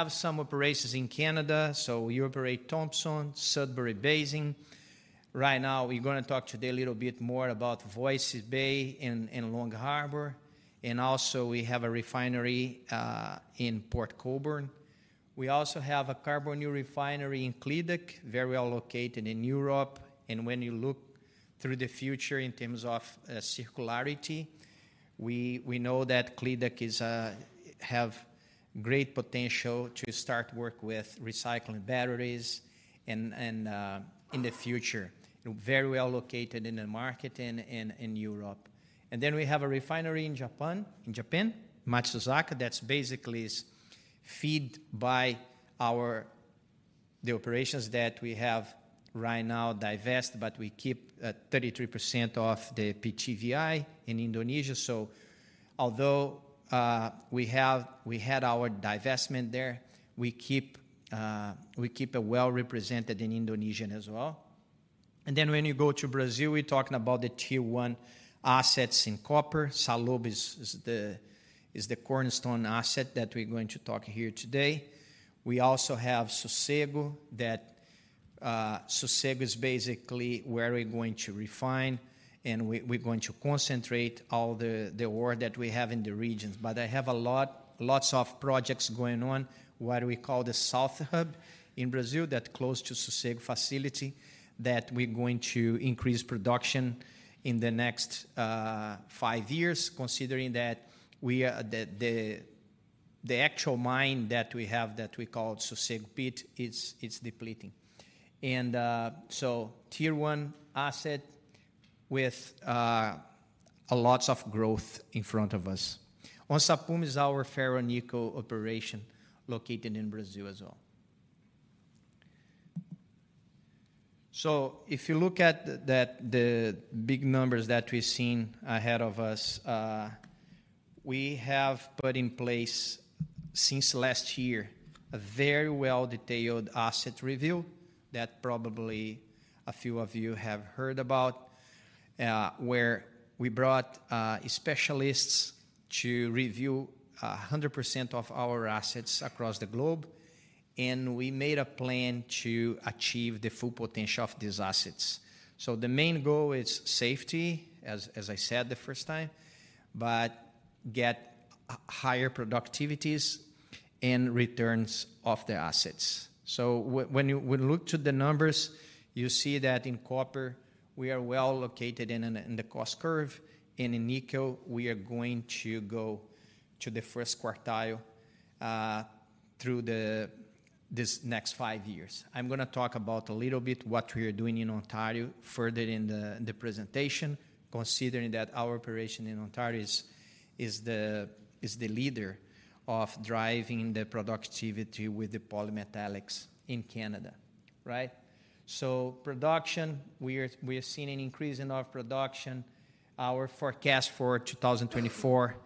S10: some operations in Canada, so we operate Thompson, Sudbury Basin. Right now, we're gonna talk today a little bit more about Voisey's Bay in Long Harbour, and also we have a refinery in Port Colborne. We also have a carbon-neutral refinery in Clydach, very well located in Europe, and when you look through the future in terms of circularity, we know that Clydach is have great potential to start work with recycling batteries and in the future. Very well located in the market in Europe. And then we have a refinery in Japan, Matsusaka, that's basically fed by our operations that we have right now divest, but we keep 33% of the PTVI in Indonesia. So although we had our divestment there, we keep it well represented in Indonesia as well. Then when you go to Brazil, we're talking about the tier one assets in copper. Salobo is the cornerstone asset that we're going to talk here today. We also have Sossego. Sossego is basically where we're going to refine, and we're going to concentrate all the ore that we have in the regions. But I have lots of projects going on, what we call the South Hub in Brazil, that close to Sossego facility, that we're going to increase production in the next five years, considering that we are the actual mine that we have, that we call Sossego Pit, it's depleting. And so tier one asset with a lots of growth in front of us. Onça Puma is our ferronickel operation, located in Brazil as well. So if you look at the big numbers that we've seen ahead of us, we have put in place since last year a very well-detailed asset review that probably a few of you have heard about, where we brought specialists to review 100% of our assets across the globe, and we made a plan to achieve the full potential of these assets. So the main goal is safety, as I said the first time, but get higher productivities and returns of the assets. So when you look to the numbers, you see that in copper, we are well located in the cost curve, and in nickel, we are going to go to the first quartile through this next five years. I'm gonna talk about a little bit what we are doing in Ontario further in the presentation, considering that our operation in Ontario is the leader of driving the productivity with the polymetallics in Canada. Right? So production, we have seen an increase in our production. Our forecast for 2024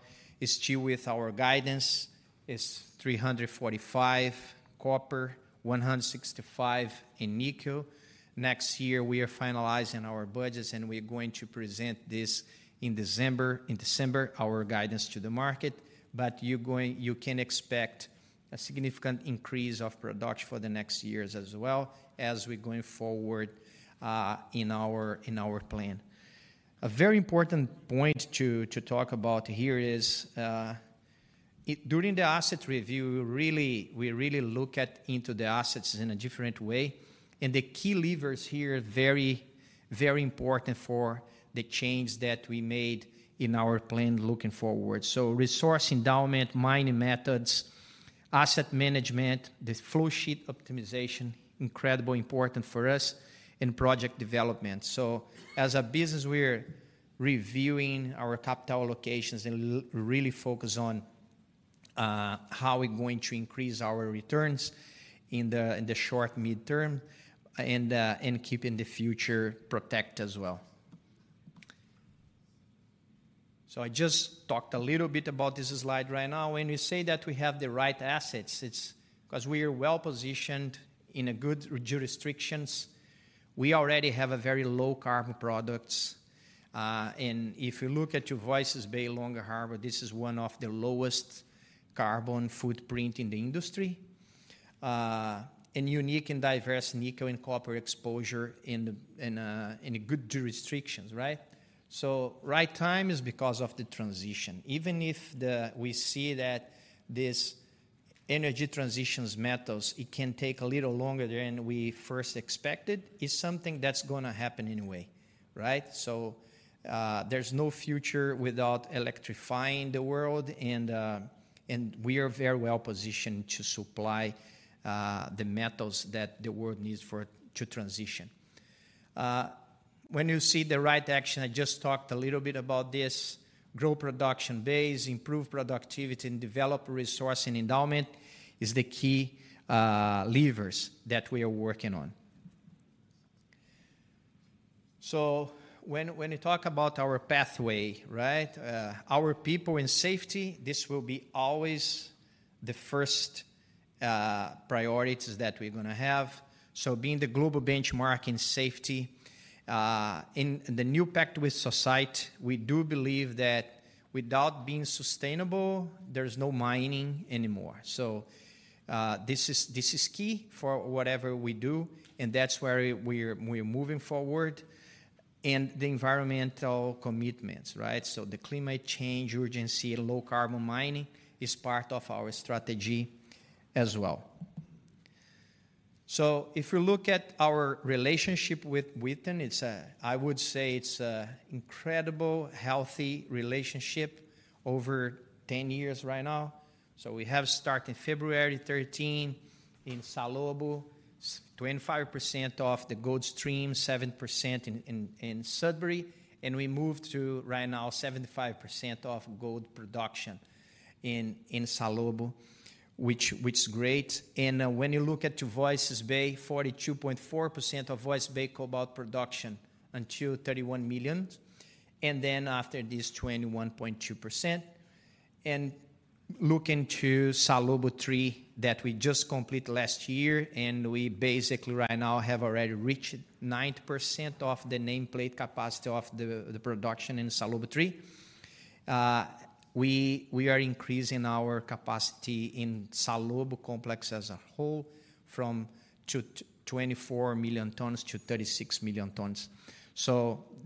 S10: is still with our guidance, is 345 copper, 165 in nickel. Next year, we are finalizing our budgets, and we're going to present this in December our guidance to the market. But you can expect a significant increase of production for the next years as well as we're going forward in our plan. A very important point to talk about here is... During the asset review, we really, we really look at into the assets in a different way, and the key levers here are very, very important for the change that we made in our plan looking forward. So resource endowment, mining methods, asset management, the flow sheet optimization, incredibly important for us in project development. So as a business, we're reviewing our capital allocations and really focus on how we're going to increase our returns in the, in the short, mid-term, and keeping the future protect as well. So I just talked a little bit about this slide right now. When we say that we have the right assets, it's 'cause we are well-positioned in a good jurisdictions. We already have a very low-carbon products, and if you look at your Voisey's Bay, Long Harbour, this is one of the lowest carbon footprint in the industry. And unique and diverse nickel and copper exposure in a good jurisdictions, right? So right time is because of the transition. Even if we see that this energy transitions metals, it can take a little longer than we first expected, it's something that's gonna happen anyway, right? So, there's no future without electrifying the world, and, and we are very well-positioned to supply, the metals that the world needs for to transition. When you see the right action, I just talked a little bit about this, grow production base, improve productivity, and develop resource and endowment is the key, levers that we are working on. When you talk about our pathway, right? Our people and safety, this will be always the first priorities that we're gonna have. Being the global benchmark in safety, in the new pact with society, we do believe that without being sustainable, there's no mining anymore. This is key for whatever we do, and that's where we're moving forward. The environmental commitments, right? The climate change urgency and low-carbon mining is part of our strategy as well. If you look at our relationship with Wheaton, I would say it's an incredible, healthy relationship over 10 years right now. We have start in February 2013 in Salobo, 25% of the gold stream, 7% in Sudbury, and we moved to right now 75% of gold production in Salobo, which is great. When you look at Voisey's Bay, 42.4% of Voisey's Bay cobalt production until 31 million, and then after this, 21.2%. Looking to Salobo 3 that we just completed last year, and we basically right now have already reached 90% of the nameplate capacity of the production in Salobo 3. We are increasing our capacity in Salobo complex as a whole from 24 million tonnes to 36 million tonnes.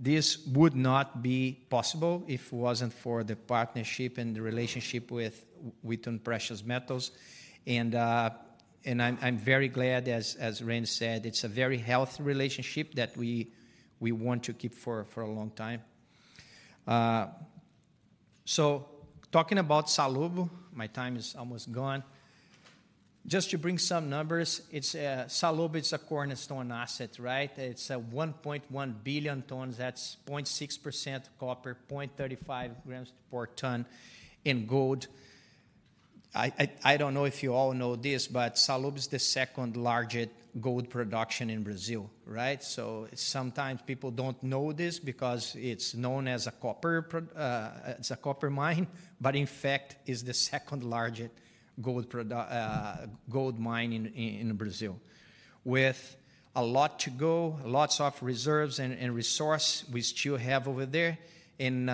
S10: This would not be possible if it wasn't for the partnership and the relationship with Wheaton Precious Metals. I'm very glad, as Randy said, it's a very healthy relationship that we want to keep for a long time. So talking about Salobo, my time is almost gone. Just to bring some numbers, it's Salobo, it's a cornerstone asset, right? It's a 1.1 billion tonnes, that's 0.6% copper, 0.35 grams per tonne in gold. I don't know if you all know this, but Salobo is the second-largest gold production in Brazil, right? So sometimes people don't know this because it's known as a copper mine, but in fact, is the second-largest gold mine in Brazil. With a lot to go, lots of reserves and resource we still have over there, and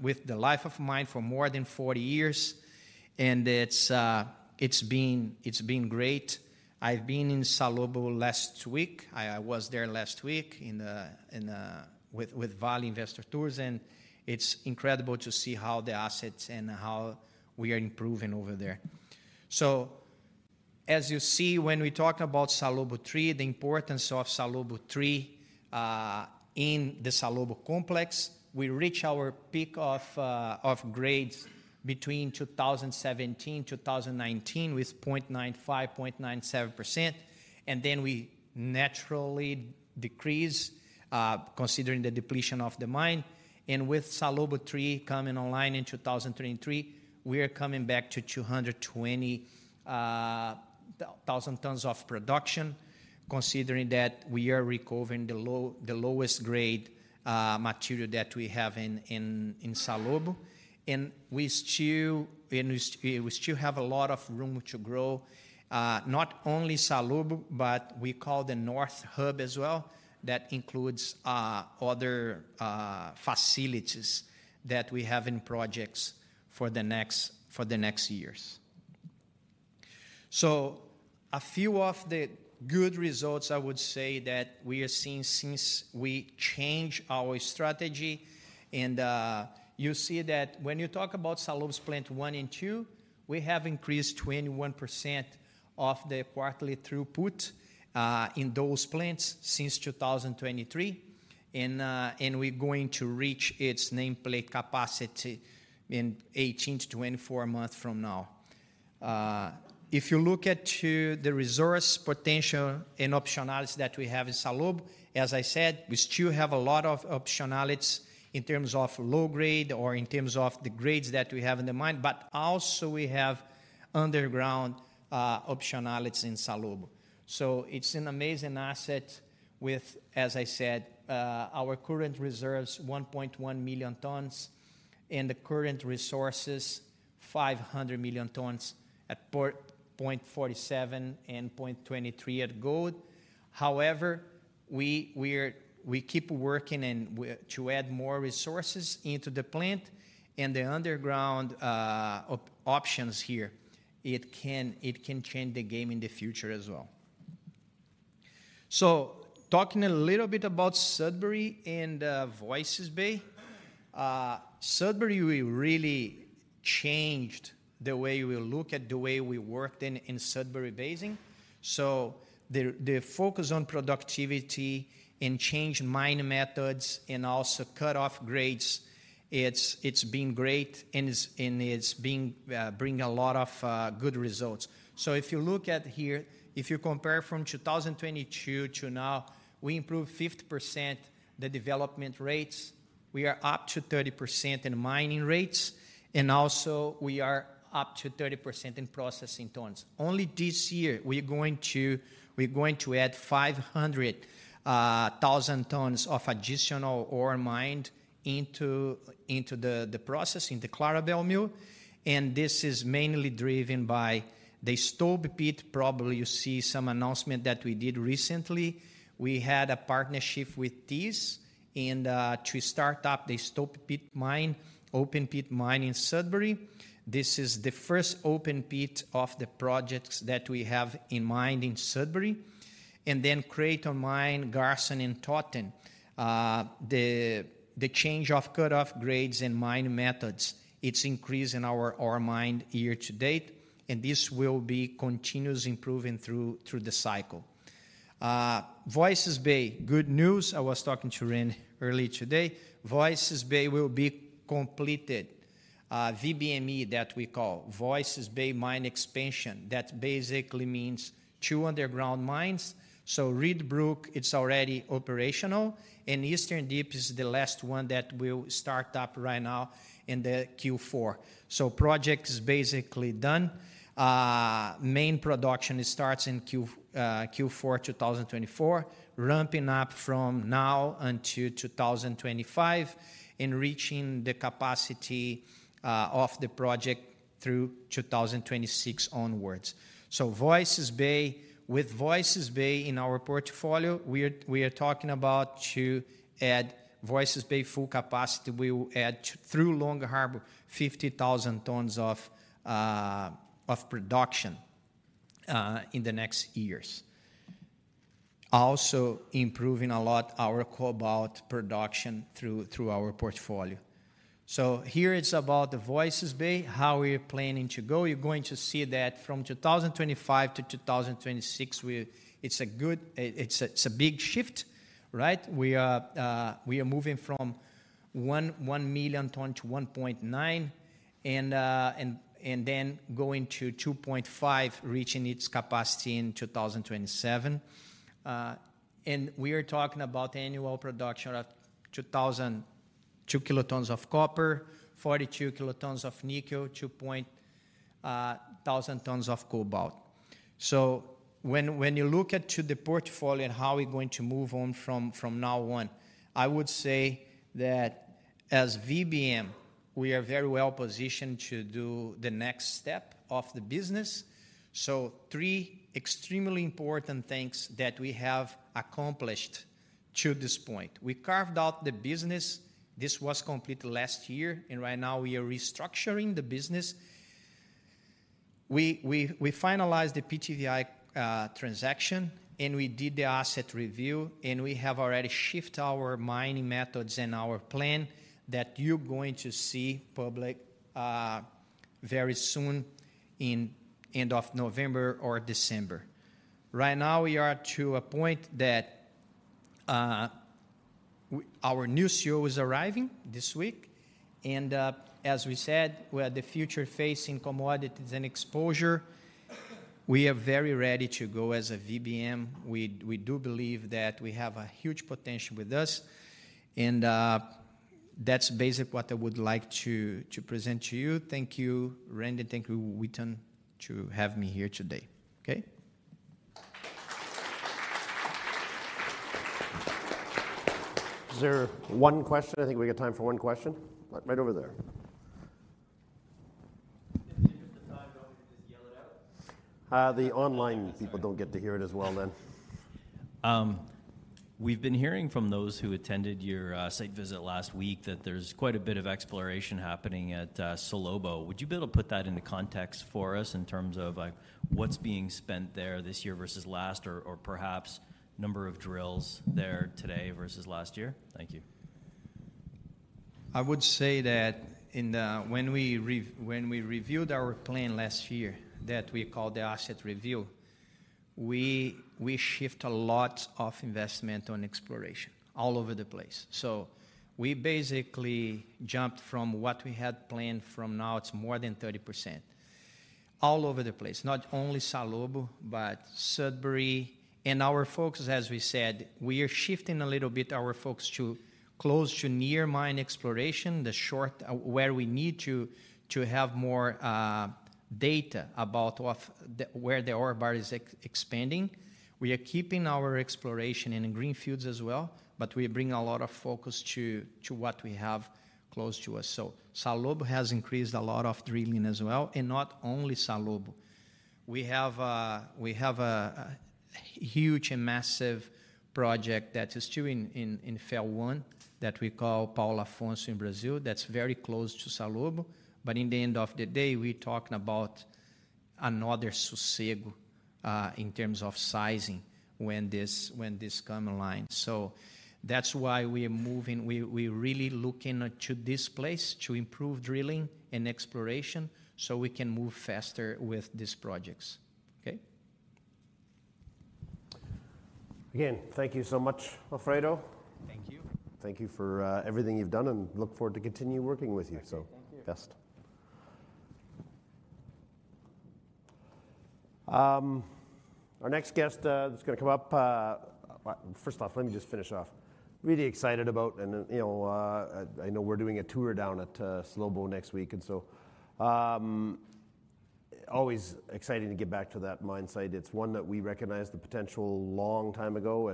S10: with the life of mine for more than forty years, and it's been great. I've been in Salobo last week. I was there last week with Vale Investor Tours, and it's incredible to see how the assets and how we are improving over there. So as you see, when we talk about Salobo 3, the importance of Salobo 3 in the Salobo complex, we reach our peak of grades between 2017, 2019, with 0.95%, 0.97%, and then we naturally decrease considering the depletion of the mine. With Salobo 3 coming online in 2023, we are coming back to 220,000 tonnes of production, considering that we are recovering the lowest grade material that we have in Salobo. We still have a lot of room to grow, not only Salobo, but we call the North Hub as well, that includes other facilities that we have in projects for the next years. A few of the good results I would say that we are seeing since we change our strategy, and you see that when you talk about Salobo's Plant One and Two, we have increased 21% of the quarterly throughput in those plants since 2023. We're going to reach its nameplate capacity in 18-24 months from now. If you look at the resource potential and optionalities that we have in Salobo, as I said, we still have a lot of optionalities in terms of low grade or in terms of the grades that we have in the mine, but also we have underground optionalities in Salobo. It's an amazing asset with, as I said, our current reserves, 1.1 million tonnes, and the current resources, 500 million tonnes at 0.47 and 0.23 at gold. However, we're working to add more resources into the plant and the underground options here. It can change the game in the future as well. Talking a little bit about Sudbury and Voisey's Bay. Sudbury, we really changed the way we look at the way we worked in Sudbury Basin. The focus on productivity and change mining methods and also cut off grades, it's been great and it's being bringing a lot of good results. If you look at here, if you compare from 2022 to now, we improved 50% the development rates. We are up to 30% in mining rates, and also we are up to 30% in processing tonnes. Only this year, we're going to add 500,000 tonnes of additional ore mined into the processing, the Clarabelle Mill, and this is mainly driven by the Stobie Pit. Probably, you see some announcement that we did recently. We had a partnership with this, and to start up the Stobie Pit mine, open pit mine in Sudbury. This is the first open pit of the projects that we have in mind in Sudbury, and then Creighton Mine, Garson and Totten. The change of cut-off grades and mining methods, it's increasing our ore mined year to date, and this will be continuously improving through the cycle. Voisey's Bay, good news. I was talking to Randy early today. Voisey's Bay will be completed. VBME, that we call Voisey's Bay Mine Expansion, that basically means two underground mines, so Reid Brook, it's already operational, and Eastern Deeps is the last one that will start up right now in the Q4, so project is basically done. Main production starts in Q4, 2024, ramping up from now until 2025 and reaching the capacity of the project through 2026 onwards. So Voisey's Bay. With Voisey's Bay in our portfolio, we are talking about to add Voisey's Bay full capacity. We will add through Long Harbour, 50,000 tonnes of production in the next years. Also, improving a lot our cobalt production through our portfolio. So here it's about the Voisey's Bay, how we are planning to go. You're going to see that from 2025 to 2026, we. It's a big shift, right? We are moving from one million tonne to one point nine, and then going to two point five, reaching its capacity in 2027. And we are talking about annual production of 2002 kilotonnes of copper, 42 kilotonnes of nickel, 2,100 tonnes of cobalt. So when you look at the portfolio and how we're going to move on from now on, I would say that as VBM, we are very well positioned to do the next step of the business. So three extremely important things that we have accomplished to this point: We carved out the business. This was completed last year, and right now we are restructuring the business. We finalized the PTVI transaction, and we did the asset review, and we have already shift our mining methods and our plan that you're going to see public very soon in end of November or December. Right now, we are to a point that our new CEO is arriving this week, and as we said, we are the future-facing commodities and exposure. We are very ready to go as a VBM. We do believe that we have a huge potential with us, and that's basically what I would like to present to you. Thank you, Randy, thank you, Wheaton, to have me here today. Okay?
S2: Is there one question? I think we got time for one question. Right over there.
S10: In the interest of time, do you want me to just yell it out?
S2: The online people don't get to hear it as well then. We've been hearing from those who attended your site visit last week that there's quite a bit of exploration happening at Salobo. Would you be able to put that into context for us in terms of, like, what's being spent there this year versus last or, or perhaps number of drills there today versus last year? Thank you.
S10: I would say that when we reviewed our plan last year, that we call the asset review, we shift a lot of investment on exploration all over the place. So we basically jumped from what we had planned from now. It's more than 30%. All over the place, not only Salobo, but Sudbury. And our focus, as we said, we are shifting a little bit our focus to close to near mine exploration, the short where we need to have more data about the where the ore body is expanding. We are keeping our exploration in greenfields as well, but we bring a lot of focus to what we have close to us. So Salobo has increased a lot of drilling as well, and not only Salobo. We have a huge and massive project that is still in phase one, that we call Paulo Afonso in Brazil. That's very close to Salobo, but in the end of the day, we're talking about another Sossego in terms of sizing when this come online. So that's why we are moving. We're really looking to this place to improve drilling and exploration, so we can move faster with these projects. Okay?
S2: Again, thank you so much, Alfredo.
S10: Thank you.
S2: Thank you for everything you've done, and look forward to continue working with you.
S10: Okay. Thank you.
S2: First off, let me just finish off. Really excited about, and then, you know, I know we're doing a tour down at Salobo next week, and so always exciting to get back to that mine site. It's one that we recognized the potential long time ago,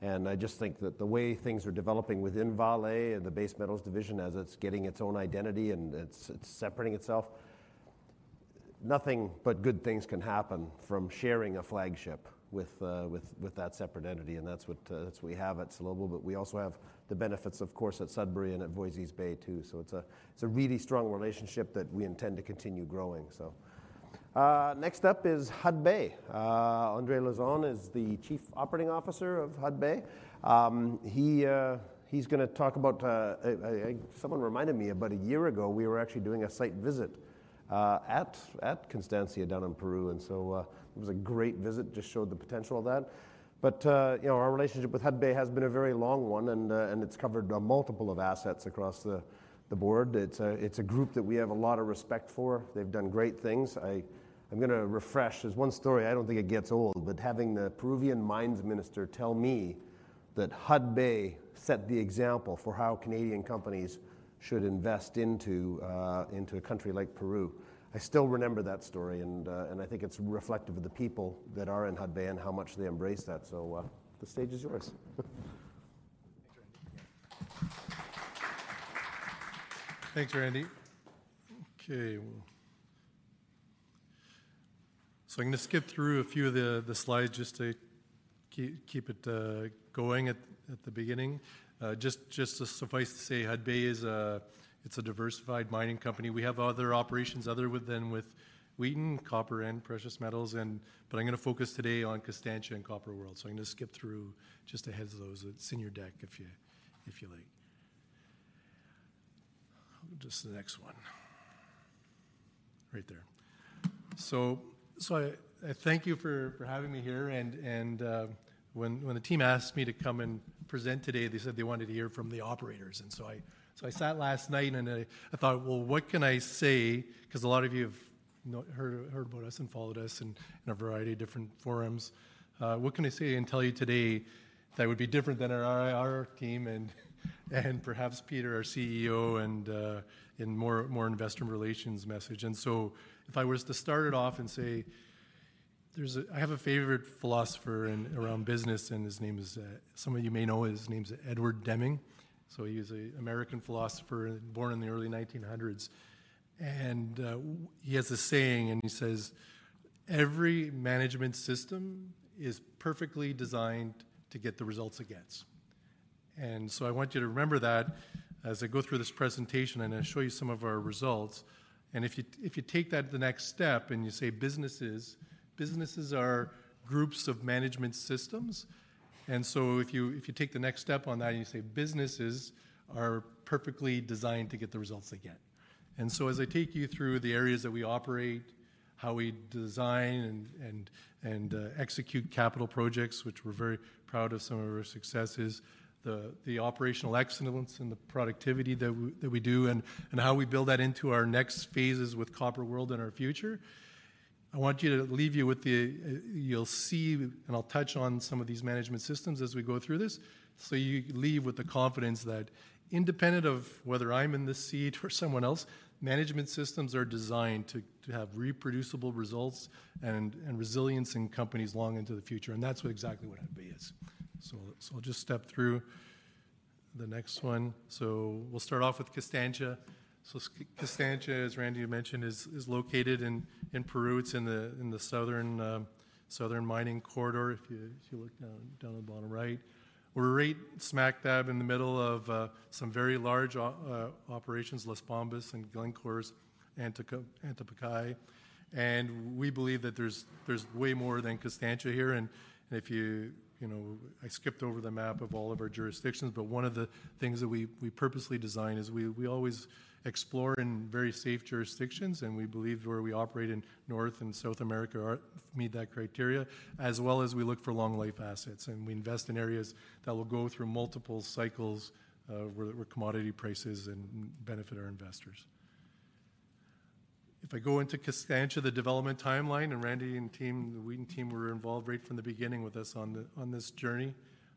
S2: and I just think that the way things are developing within Vale and the Base Metals division as it's getting its own identity and it's separating itself, nothing but good things can happen from sharing a flagship with that separate entity, and that's what we have at Salobo. But we also have the benefits, of course, at Sudbury and at Voisey's Bay too, so it's a really strong relationship that we intend to continue growing. Next up is Hudbay. André Lauzon is the Chief Operating Officer of Hudbay. He’s gonna talk about. Someone reminded me about a year ago, we were actually doing a site visit at Constancia down in Peru, and so it was a great visit, just showed the potential of that. You know, our relationship with Hudbay has been a very long one, and it's covered a multiple of assets across the board. It's a group that we have a lot of respect for. They've done great things. I'm gonna refresh. There's one story, I don't think it gets old, but having the Peruvian Mines Minister tell me that Hudbay set the example for how Canadian companies should invest into a country like Peru. I still remember that story, and I think it's reflective of the people that are in Hudbay and how much they embrace that. So, the stage is yours.
S11: Thanks, Randy. Okay. So I'm gonna skip through a few of the slides just to keep it going at the beginning. Just to suffice to say, Hudbay is a diversified mining company. We have other operations other than with Wheaton and copper and precious metals. But I'm gonna focus today on Constancia and Copper World. So I'm gonna skip through just ahead to those. It's in your deck if you like. Just the next one. Right there. I thank you for having me here, and when the team asked me to come and present today, they said they wanted to hear from the operators, and so I sat last night and I thought, "Well, what can I say?" 'Cause a lot of you have heard about us and followed us in a variety of different forums. What can I say and tell you today that would be different than our IR team and perhaps Peter, our CEO, and in more investor relations message? And so if I was to start it off and say, I have a favourite philosopher in around business, and his name is, some of you may know him, his name's Edwards Deming. He's an American philosopher, born in the early 1900s, and he has this saying, and he says: "Every management system is perfectly designed to get the results it gets." I want you to remember that as I go through this presentation, and I show you some of our results. And if you take that to the next step, and you say, "Businesses are groups of management systems." And so if you take the next step on that, and you say, "Businesses are perfectly designed to get the results they get." And so as I take you through the areas that we operate, how we design and execute capital projects, which we're very proud of some of our successes, the operational excellence and the productivity that we do, and how we build that into our next phases with Copper World and our future, I want to leave you with the... You'll see, and I'll touch on some of these management systems as we go through this, so you leave with the confidence that independent of whether I'm in this seat or someone else, management systems are designed to have reproducible results and resilience in companies long into the future, and that's exactly what Hudbay is. So I'll just step through. The next one, so we'll start off with Constancia. Constancia, as Randy had mentioned, is located in Peru. It's in the southern mining corridor, if you look down on the bottom right. We're right smack dab in the middle of some very large operations, Las Bambas and Glencore's Antamina. And we believe that there's way more than Constancia here, and if you... You know, I skipped over the map of all of our jurisdictions, but one of the things that we purposely design is we always explore in very safe jurisdictions, and we believe where we operate in North and South America meet that criteria, as well as we look for long-life assets, and we invest in areas that will go through multiple cycles, where commodity prices and benefit our investors. If I go into Constancia, the development timeline, and Randy and team, the Wheaton team were involved right from the beginning with us on this journey.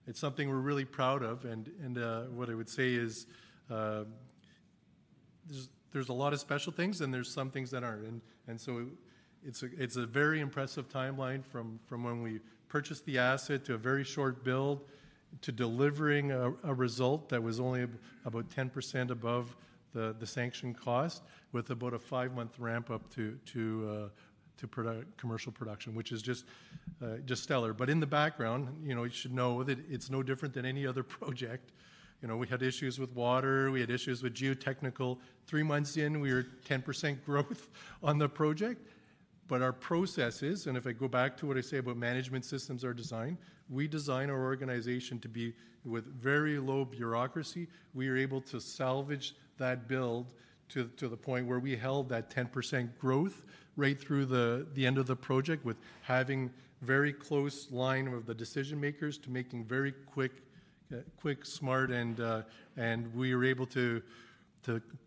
S11: It's something we're really proud of, and what I would say is, there's a lot of special things, and there's some things that aren't. It's a very impressive timeline from when we purchased the asset to a very short build, to delivering a result that was only about 10% above the sanction cost, with about a five-month ramp-up to commercial production, which is just stellar. But in the background, you know, you should know that it's no different than any other project. You know, we had issues with water, we had issues with geotechnical. Three months in, we were at 10% growth on the project, but our process is, and if I go back to what I say about management systems are designed, we design our organization to be with very low bureaucracy. We are able to salvage that build to the point where we held that 10% growth right through the end of the project with having very close line with the decision-makers to making very quick, smart, and. And we were able to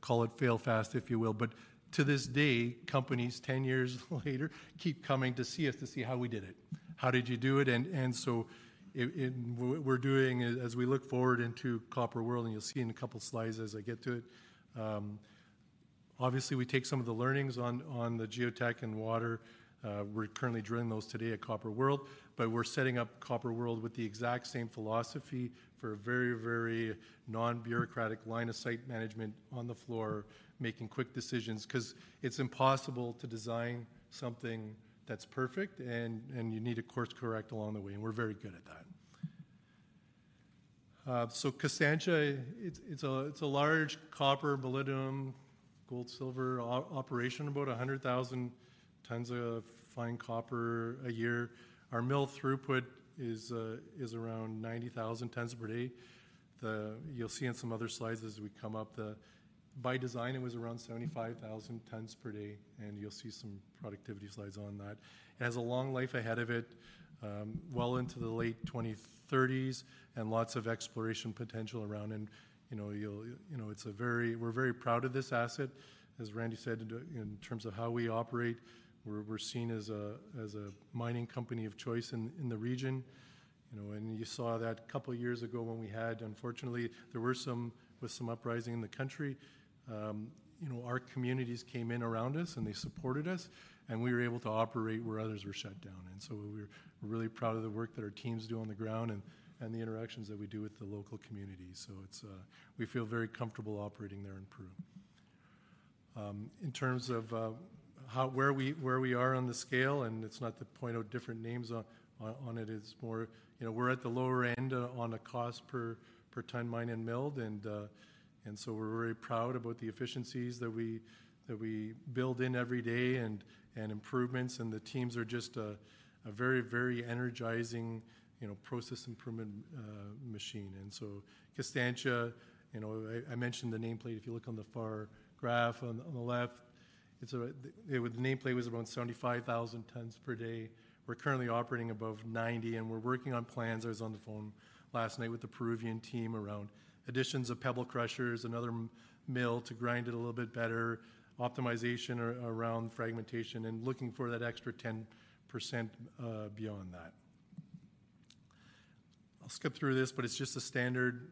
S11: call it fail fast, if you will. But to this day, companies 10 years later, keep coming to see us to see how we did it. "How did you do it?" And so in what we're doing, as we look forward into Copper World, and you'll see in a couple slides as I get to it, obviously, we take some of the learnings on the geotech and water. We're currently drilling those today at Copper World, but we're setting up Copper World with the exact same philosophy for a very, very non-bureaucratic line of sight management on the floor, making quick decisions. 'Cause it's impossible to design something that's perfect, and you need to course-correct along the way, and we're very good at that. So Constancia, it's a large copper, molybdenum, gold, silver operation, about 100,000 tonnes of fine copper a year. Our mill throughput is around 90,000 tonnes per day. You'll see in some other slides as we come up. By design, it was around 75,000 tonnes per day, and you'll see some productivity slides on that. It has a long life ahead of it, well into the late 2030s, and lots of exploration potential around and, you know, you'll, you know, it's a very. We're very proud of this asset. As Randy said, in terms of how we operate, we're seen as a mining company of choice in the region. You know, and you saw that a couple of years ago when we had. Unfortunately, there were some uprising in the country. You know, our communities came in around us, and they supported us, and we were able to operate where others were shut down. And so we're really proud of the work that our teams do on the ground and the interactions that we do with the local community. So it's. We feel very comfortable operating there in Peru. In terms of how we are on the scale, and it's not to point out different names on it, it's more, you know, we're at the lower end on a cost per tonne mined and milled, and so we're very proud about the efficiencies that we build in every day and improvements, and the teams are just a very, very energizing, you know, process improvement machine. And so Constancia, you know, I mentioned the nameplate. If you look on the far graph on the left, the nameplate was around 75,000 tonnes per day. We're currently operating above 90, and we're working on plans. I was on the phone last night with the Peruvian team around additions of pebble crushers, another mill to grind it a little bit better, optimization around fragmentation, and looking for that extra 10%, beyond that. I'll skip through this, but it's just a standard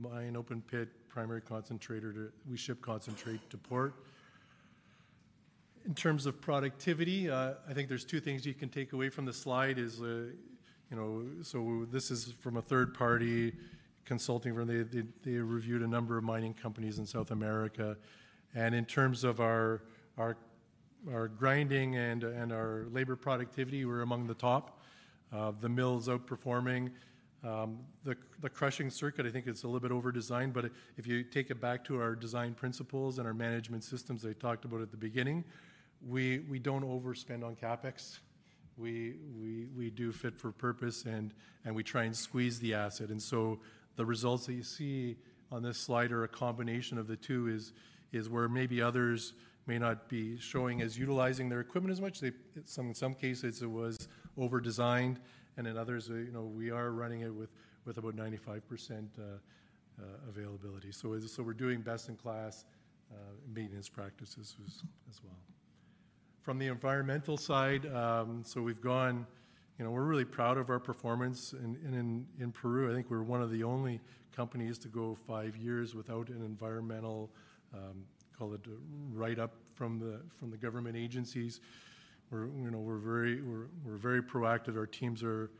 S11: mine, open pit, primary concentrator to... We ship concentrate to port. In terms of productivity, I think there's two things you can take away from this slide is, you know... So this is from a third-party consulting firm. They reviewed a number of mining companies in South America, and in terms of our grinding and our labor productivity, we're among the top. The mill's outperforming. The crushing circuit, I think it's a little bit overdesigned, but if you take it back to our design principles and our management systems I talked about at the beginning, we don't overspend on CapEx. We do fit for purpose, and we try and squeeze the asset. And so the results that you see on this slide are a combination of the two, where maybe others may not be showing as utilizing their equipment as much. They in some cases, it was overdesigned, and in others, you know, we are running it with about 95% availability. So we're doing best-in-class maintenance practices as well. From the environmental side, so we've gone. You know, we're really proud of our performance in Peru. I think we're one of the only companies to go five years without an environmental, call it a write-up from the, from the government agencies. We're, you know, we're very proactive. Our teams are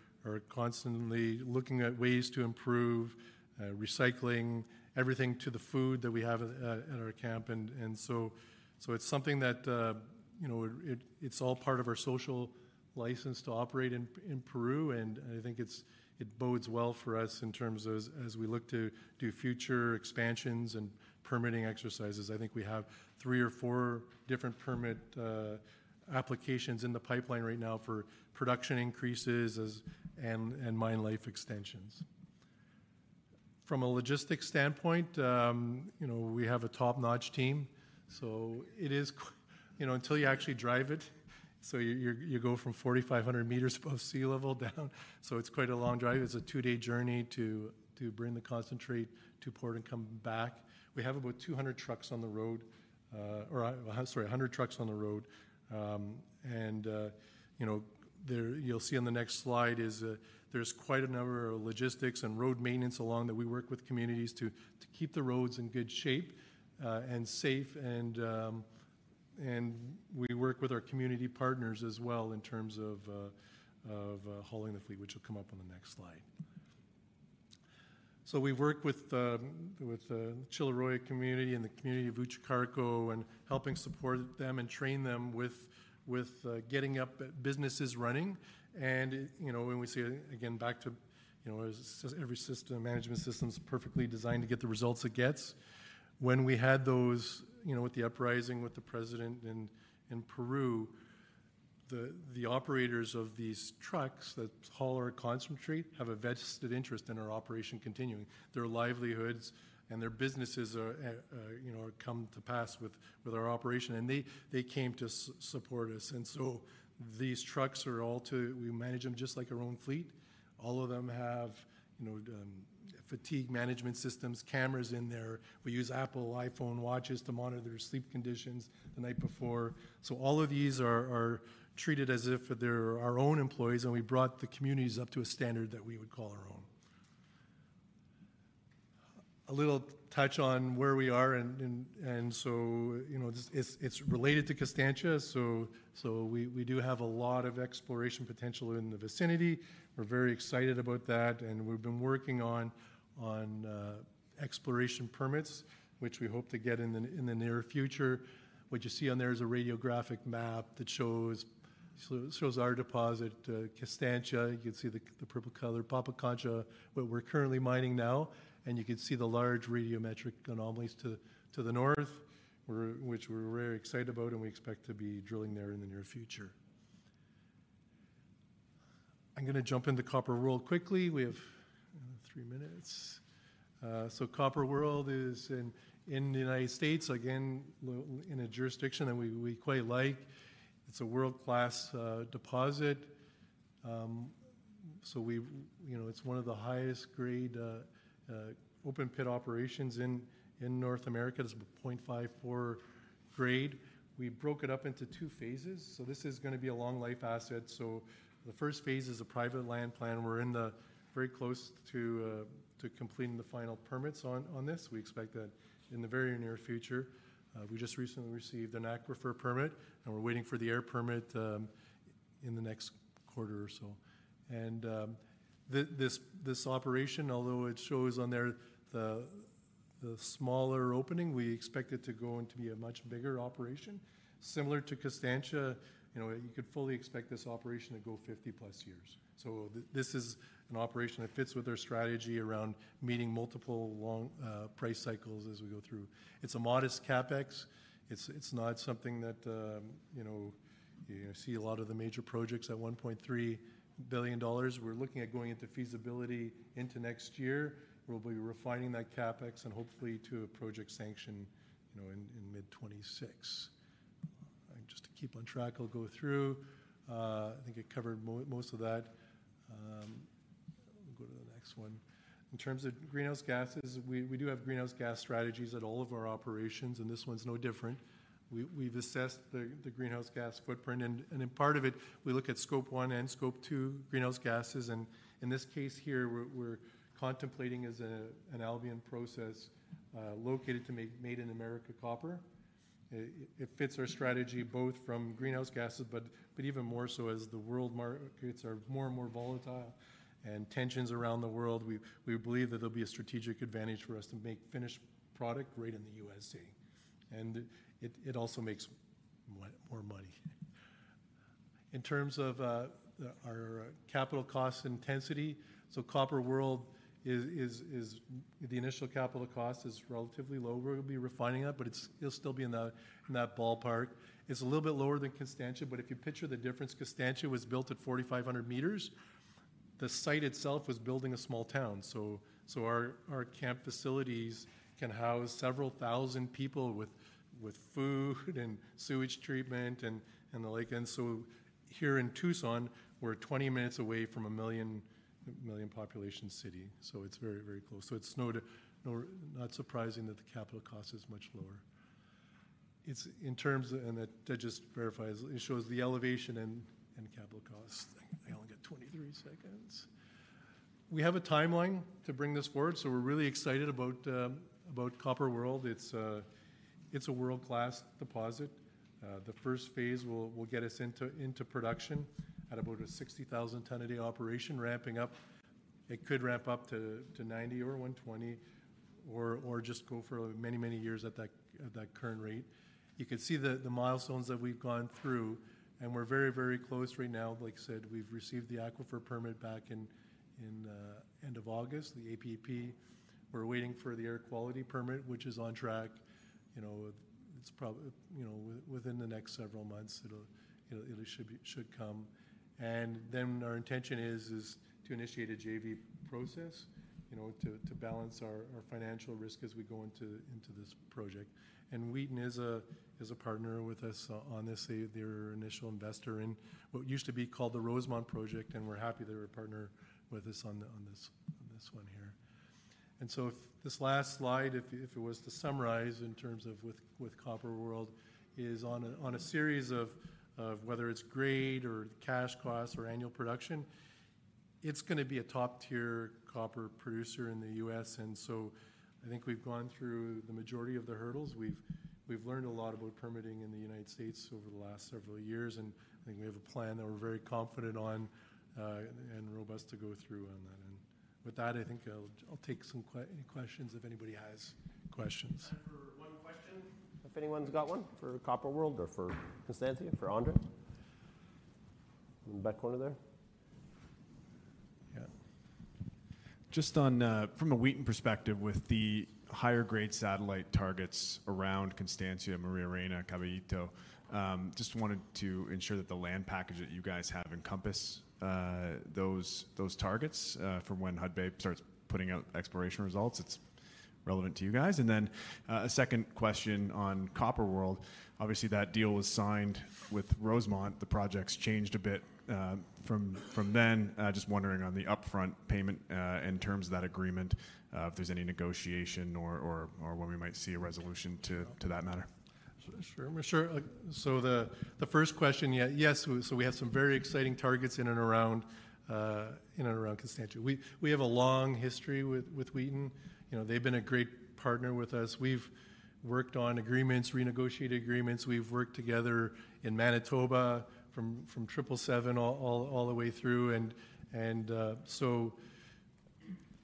S11: constantly looking at ways to improve, recycling everything to the food that we have at our camp. And so it's something that, you know, it's all part of our social license to operate in Peru, and I think it bodes well for us in terms of as we look to do future expansions and permitting exercises. I think we have three or four different permit applications in the pipeline right now for production increases and mine life extensions. From a logistics standpoint, you know, we have a top-notch team, so it is, you know, until you actually drive it, so you go from 4,500 meters above sea level down, so it's quite a long drive. It's a two-day journey to bring the concentrate to port and come back. We have about 100 trucks on the road. You'll see on the next slide there's quite a number of logistics and road maintenance along that we work with communities to keep the roads in good shape, and safe, and we work with our community partners as well in terms of hauling the fleet, which will come up on the next slide. So we work with the Chilloroya community and the community of Uchucarcco, and helping support them and train them with getting up businesses running. And, you know, when we say again, back to, you know, as every system, management system's perfectly designed to get the results it gets. When we had those, you know, with the uprising with the president in Peru, the operators of these trucks that haul our concentrate have a vested interest in our operation continuing. Their livelihoods and their businesses are, you know, come to pass with our operation, and they came to support us. And so these trucks are all. We manage them just like our own fleet. All of them have, you know, fatigue management systems, cameras in there. We use Apple Watch to monitor their sleep conditions the night before. So all of these are treated as if they're our own employees, and we brought the communities up to a standard that we would call our own. A little touch on where we are and so, you know, it's related to Constancia, so we do have a lot of exploration potential in the vicinity. We're very excited about that, and we've been working on exploration permits, which we hope to get in the near future. What you see on there is a radiometric map that shows our deposit, Constancia. You can see the purple color, Pampacancha, what we're currently mining now, and you can see the large radiometric anomalies to the north, which we're very excited about, and we expect to be drilling there in the near future. I'm gonna jump into Copper World quickly. We have three minutes. So Copper World is in the United States, again, in a jurisdiction that we quite like. It's a world-class open pit operations in North America. It's a point five four grade. We broke it up into two phases, so this is gonna be a long-life asset. So the first phase is a private land plan. We're very close to completing the final permits on this. We expect that in the very near future. We just recently received an aquifer permit, and we're waiting for the air permit in the next quarter or so. This operation, although it shows on there the smaller opening, we expect it to go on to be a much bigger operation. Similar to Constancia, you know, you could fully expect this operation to go fifty-plus years. This is an operation that fits with our strategy around meeting multiple long price cycles as we go through. It's a modest CapEx. It's not something that, you know, you see a lot of the major projects at $1.3 billion. We're looking at going into feasibility into next year. We'll be refining that CapEx and hopefully to a project sanction, you know, in mid-2026. Just to keep on track, I'll go through. I think I covered most of that. We'll go to the next one. In terms of greenhouse gases, we do have greenhouse gas strategies at all of our operations, and this one's no different. We've assessed the greenhouse gas footprint, and in part of it, we look at Scope 1 and Scope 2 greenhouse gases. In this case here, we're contemplating an Albion Process made in America copper. It fits our strategy both from greenhouse gases, but even more so as the world markets are more and more volatile and tensions around the world, we believe that there'll be a strategic advantage for us to make finished product right in the USA, and it also makes more money. In terms of our capital cost intensity, so Copper World is. The initial capital cost is relatively low. We'll be refining that, but it's, it'll still be in the, in that ballpark. It's a little bit lower than Constancia, but if you picture the difference, Constancia was built at 4,500 meters. The site itself was building a small town, so our camp facilities can house several thousand people with food and sewage treatment and the like. And so here in Tucson, we're 20 minutes away from a million population city, so it's very close. So it's not surprising that the capital cost is much lower. In terms and that just verifies, it shows the elevation and capital costs. I only got 23 seconds? We have a timeline to bring this forward, so we're really excited about about Copper World. It's a world-class deposit. The first phase will get us into production at about a 60,000 ton a day operation, ramping up. It could ramp up to 90 or 120, or just go for many years at that current rate. You can see the milestones that we've gone through, and we're very close right now. Like I said, we've received the aquifer permit back in end of August, the APP. We're waiting for the air quality permit, which is on track. You know, it's probably, you know, within the next several months, it should come. And then our intention is to initiate a JV process, you know, to balance our financial risk as we go into this project. And Wheaton is a partner with us on this. They're initial investor in what used to be called the Rosemont Project, and we're happy they're a partner with us on this one here. And so if this last slide was to summarise in terms of Copper World, it's on a series of whether it's grade or cash cost or annual production, it's gonna be a top-tier copper producer in the U.S. And so I think we've gone through the majority of the hurdles. We've learned a lot about permitting in the United States over the last several years, and I think we have a plan that we're very confident on and robust to go through on that. And with that, I think I'll take some questions, if anybody has questions.
S2: Time for one question, if anyone's got one for Copper World or for Constancia, for André. In the back corner there? Yeah. Just on, from a Wheaton perspective, with the higher grade satellite targets around Constancia, Maria Reyna, Caballito, just wanted to ensure that the land package that you guys have encompass those targets from when Hudbay starts putting out exploration results, it's relevant to you guys. And then, a second question on Copper World. Obviously, that deal was signed with Rosemont. The project's changed a bit, from then. Just wondering on the upfront payment, in terms of that agreement, if there's any negotiation or when we might see a resolution to that matter.
S11: Sure, sure. So the first question, yes, so we have some very exciting targets in and around Constancia. We have a long history with Wheaton. You know, they've been a great partner with us. We've worked on agreements, renegotiated agreements. We've worked together in Manitoba from Triple Seven all the way through. And so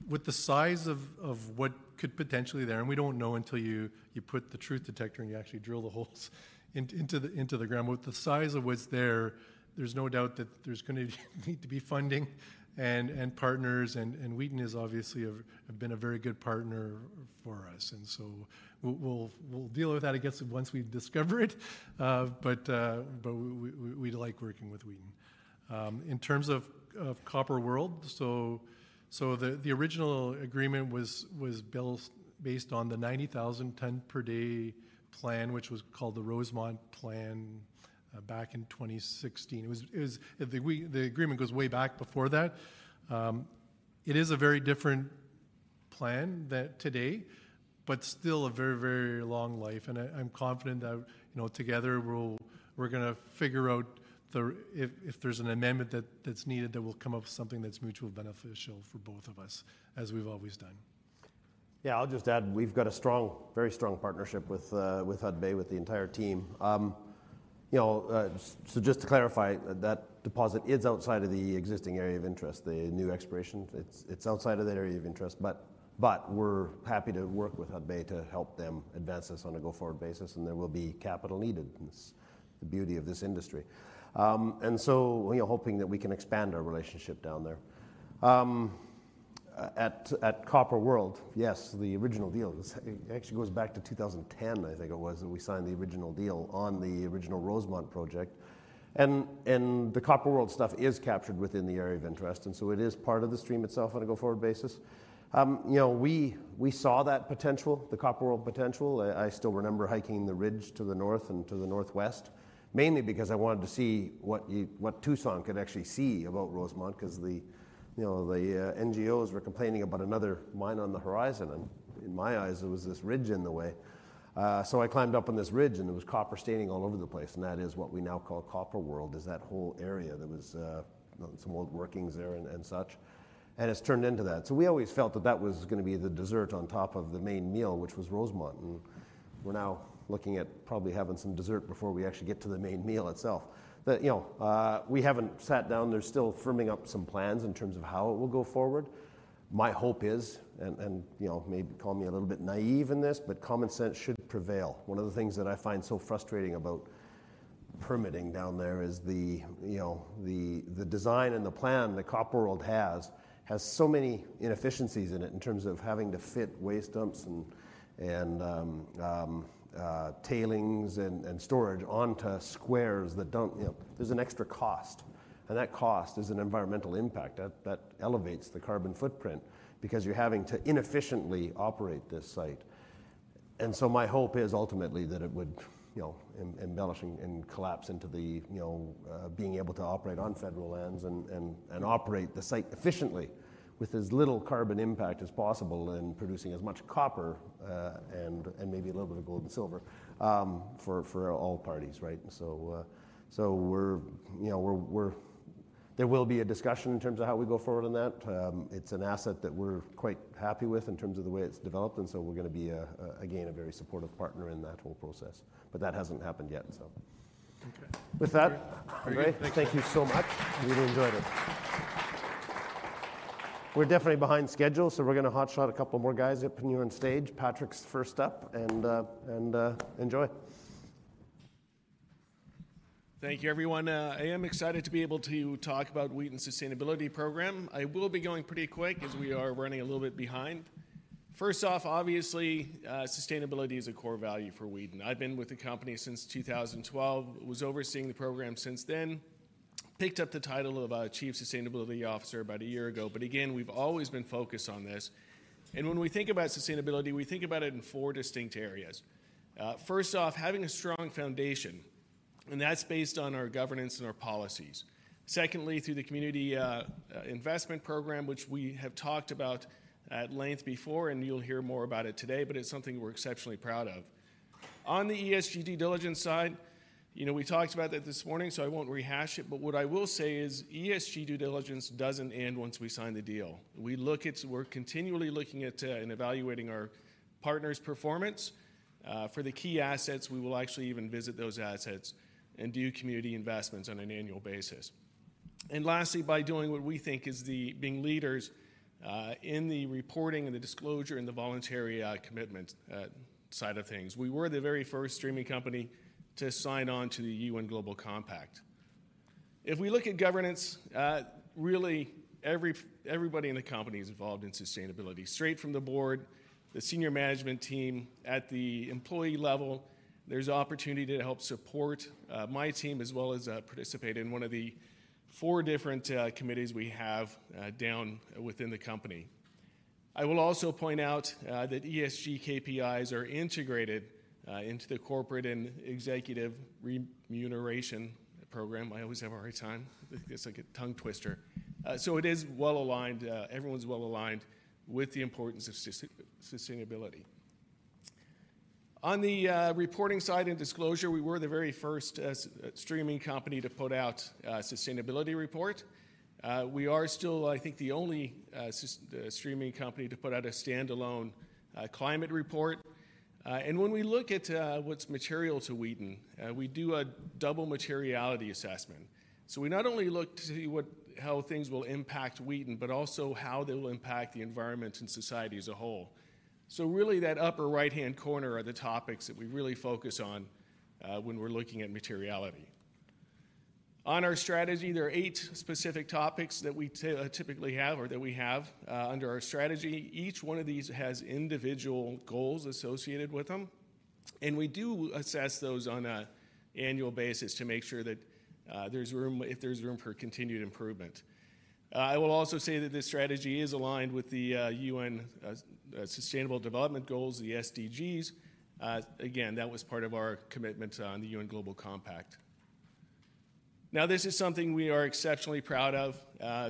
S11: with the size of what could potentially there, and we don't know until you put the truth detector and you actually drill the holes into the ground. With the size of what's there, there's no doubt that there's gonna need to be funding and partners, and Wheaton is obviously a have been a very good partner for us. And so we'll deal with that, I guess, once we've discovered it. We like working with Wheaton. In terms of Copper World, the original agreement was built based on the 90,000 ton per day plan, which was called the Rosemont Plan, back in 2016. The agreement goes way back before that. It is a very different plan than today, but still a very long life, and I'm confident that, you know, together, we're gonna figure out if there's an amendment that's needed, that we'll come up with something that's mutually beneficial for both of us, as we've always done.
S2: Yeah, I'll just add, we've got a strong, very strong partnership with Hudbay, with the entire team. You know, so just to clarify, that deposit is outside of the existing area of interest, the new exploration. It's outside of that area of interest, but we're happy to work with Hudbay to help them advance this on a go-forward basis, and there will be capital needed. And that's the beauty of this industry. And so, we're hoping that we can expand our relationship down there. At Copper World, yes, the original deal, it actually goes back to 2010, I think it was, that we signed the original deal on the original Rosemont project. And the Copper World stuff is captured within the area of interest, and so it is part of the stream itself on a go-forward basis. You know, we saw that potential, the Copper World potential. I still remember hiking the ridge to the north and to the northwest, mainly because I wanted to see what Tucson could actually see about Rosemont, 'cause, you know, the NGOs were complaining about another mine on the horizon, and in my eyes, there was this ridge in the way. So I climbed up on this ridge, and there was copper staining all over the place, and that is what we now call Copper World, is that whole area that was some old workings there and such, and it's turned into that. So we always felt that that was gonna be the dessert on top of the main meal, which was Rosemont, and we're now looking at probably having some dessert before we actually get to the main meal itself. But, you know, we haven't sat down there, still firming up some plans in terms of how it will go forward. My hope is, and, you know, maybe call me a little bit naive in this, but common sense should prevail. One of the things that I find so frustrating about permitting down there is the, you know, the design and the plan that Copper World has so many inefficiencies in it in terms of having to fit waste dumps and tailings and storage onto squares that don't... You know, there's an extra cost, and that cost is an environmental impact. That elevates the carbon footprint because you're having to inefficiently operate this site. And so my hope is ultimately that it would, you know, embellish and collapse into the, you know, being able to operate on federal lands and operate the site efficiently with as little carbon impact as possible, and producing as much copper and maybe a little bit of gold and silver for all parties, right? So, you know, there will be a discussion in terms of how we go forward on that. It's an asset that we're quite happy with in terms of the way it's developed, and so we're gonna be, again, a very supportive partner in that whole process, but that hasn't happened yet, so. Okay. With that, great. Thank you so much. Really enjoyed it. We're definitely behind schedule, so we're gonna hotshot a couple more guys up here on stage. Patrick's first up, and enjoy.
S5: Thank you, everyone. I am excited to be able to talk about Wheaton's sustainability program. I will be going pretty quick as we are running a little bit behind. First off, obviously, sustainability is a core value for Wheaton. I've been with the company since 2012, was overseeing the program since then. Picked up the title of Chief Sustainability Officer about a year ago, but again, we've always been focused on this. And when we think about sustainability, we think about it in four distinct areas. First off, having a strong foundation, and that's based on our governance and our policies. Secondly, through the community investment program, which we have talked about at length before, and you'll hear more about it today, but it's something we're exceptionally proud of. On the ESG due diligence side, you know, we talked about that this morning, so I won't rehash it, but what I will say is ESG due diligence doesn't end once we sign the deal. We look at. We're continually looking at and evaluating our partners' performance. For the key assets, we will actually even visit those assets and do community investments on an annual basis. And lastly, by doing what we think is the, being leaders in the reporting and the disclosure and the voluntary commitment side of things. We were the very first streaming company to sign on to the UN Global Compact. If we look at governance, really, everybody in the company is involved in sustainability. Straight from the board, the senior management team, at the employee level, there's opportunity to help support my team, as well as participate in one of the four different committees we have down within the company. I will also point out that ESG KPIs are integrated into the corporate and executive remuneration program. I always have a hard time. It's like a tongue twister. So it is well-aligned, everyone's well-aligned with the importance of sustainability. On the reporting side and disclosure, we were the very first streaming company to put out a sustainability report. We are still, I think, the only streaming company to put out a standalone climate report. And when we look at what's material to Wheaton, we do a double materiality assessment. So we not only look to see what, how things will impact Wheaton, but also how they will impact the environment and society as a whole. So really, that upper right-hand corner are the topics that we really focus on when we're looking at materiality. On our strategy, there are eight specific topics that we typically have, or that we have, under our strategy. Each one of these has individual goals associated with them, and we do assess those on an annual basis to make sure that there's room, if there's room for continued improvement. I will also say that this strategy is aligned with the UN Sustainable Development Goals, the SDGs. Again, that was part of our commitment on the UN Global Compact. Now, this is something we are exceptionally proud of.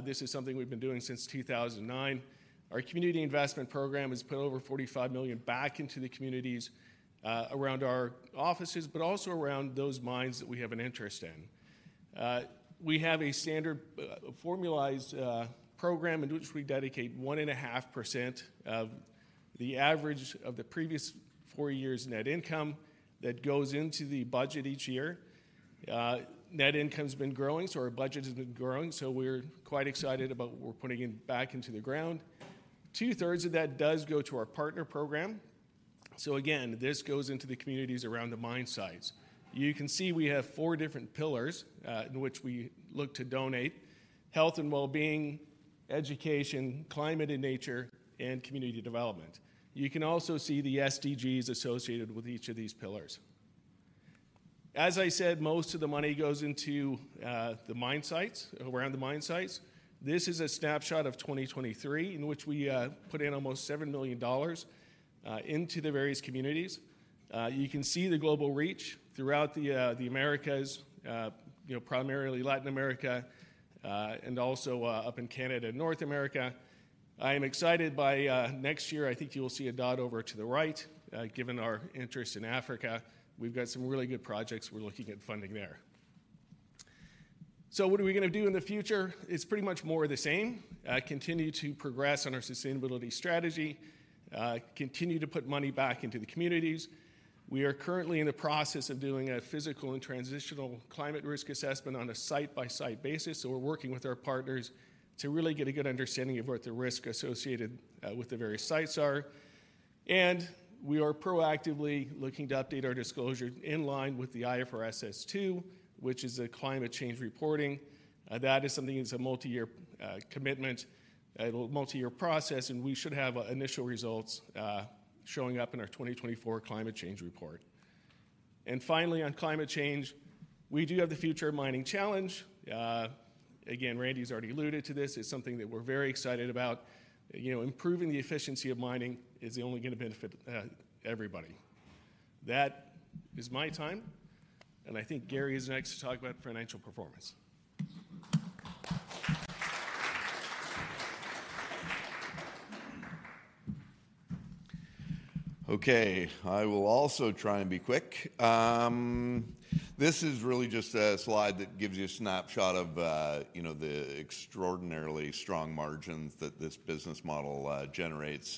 S5: This is something we've been doing since 2009. Our community investment program has put over $45 million back into the communities around our offices, but also around those mines that we have an interest in. We have a standard formalized program in which we dedicate 1.5% of the average of the previous four years' net income that goes into the budget each year. Net income's been growing, so our budget has been growing, so we're quite excited about what we're putting in back into the ground. Two-thirds of that does go to our partner program. So again, this goes into the communities around the mine sites. You can see we have four different pillars in which we look to donate: health and well-being, education, climate and nature, and community development. You can also see the SDGs associated with each of these pillars. As I said, most of the money goes into the mine sites, around the mine sites. This is a snapshot of 2023, in which we put in almost $7 million into the various communities. You can see the global reach throughout the Americas, you know, primarily Latin America, and also up in Canada and North America. I am excited by next year, I think you will see a dot over to the right, given our interest in Africa. We've got some really good projects we're looking at funding there. So what are we gonna do in the future? It's pretty much more of the same. Continue to progress on our sustainability strategy, continue to put money back into the communities. We are currently in the process of doing a physical and transitional climate risk assessment on a site-by-site basis, so we're working with our partners to really get a good understanding of what the risk associated with the various sites are. We are proactively looking to update our disclosure in line with the IFRS S2, which is a climate change reporting. That is something that's a multi-year commitment, a multi-year process, and we should have initial results showing up in our 2024 climate change report. Finally, on climate change, we do have the Future of Mining Challenge. Again, Randy's already alluded to this. It's something that we're very excited about. You know, improving the efficiency of mining is only gonna benefit everybody. That is my time, and I think Gary is next to talk about financial performance....
S4: Okay, I will also try and be quick. This is really just a slide that gives you a snapshot of, you know, the extraordinarily strong margins that this business model generates.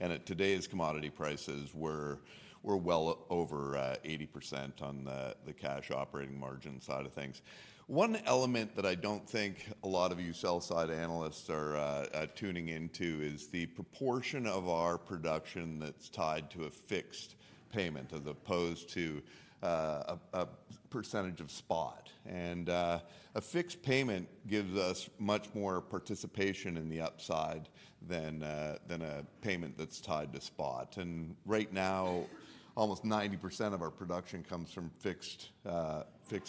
S4: And at today's commodity prices, we're well over 80% on the cash operating margin side of things. One element that I don't think a lot of you sell side analysts are tuning into is the proportion of our production that's tied to a fixed payment as opposed to a percentage of spot. And a fixed payment gives us much more participation in the upside than a payment that's tied to spot. And right now, almost 90% of our production comes from fixed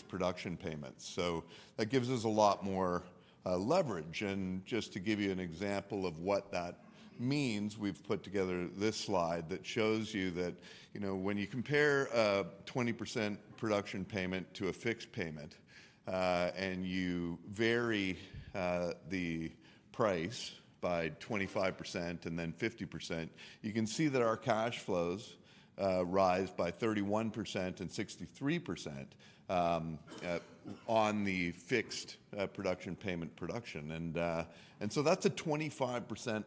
S4: production payments. So that gives us a lot more leverage. Just to give you an example of what that means, we've put together this slide that shows you that, you know, when you compare a 20% production payment to a fixed payment, and you vary the price by 25% and then 50%, you can see that our cash flows rise by 31% and 63% on the fixed production payment. And so that's a 25%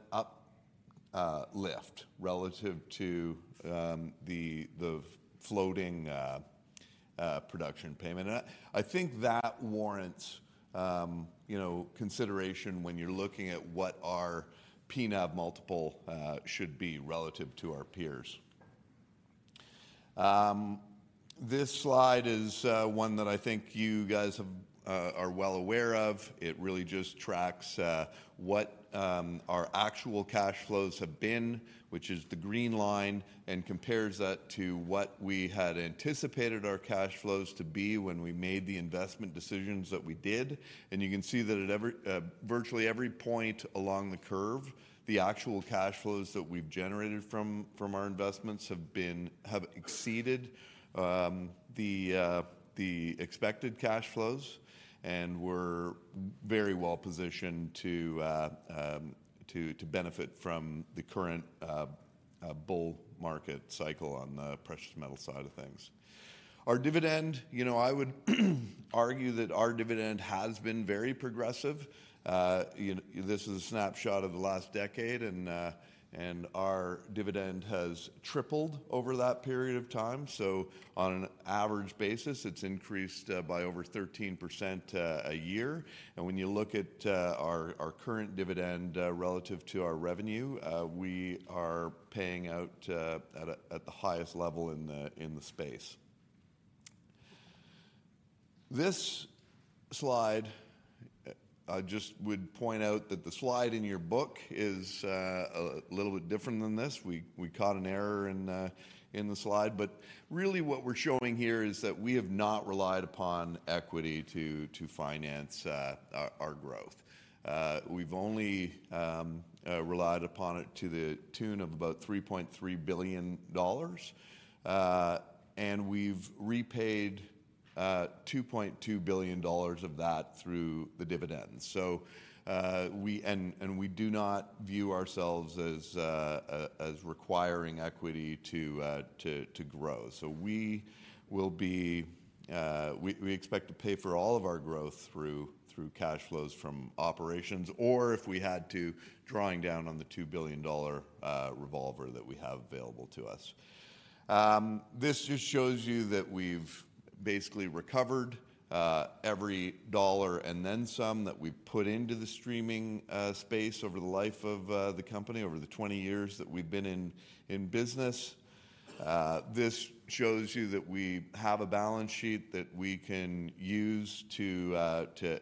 S4: uplift relative to the floating production payment. And I think that warrants, you know, consideration when you're looking at what our PNAV multiple should be relative to our peers. This slide is one that I think you guys are well aware of. It really just tracks what our actual cash flows have been, which is the green line, and compares that to what we had anticipated our cash flows to be when we made the investment decisions that we did. And you can see that at every virtually every point along the curve, the actual cash flows that we've generated from our investments have exceeded the expected cash flows, and we're very well positioned to benefit from the current bull market cycle on the precious metal side of things. Our dividend, you know, I would argue that our dividend has been very progressive. This is a snapshot of the last decade, and our dividend has tripled over that period of time. So on an average basis, it's increased by over 13% a year. And when you look at our current dividend relative to our revenue, we are paying out at the highest level in the space. This slide, I just would point out that the slide in your book is a little bit different than this. We caught an error in the slide, but really what we're showing here is that we have not relied upon equity to finance our growth. We've only relied upon it to the tune of about $3.3 billion, and we've repaid $2.2 billion of that through the dividends. So, we... And we do not view ourselves as requiring equity to grow. So we will be. We expect to pay for all of our growth through cash flows from operations, or if we had to, drawing down on the $2 billion revolver that we have available to us. This just shows you that we've basically recovered every dollar and then some, that we've put into the streaming space over the life of the company, over the 20 years that we've been in business. This shows you that we have a balance sheet that we can use to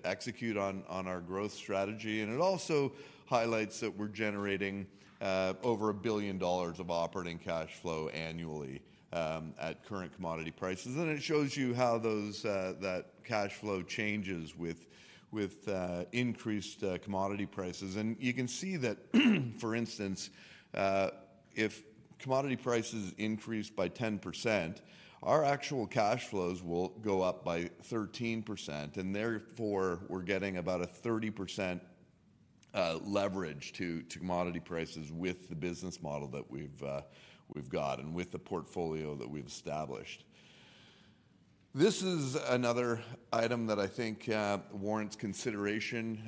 S4: execute on our growth strategy, and it also highlights that we're generating over $1 billion of operating cash flow annually at current commodity prices. And it shows you how those that cash flow changes with increased commodity prices. You can see that, for instance, if commodity prices increase by 10%, our actual cash flows will go up by 13%, and therefore, we're getting about a 30% leverage to commodity prices with the business model that we've got and with the portfolio that we've established. This is another item that I think warrants consideration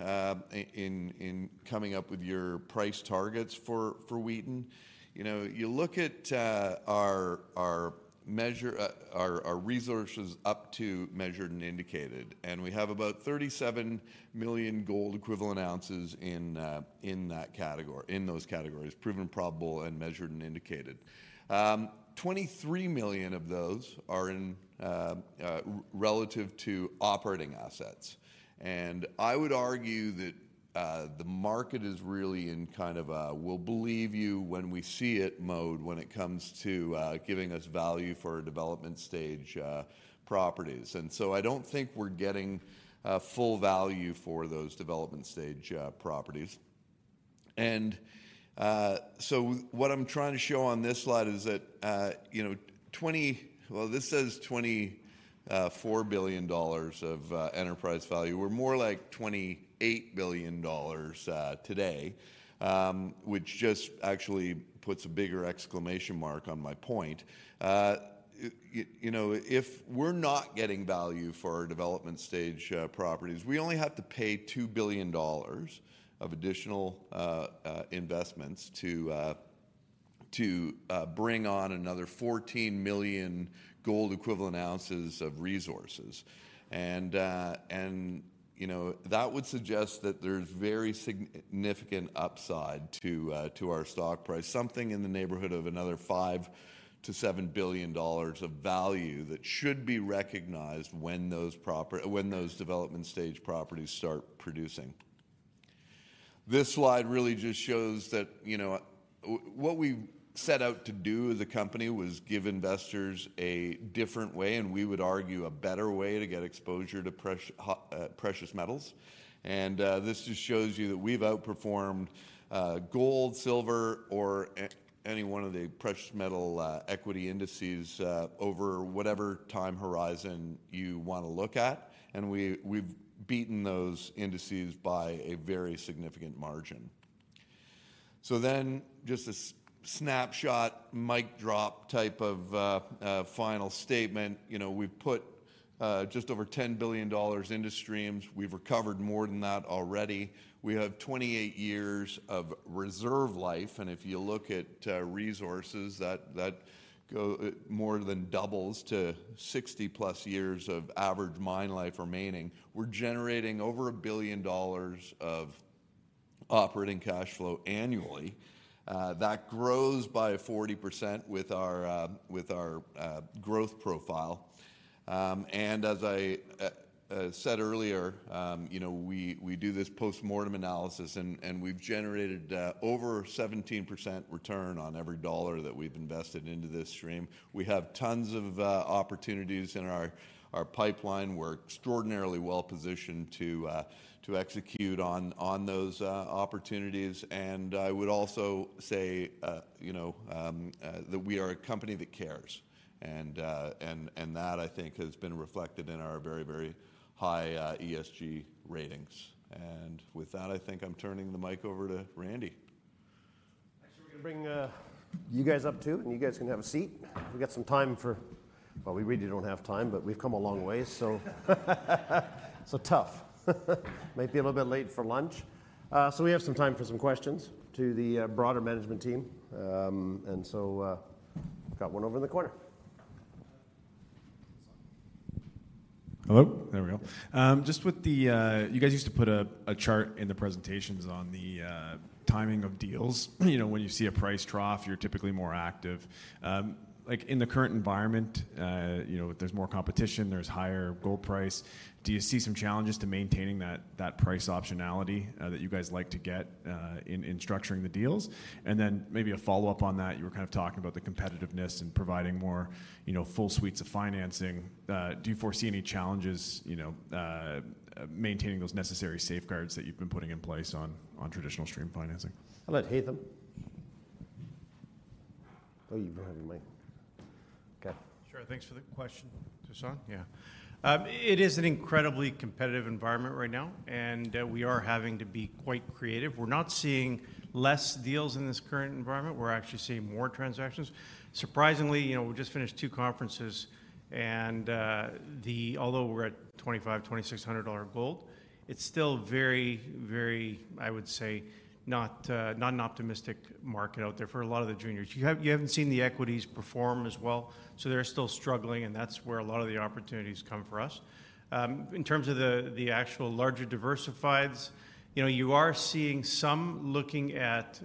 S4: in coming up with your price targets for Wheaton. You know, you look at our measured resources up to measured and indicated, and we have about 37 million gold equivalent ounces in that category, in those categories, proven probable and measured and indicated. 23 million of those are in relative to operating assets. I would argue that the market is really in kind of a "We'll believe you when we see it" mode when it comes to giving us value for our development stage properties. So I don't think we're getting full value for those development stage properties. So what I'm trying to show on this slide is that you know, this says $24 billion of enterprise value. We're more like $28 billion today, which just actually puts a bigger exclamation mark on my point. You know, if we're not getting value for our development stage properties, we only have to pay $2 billion of additional investments to bring on another 14 million gold equivalent ounces of resources. You know, that would suggest that there's very significant upside to our stock price, something in the neighborhood of another $5 billion-$7 billion of value that should be recognized when those development stage properties start producing. This slide really just shows that, you know, what we set out to do as a company was give investors a different way, and we would argue, a better way, to get exposure to precious metals. This just shows you that we've outperformed gold, silver, or any one of the precious metal equity indices over whatever time horizon you wanna look at, and we, we've beaten those indices by a very significant margin. Then, just a snapshot, mic drop type of final statement. You know, we've put just over $10 billion into streams. We've recovered more than that already. We have 28 years of reserve life, and if you look at resources, that go more than doubles to 60-plus years of average mine life remaining. We're generating over $1 billion of operating cash flow annually. That grows by 40% with our growth profile. And as I said earlier, you know, we do this post-mortem analysis and we've generated over 17% return on every dollar that we've invested into this stream. We have tons of opportunities in our pipeline. We're extraordinarily well-positioned to execute on those opportunities. And I would also say, you know, that we are a company that cares, and that, I think, has been reflected in our very, very high ESG ratings. And with that, I think I'm turning the mic over to Randy.
S2: Actually, we're gonna bring you guys up, too, and you guys can have a seat. We've got some time for...well, we really don't have time, but we've come a long way, so tough. Might be a little bit late for lunch. So we have some time for some questions to the broader management team. And so, got one over in the corner. Hello? There we go. Just with the, you guys used to put a chart in the presentations on the timing of deals. You know, when you see a price trough, you're typically more active. Like, in the current environment, you know, there's more competition, there's higher gold price. Do you see some challenges to maintaining that price optionality that you guys like to get in structuring the deals? And then maybe a follow-up on that, you were kind of talking about the competitiveness and providing more, you know, full suites of financing. Do you foresee any challenges, you know, maintaining those necessary safeguards that you've been putting in place on traditional stream financing?
S4: I'll let Haytham... Oh, you go ahead of the mic. Okay.
S3: Sure. Thanks for the question, Tushar. Yeah. It is an incredibly competitive environment right now, and we are having to be quite creative. We're not seeing less deals in this current environment; we're actually seeing more transactions. Surprisingly, you know, we just finished two conferences, and although we're at $2,500-$2,600 gold, it's still very, very, I would say, not an optimistic market out there for a lot of the juniors. You haven't seen the equities perform as well, so they're still struggling, and that's where a lot of the opportunities come for us. In terms of the actual larger diversifies, you know, you are seeing some looking at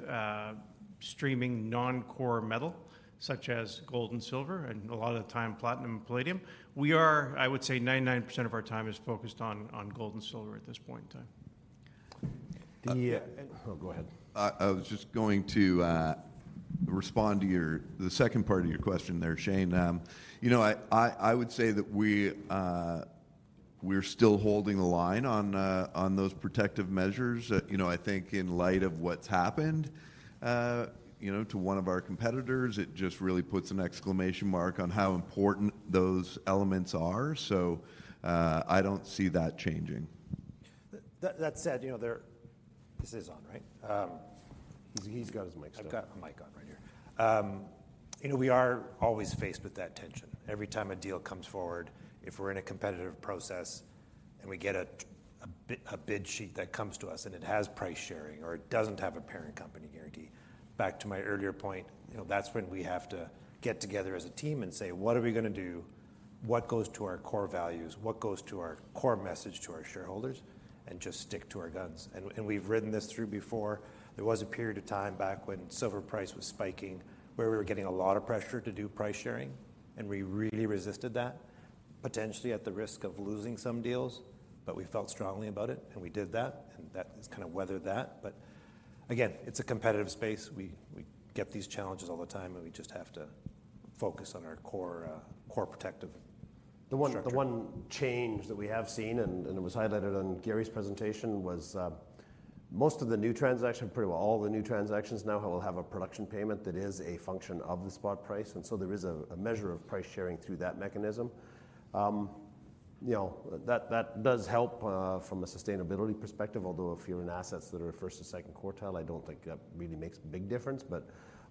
S3: streaming non-core metal, such as gold and silver, and a lot of the time, platinum and palladium. We are, I would say, 99% of our time is focused on, on gold and silver at this point in time.
S6: The... Oh, go ahead.
S4: I was just going to respond to the second part of your question there, Shane. You know, I would say that we're still holding the line on those protective measures. You know, I think in light of what's happened to one of our competitors, it just really puts an exclamation mark on how important those elements are, so I don't see that changing.
S6: That said, you know, there... This is on, right?
S4: He's got his mic still.
S6: I've got a mic on right here. You know, we are always faced with that tension. Every time a deal comes forward, if we're in a competitive process and we get a bid sheet that comes to us, and it has price sharing or it doesn't have a parent company guarantee, back to my earlier point, you know, that's when we have to get together as a team and say: What are we gonna do? What goes to our core values? What goes to our core message to our shareholders? And just stick to our guns. And we've ridden this through before. There was a period of time back when silver price was spiking, where we were getting a lot of pressure to do price sharing, and we really resisted that, potentially at the risk of losing some deals, but we felt strongly about it, and we did that, and that has kinda weathered that. But again, it's a competitive space. We get these challenges all the time, and we just have to focus on our core protective measures....
S2: The one change that we have seen, and it was highlighted on Gary's presentation, was most of the new transaction, pretty well all the new transactions now will have a production payment that is a function of the spot price, and so there is a measure of price sharing through that mechanism. You know, that does help from a sustainability perspective, although if you're in assets that are first or second quartile, I don't think that really makes a big difference.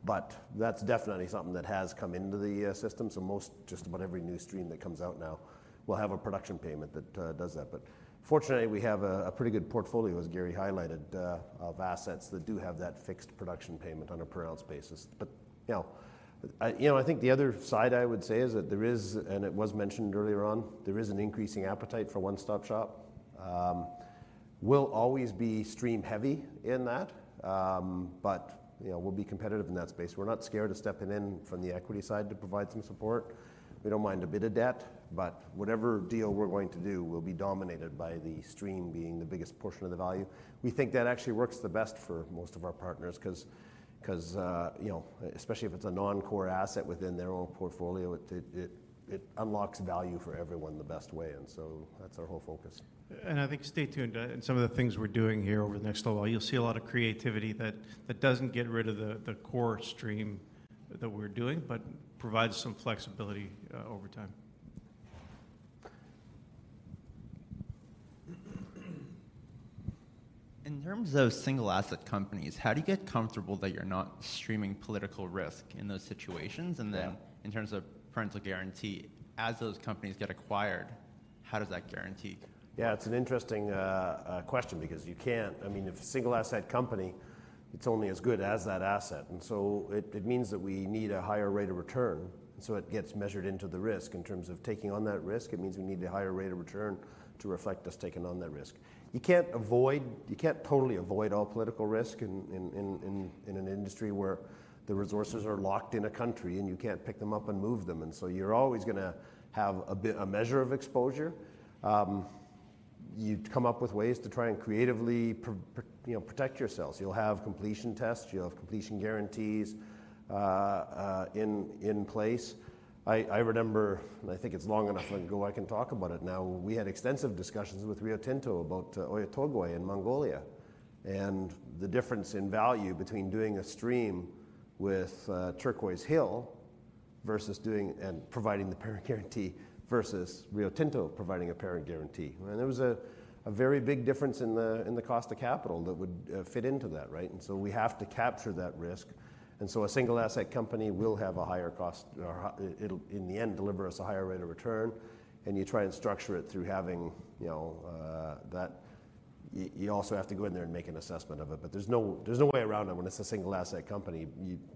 S2: But that's definitely something that has come into the system, so most, just about every new stream that comes out now will have a production payment that does that. But fortunately, we have a pretty good portfolio, as Gary highlighted, of assets that do have that fixed production payment on a per-ounce basis. But, you know, I think the other side, I would say, is that there is, and it was mentioned earlier on, there is an increasing appetite for one-stop shop. We'll always be stream heavy in that, but, you know, we'll be competitive in that space. We're not scared of stepping in from the equity side to provide some support. We don't mind a bit of debt, but whatever deal we're going to do will be dominated by the stream being the biggest portion of the value. We think that actually works the best for most of our partners, 'cause, you know, especially if it's a non-core asset within their own portfolio, it unlocks value for everyone the best way, and so that's our whole focus.
S3: I think stay tuned in some of the things we're doing here over the next little while. You'll see a lot of creativity that doesn't get rid of the core stream that we're doing, but provides some flexibility over time. In terms of single-asset companies, how do you get comfortable that you're not streaming political risk in those situations?
S2: Yeah. Then, in terms of parent guarantee, as those companies get acquired, how does that guarantee? Yeah, it's an interesting question because you can't... I mean, if a single-asset company, it's only as good as that asset, and so it means that we need a higher rate of return, so it gets measured into the risk. In terms of taking on that risk, it means we need a higher rate of return to reflect us taking on that risk. You can't avoid - you can't totally avoid all political risk in an industry where the resources are locked in a country, and you can't pick them up and move them, and so you're always gonna have a bit, a measure of exposure. You come up with ways to try and creatively protect yourselves. You know, you'll have completion tests. You'll have completion guarantees in place. I remember, and I think it's long enough ago I can talk about it now: we had extensive discussions with Rio Tinto about Oyu Tolgoi in Mongolia and the difference in value between doing a stream with Turquoise Hill versus doing and providing the parent guarantee versus Rio Tinto providing a parent guarantee. And there was a very big difference in the cost of capital that would fit into that, right? And so we have to capture that risk. And so a single-asset company will have a higher cost, or it'll, in the end, deliver us a higher rate of return, and you try and structure it through having you know that. You also have to go in there and make an assessment of it. But there's no way around it when it's a single-asset company.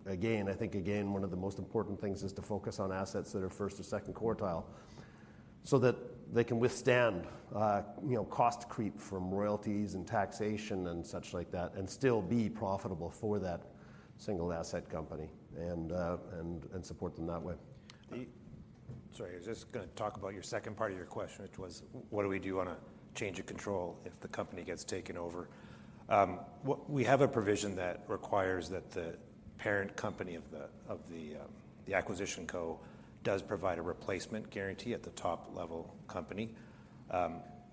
S2: Again, I think, one of the most important things is to focus on assets that are first or second quartile so that they can withstand, you know, cost creep from royalties and taxation and such like that and still be profitable for that single-asset company and support them that way.
S6: Sorry, I was just gonna talk about your second part of your question, which was: what do we do on a change of control if the company gets taken over? We have a provision that requires that the parent company of the Acquisition Co. does provide a replacement guarantee at the top-level company.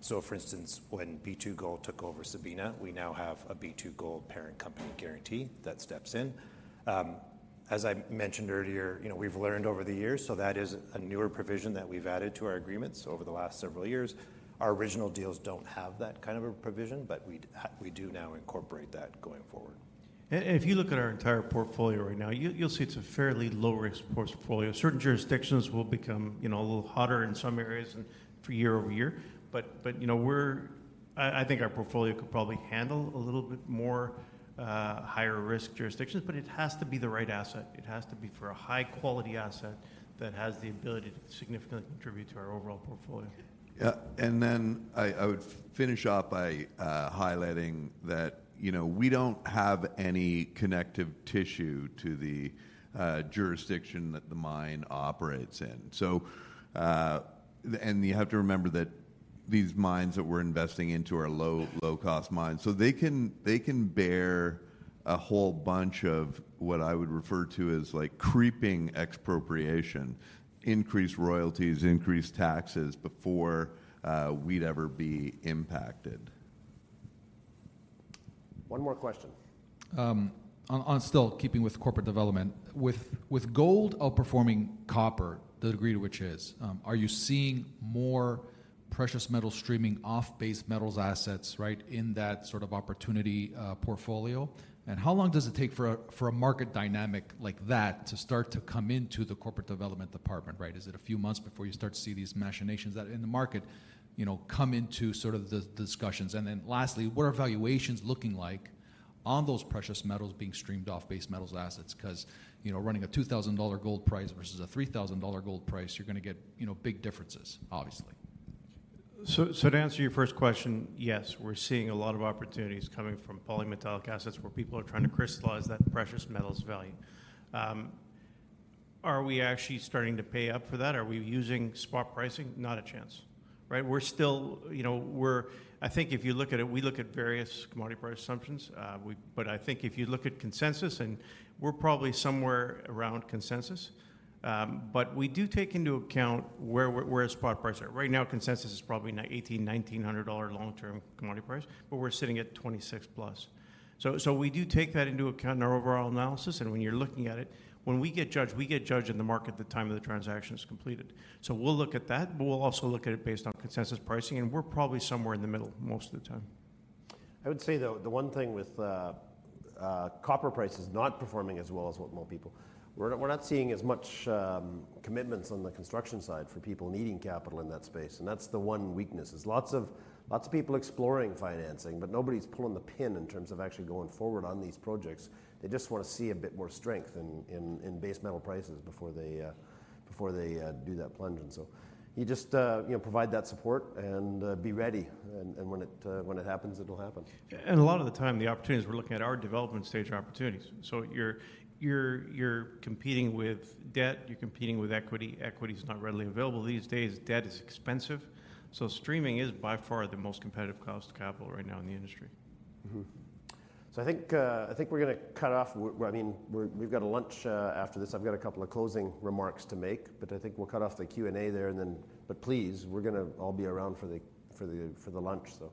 S6: So for instance, when B2Gold took over Sabina, we now have a B2Gold parent company guarantee that steps in. As I mentioned earlier, you know, we've learned over the years, so that is a newer provision that we've added to our agreements over the last several years. Our original deals don't have that kind of a provision, but we do now incorporate that going forward.
S3: If you look at our entire portfolio right now, you'll see it's a fairly low-risk portfolio. Certain jurisdictions will become, you know, a little hotter in some areas and for year-over-year. But you know, we're. I think our portfolio could probably handle a little bit more higher-risk jurisdictions, but it has to be the right asset. It has to be for a high-quality asset that has the ability to significantly contribute to our overall portfolio.
S4: Yeah, and then I would finish off by highlighting that, you know, we don't have any connective tissue to the jurisdiction that the mine operates in. So, and you have to remember that these mines that we're investing into are low, low-cost mines, so they can, they can bear a whole bunch of what I would refer to as, like, creeping expropriation, increased royalties, increased taxes, before we'd ever be impacted.
S2: One more question. On still keeping with corporate development, with gold outperforming copper, the degree to which it is, are you seeing more precious metal streaming off base metals assets, right, in that sort of opportunity, portfolio? And how long does it take for a market dynamic like that to start to come into the corporate development department, right? Is it a few months before you start to see these machinations that are in the market, you know, come into sort of the discussions? And then lastly, what are valuations looking like on those precious metals being streamed off base metals assets? 'Cause, you know, running a $2,000 gold price versus a $3,000 gold price, you're gonna get, you know, big differences, obviously.
S3: So to answer your first question, yes, we're seeing a lot of opportunities coming from polymetallic assets, where people are trying to crystallize that precious metal's value. Are we actually starting to pay up for that? Are we using spot pricing? Not a chance. Right? We're still, you know. I think if you look at it, we look at various commodity price assumptions, but I think if you look at consensus, and we're probably somewhere around consensus. But we do take into account where spot prices are. Right now, consensus is probably $900, $1,800, $1,900-dollar long-term commodity price, but we're sitting at $2,600 plus. So we do take that into account in our overall analysis, and when you're looking at it, when we get judged, we get judged in the market the time that the transaction is completed. So we'll look at that, but we'll also look at it based on consensus pricing, and we're probably somewhere in the middle most of the time.
S2: I would say, though, the one thing with copper prices not performing as well as what most people, we're not seeing as much commitments on the construction side for people needing capital in that space, and that's the one weakness. There's lots of people exploring financing, but nobody's pulling the pin in terms of actually going forward on these projects. They just wanna see a bit more strength in base metal prices before they do that plunge. So you just you know provide that support and be ready, and when it happens, it'll happen.
S3: A lot of the time, the opportunities we're looking at are development stage opportunities. You're competing with debt, you're competing with equity. Equity is not readily available these days. Debt is expensive, so streaming is by far the most competitive cost of capital right now in the industry.
S2: Mm-hmm. So I think, I think we're gonna cut off. We're, I mean, we've got a lunch after this. I've got a couple of closing remarks to make, but I think we'll cut off the Q&A there and then. But please, we're gonna all be around for the lunch, so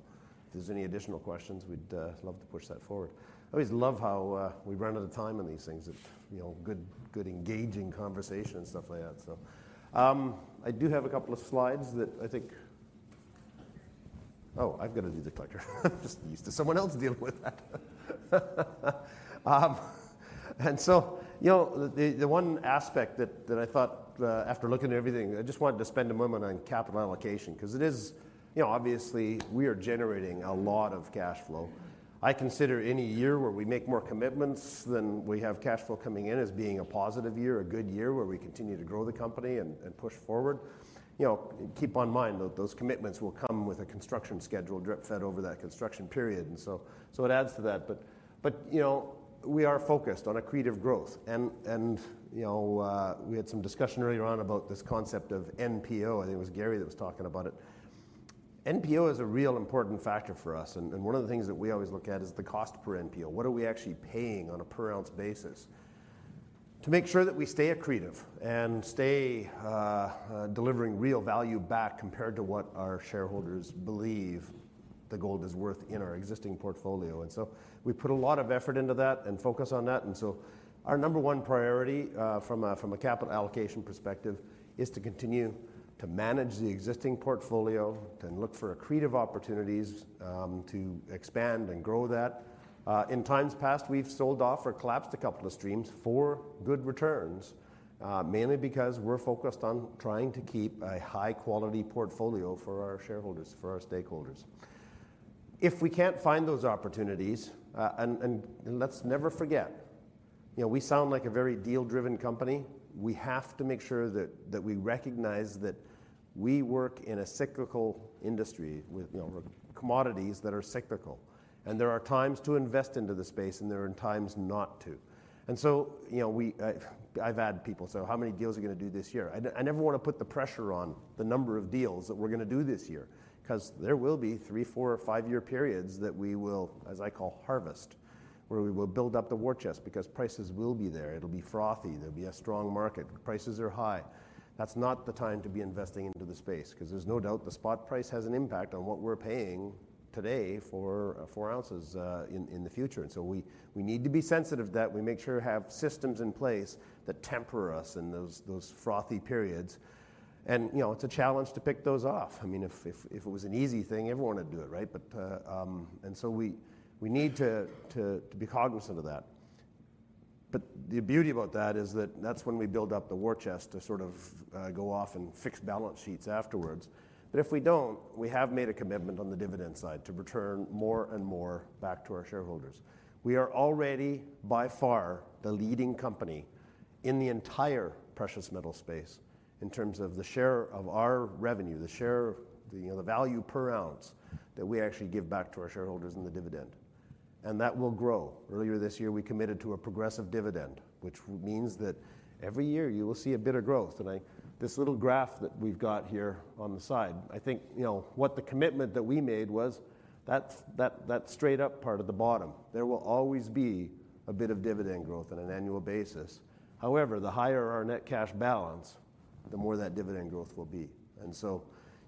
S2: if there's any additional questions, we'd love to push that forward. I always love how we run out of time on these things. It's, you know, good engaging conversation and stuff like that, so. I do have a couple of slides that I think. Oh, I've got to do the clicker. I'm just used to someone else dealing with that. And so, you know, the one aspect that I thought, after looking at everything, I just wanted to spend a moment on capital allocation because it is, you know, obviously, we are generating a lot of cash flow. I consider any year where we make more commitments than we have cash flow coming in as being a positive year, a good year, where we continue to grow the company and push forward. You know, keep in mind that those commitments will come with a construction schedule drip-fed over that construction period, and so it adds to that. But, you know, we are focused on accretive growth and, you know, we had some discussion earlier on about this concept of NPO, and it was Gary that was talking about it. NPO is a real important factor for us, and one of the things that we always look at is the cost per NPO. What are we actually paying on a per ounce basis to make sure that we stay accretive and stay delivering real value back compared to what our shareholders believe the gold is worth in our existing portfolio? And so we put a lot of effort into that and focus on that, and so our number one priority, from a capital allocation perspective, is to continue to manage the existing portfolio, then look for accretive opportunities, to expand and grow that. In times past, we've sold off or collapsed a couple of streams for good returns, mainly because we're focused on trying to keep a high-quality portfolio for our shareholders, for our stakeholders. If we can't find those opportunities, and let's never forget, you know, we sound like a very deal-driven company. We have to make sure that we recognize that we work in a cyclical industry with, you know, commodities that are cyclical, and there are times to invest into the space, and there are times not to. So, you know, I've had people say, "How many deals are you gonna do this year?" I never wanna put the pressure on the number of deals that we're gonna do this year, 'cause there will be three, four or five-year periods that we will, as I call, harvest, where we will build up the war chest because prices will be there. It'll be frothy. There'll be a strong market. Prices are high. That's not the time to be investing into the space, 'cause there's no doubt the spot price has an impact on what we're paying today for four ounces in the future. And so we need to be sensitive to that. We make sure to have systems in place that temper us in those frothy periods. And you know, it's a challenge to pick those off. I mean, if it was an easy thing, everyone would do it, right? But and so we need to be cognizant of that. But the beauty about that is that that's when we build up the war chest to sort of go off and fix balance sheets afterwards. But if we don't, we have made a commitment on the dividend side to return more and more back to our shareholders. We are already, by far, the leading company in the entire precious metal space in terms of the share of our revenue, the share of, you know, the value per ounce that we actually give back to our shareholders in the dividend, and that will grow. Earlier this year, we committed to a progressive dividend, which means that every year you will see a bit of growth, and I... This little graph that we've got here on the side, I think, you know, what the commitment that we made was, that's that straight-up part at the bottom. There will always be a bit of dividend growth on an annual basis. However, the higher our net cash balance, the more that dividend growth will be. And so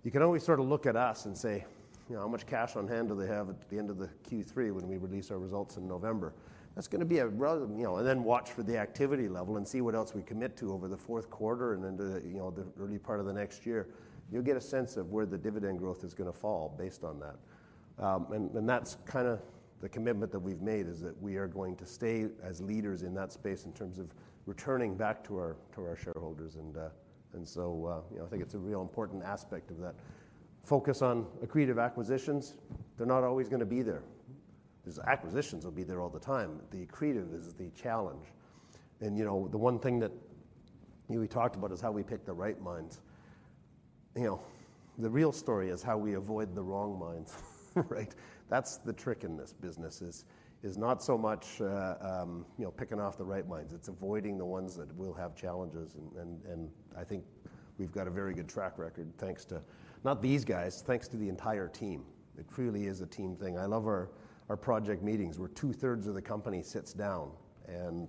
S2: you can always sort of look at us and say, "You know, how much cash on hand do they have at the end of the Q3 when we release our results in November?" That's gonna be a rather, you know, and then watch for the activity level and see what else we commit to over the fourth quarter and into the, you know, the early part of the next year. You'll get a sense of where the dividend growth is gonna fall based on that, and that's kinda the commitment that we've made, is that we are going to stay as leaders in that space in terms of returning back to our shareholders, and so, you know, I think it's a real important aspect of that. Focus on accretive acquisitions. They're not always gonna be there. These acquisitions will be there all the time. The accretive is the challenge. And, you know, the one thing that, you know, we talked about is how we pick the right mines. You know, the real story is how we avoid the wrong mines, right? That's the trick in this business is not so much, you know, picking off the right mines, it's avoiding the ones that will have challenges. And I think we've got a very good track record, thanks to, not these guys, thanks to the entire team. It truly is a team thing. I love our project meetings, where two-thirds of the company sits down and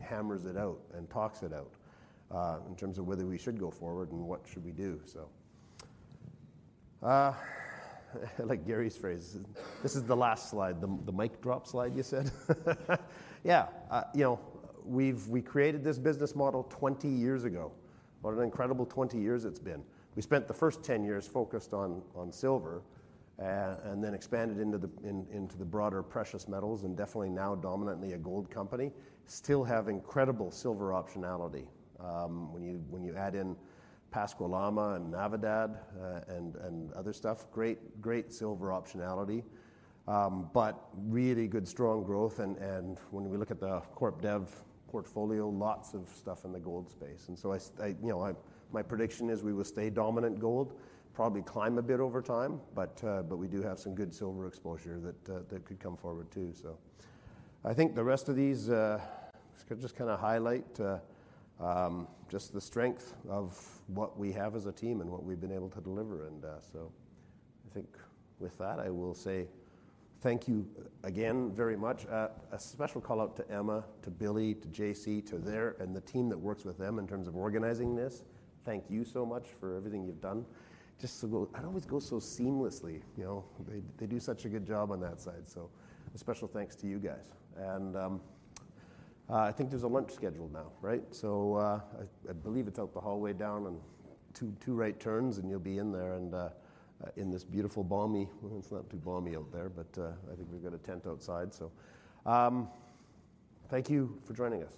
S2: hammers it out and talks it out in terms of whether we should go forward and what should we do, so. I like Gary's phrase, "This is the last slide," the mic drop slide, you said? Yeah, you know, we've created this business model 20 years ago. What an incredible 20 years it's been. We spent the first 10 years focused on silver, and then expanded into the broader precious metals, and definitely now dominantly a gold company, still have incredible silver optionality. When you add in Pascua-Lama and Navidad, and other stuff, great silver optionality, but really good, strong growth and when we look at the corp dev portfolio, lots of stuff in the gold space. And so I, you know, I... My prediction is we will stay dominant in gold, probably climb a bit over time, but, but we do have some good silver exposure that could come forward, too. So I think the rest of these just kinda highlight just the strength of what we have as a team and what we've been able to deliver and, so I think with that, I will say thank you again very much. A special call-out to Emma, to Billy, to JC, to there, and the team that works with them in terms of organizing this. Thank you so much for everything you've done. It always go so seamlessly, you know? They do such a good job on that side, so a special thanks to you guys. And, I think there's a lunch scheduled now, right? I believe it's out the hallway down and two right turns, and you'll be in there, and in this beautiful, balmy... Well, it's not too balmy out there, but I think we've got a tent outside. Thank you for joining us.